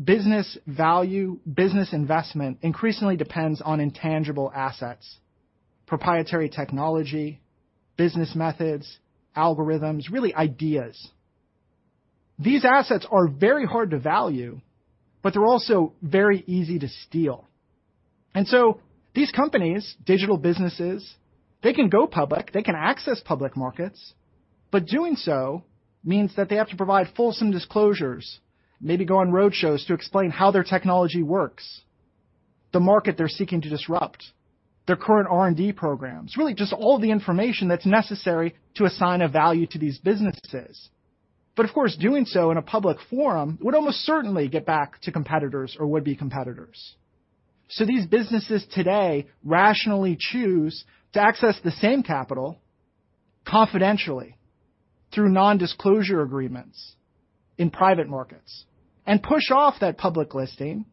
business value, business investment increasingly depends on intangible assets, proprietary technology, business methods, algorithms, really ideas. These assets are very hard to value, but they're also very easy to steal. These companies, digital businesses, they can go public, they can access public markets, but doing so means that they have to provide fulsome disclosures, maybe go on roadshows to explain how their technology works, the market they're seeking to disrupt, their current R&D programs, really just all the information that's necessary to assign a value to these businesses. Of course, doing so in a public forum would almost certainly get back to competitors or would-be competitors. These businesses today rationally choose to access the same capital confidentially through non-disclosure agreements in private markets and push off that public listing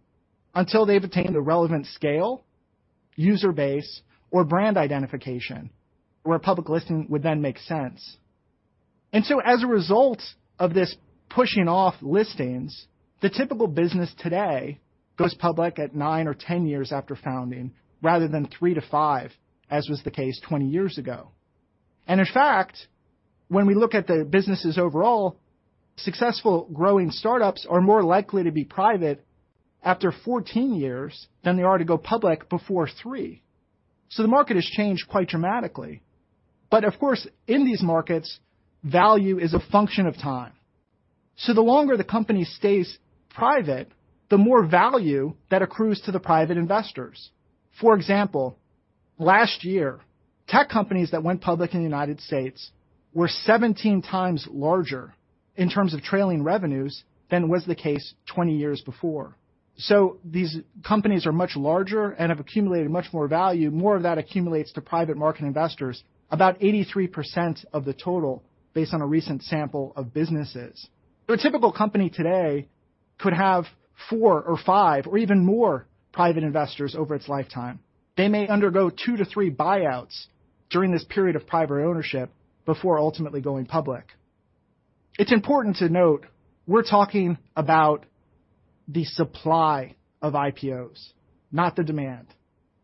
until they've attained a relevant scale, user base, or brand identification where a public listing would then make sense. As a result of this pushing off listings, the typical business today goes public at nine or 10 years after founding rather than three to five, as was the case 20 years ago. In fact, when we look at the businesses overall, successful growing startups are more likely to be private after 14 years than they are to go public before three. The market has changed quite dramatically. Of course, in these markets, value is a function of time. The longer the company stays private, the more value that accrues to the private investors. For example, last year, tech companies that went public in the U.S. were 17 times larger in terms of trailing revenues than was the case 20 years before. These companies are much larger and have accumulated much more value. More of that accumulates to private market investors, about 83% of the total, based on a recent sample of businesses. Your typical company today could have four or five or even more private investors over its lifetime. They may undergo two to three buyouts during this period of private ownership before ultimately going public. It's important to note we're talking about the supply of IPOs, not the demand,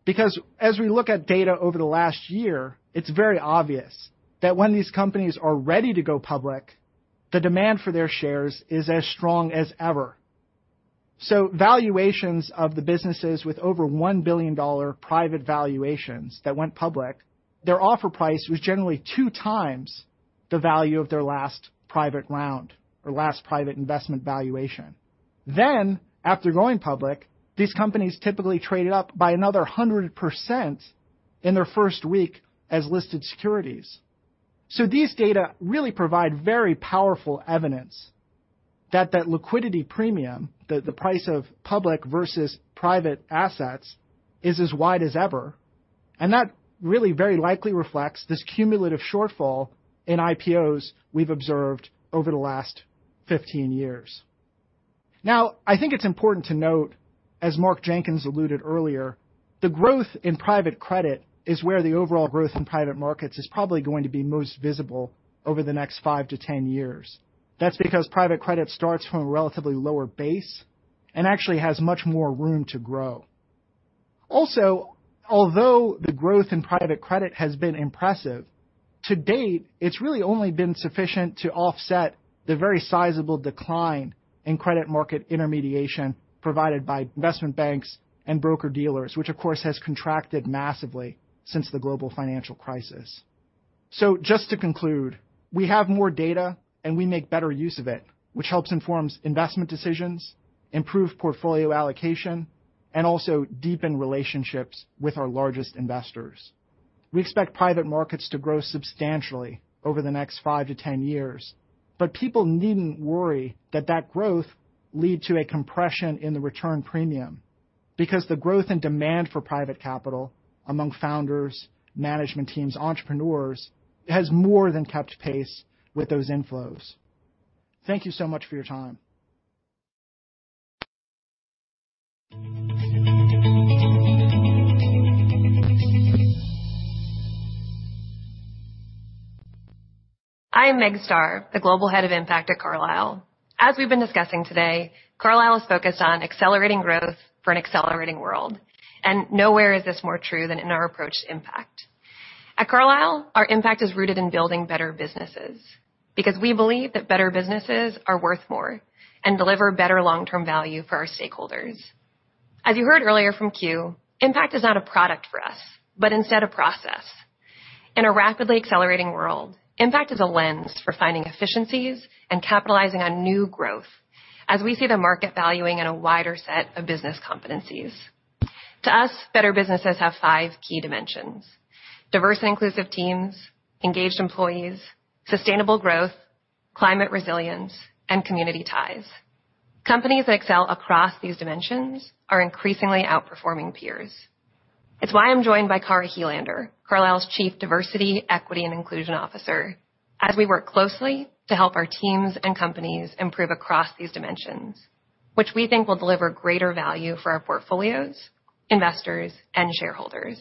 because as we look at data over the last year, it's very obvious that when these companies are ready to go public, the demand for their shares is as strong as ever. Valuations of the businesses with over $1 billion private valuations that went public, their offer price was generally 2x the value of their last private round or last private investment valuation. After going public, these companies typically traded up by another 100% in their first week as listed securities. These data really provide very powerful evidence that that liquidity premium, the price of public versus private assets, is as wide as ever. That really very likely reflects this cumulative shortfall in IPOs we've observed over the last 15 years. I think it's important to note, as Mark Jenkins alluded earlier, the growth in private credit is where the overall growth in private markets is probably going to be most visible over the next five to 10 years. That's because private credit starts from a relatively lower base and actually has much more room to grow. Although the growth in private credit has been impressive, to date, it's really only been sufficient to offset the very sizable decline in credit market intermediation provided by investment banks and broker-dealers, which of course has contracted massively since the global financial crisis. Just to conclude, we have more data, and we make better use of it, which helps informs investment decisions, improve portfolio allocation, and also deepen relationships with our largest investors. We expect private markets to grow substantially over the next 5-10 years, but people needn't worry that that growth leads to a compression in the return premium, because the growth and demand for private capital among founders, management teams, entrepreneurs, has more than kept pace with those inflows. Thank you so much for your time. I am Megan Starr, the Global Head of Impact at Carlyle. As we've been discussing today, Carlyle is focused on accelerating growth for an accelerating world. Nowhere is this more true than in our approach to impact. At Carlyle, our impact is rooted in building better businesses, because we believe that better businesses are worth more and deliver better long-term value for our stakeholders. As you heard earlier from Kew, impact is not a product for us, but instead a process. In a rapidly accelerating world, impact is a lens for finding efficiencies and capitalizing on new growth as we see the market valuing in a wider set of business competencies. To us, better businesses have five key dimensions: diverse and inclusive teams, engaged employees, sustainable growth, climate resilience, and community ties. Companies that excel across these dimensions are increasingly outperforming peers. It's why I'm joined by Kara Helander, Carlyle's Chief Diversity, Equity, and Inclusion Officer, as we work closely to help our teams and companies improve across these dimensions, which we think will deliver greater value for our portfolios, investors, and shareholders.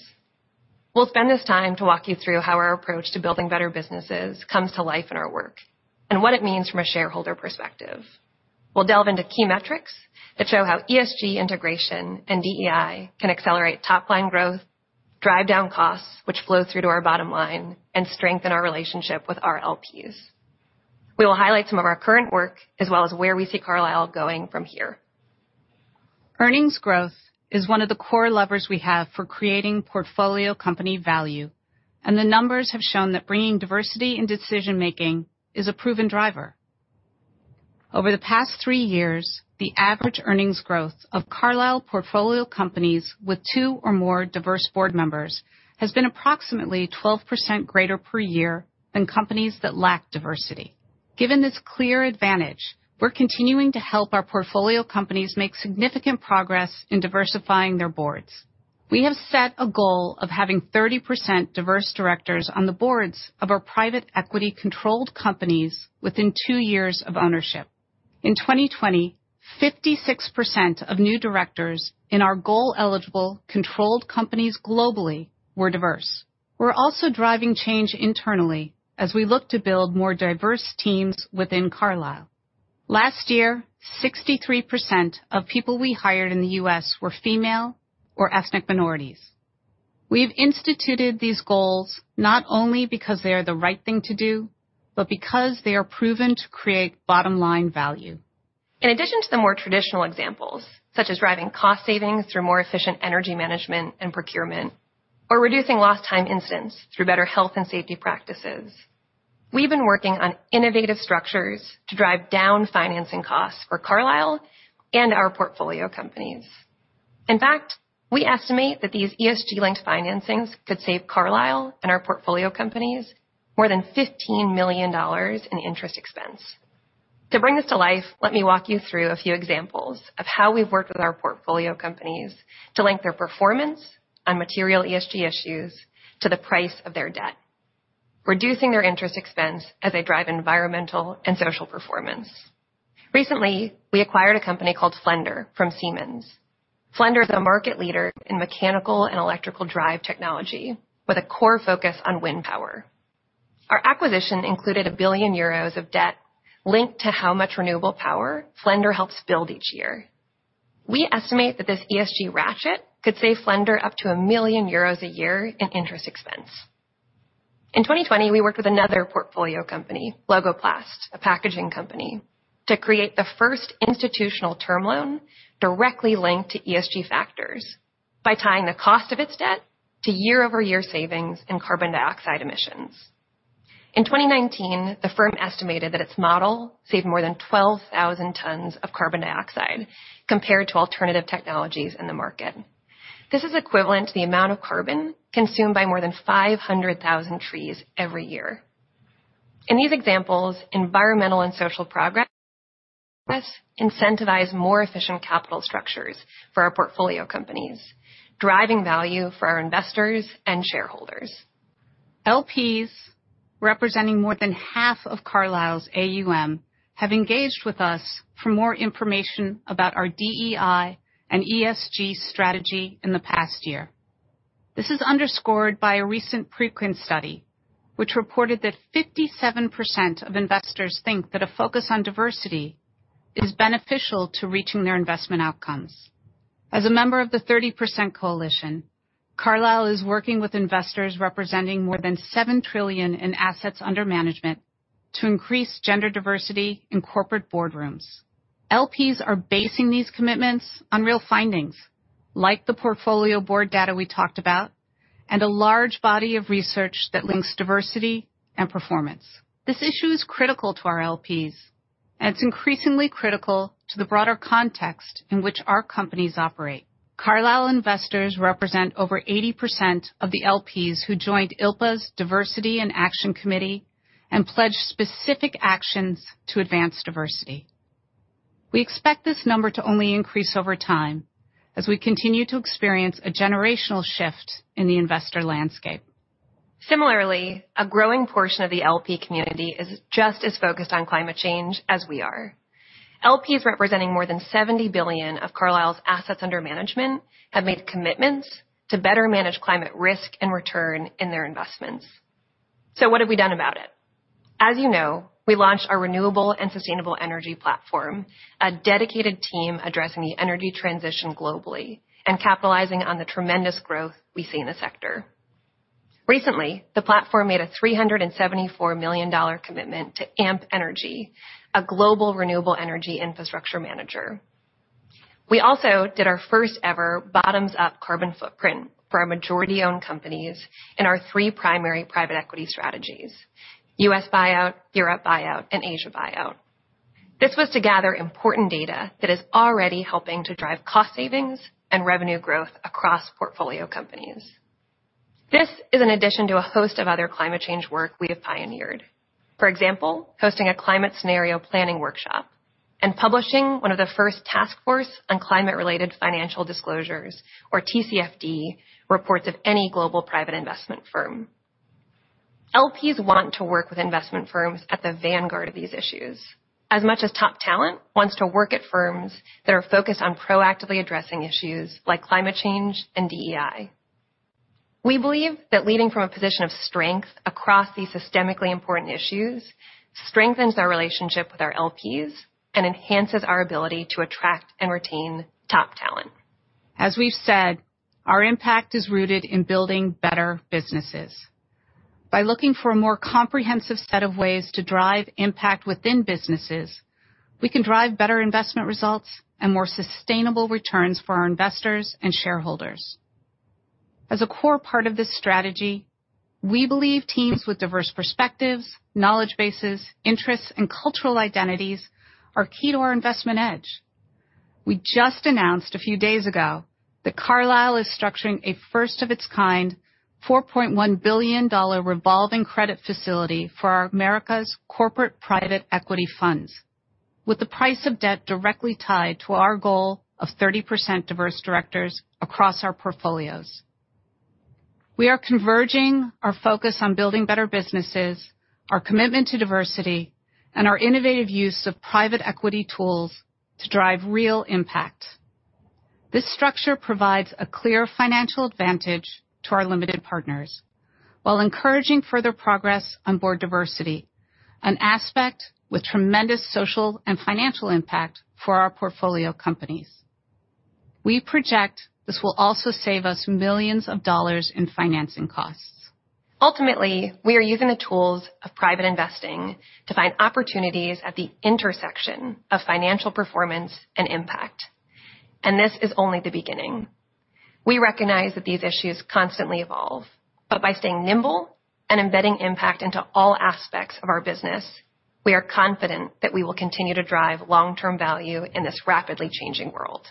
We'll spend this time to walk you through how our approach to building better businesses comes to life in our work, and what it means from a shareholder perspective. We'll delve into key metrics that show how ESG integration and DEI can accelerate top-line growth, drive down costs, which flow through to our bottom line, and strengthen our relationship with our LPs. We will highlight some of our current work, as well as where we see Carlyle going from here. Earnings growth is one of the core levers we have for creating portfolio company value, and the numbers have shown that bringing diversity in decision-making is a proven driver. Over the past three years, the average earnings growth of Carlyle portfolio companies with two or more diverse board members has been approximately 12% greater per year than companies that lack diversity. Given this clear advantage, we're continuing to help our portfolio companies make significant progress in diversifying their boards. We have set a goal of having 30% diverse directors on the boards of our private equity-controlled companies within two years of ownership. In 2020, 56% of new directors in our goal-eligible controlled companies globally were diverse. We're also driving change internally as we look to build more diverse teams within Carlyle. Last year, 63% of people we hired in the U.S. were female or ethnic minorities. We've instituted these goals not only because they are the right thing to do, but because they are proven to create bottom-line value. In addition to the more traditional examples, such as driving cost savings through more efficient energy management and procurement, or reducing lost time incidents through better health and safety practices, we've been working on innovative structures to drive down financing costs for Carlyle and our portfolio companies. In fact, we estimate that these ESG-linked financings could save Carlyle and our portfolio companies more than $15 million in interest expense. To bring this to life, let me walk you through a few examples of how we've worked with our portfolio companies to link their performance on material ESG issues to the price of their debt, reducing their interest expense as they drive environmental and social performance. Recently, we acquired a company called Flender from Siemens. Flender is a market leader in mechanical and electrical drive technology with a core focus on wind power. Our acquisition included 1 billion euros of debt linked to how much renewable power Flender helps build each year. We estimate that this ESG ratchet could save Flender up to 1 million euros a year in interest expense. In 2020, we worked with another portfolio company, Logoplaste, a packaging company, to create the first institutional term loan directly linked to ESG factors by tying the cost of its debt to year-over-year savings in carbon dioxide emissions. In 2019, the firm estimated that its model saved more than 12,000 tons of carbon dioxide compared to alternative technologies in the market. This is equivalent to the amount of carbon consumed by more than 500,000 trees every year. In these examples, environmental and social progress incentivize more efficient capital structures for our portfolio companies, driving value for our investors and shareholders. LPs, representing more than half of Carlyle's AUM, have engaged with us for more information about our DEI and ESG strategy in the past year. This is underscored by a recent Preqin study, which reported that 57% of investors think that a focus on diversity is beneficial to reaching their investment outcomes. As a member of the 30% Coalition, Carlyle is working with investors representing more than 7 trillion in assets under management to increase gender diversity in corporate boardrooms. LPs are basing these commitments on real findings, like the portfolio board data we talked about, and a large body of research that links diversity and performance. This issue is critical to our LPs, and it's increasingly critical to the broader context in which our companies operate. Carlyle investors represent over 80% of the LPs who joined ILPA's Diversity in Action Committee and pledged specific actions to advance diversity. We expect this number to only increase over time as we continue to experience a generational shift in the investor landscape. Similarly, a growing portion of the LP community is just as focused on climate change as we are. LPs representing more than $70 billion of Carlyle's assets under management have made commitments to better manage climate risk and return in their investments. What have we done about it? As you know, we launched our renewable and sustainable energy platform, a dedicated team addressing the energy transition globally and capitalizing on the tremendous growth we see in the sector. Recently, the platform made a $374 million commitment to Amp Energy, a global renewable energy infrastructure manager. We also did our first ever bottoms-up carbon footprint for our majority-owned companies in our 3 primary private equity strategies: U.S. buyout, Europe buyout, and Asia buyout. This was to gather important data that is already helping to drive cost savings and revenue growth across portfolio companies. This is an addition to a host of other climate change work we have pioneered. For example, hosting a climate scenario planning workshop and publishing one of the first Task Force on Climate-related Financial Disclosures, or TCFD, reports of any global private investment firm. LPs want to work with investment firms at the vanguard of these issues as much as top talent wants to work at firms that are focused on proactively addressing issues like climate change and DEI. We believe that leading from a position of strength across these systemically important issues strengthens our relationship with our LPs and enhances our ability to attract and retain top talent. As we've said, our impact is rooted in building better businesses. By looking for a more comprehensive set of ways to drive impact within businesses, we can drive better investment results and more sustainable returns for our investors and shareholders. As a core part of this strategy, we believe teams with diverse perspectives, knowledge bases, interests, and cultural identities are key to our investment edge. We just announced a few days ago that Carlyle is structuring a first of its kind $4.1 billion revolving credit facility for our Americas corporate private equity funds, with the price of debt directly tied to our goal of 30% diverse directors across our portfolios. We are converging our focus on building better businesses, our commitment to diversity, and our innovative use of private equity tools to drive real impact. This structure provides a clear financial advantage to our limited partners, while encouraging further progress on board diversity, an aspect with tremendous social and financial impact for our portfolio companies. We project this will also save us millions of dollars in financing costs. Ultimately, we are using the tools of private investing to find opportunities at the intersection of financial performance and impact. This is only the beginning. We recognize that these issues constantly evolve. By staying nimble and embedding impact into all aspects of our business, we are confident that we will continue to drive long-term value in this rapidly changing world.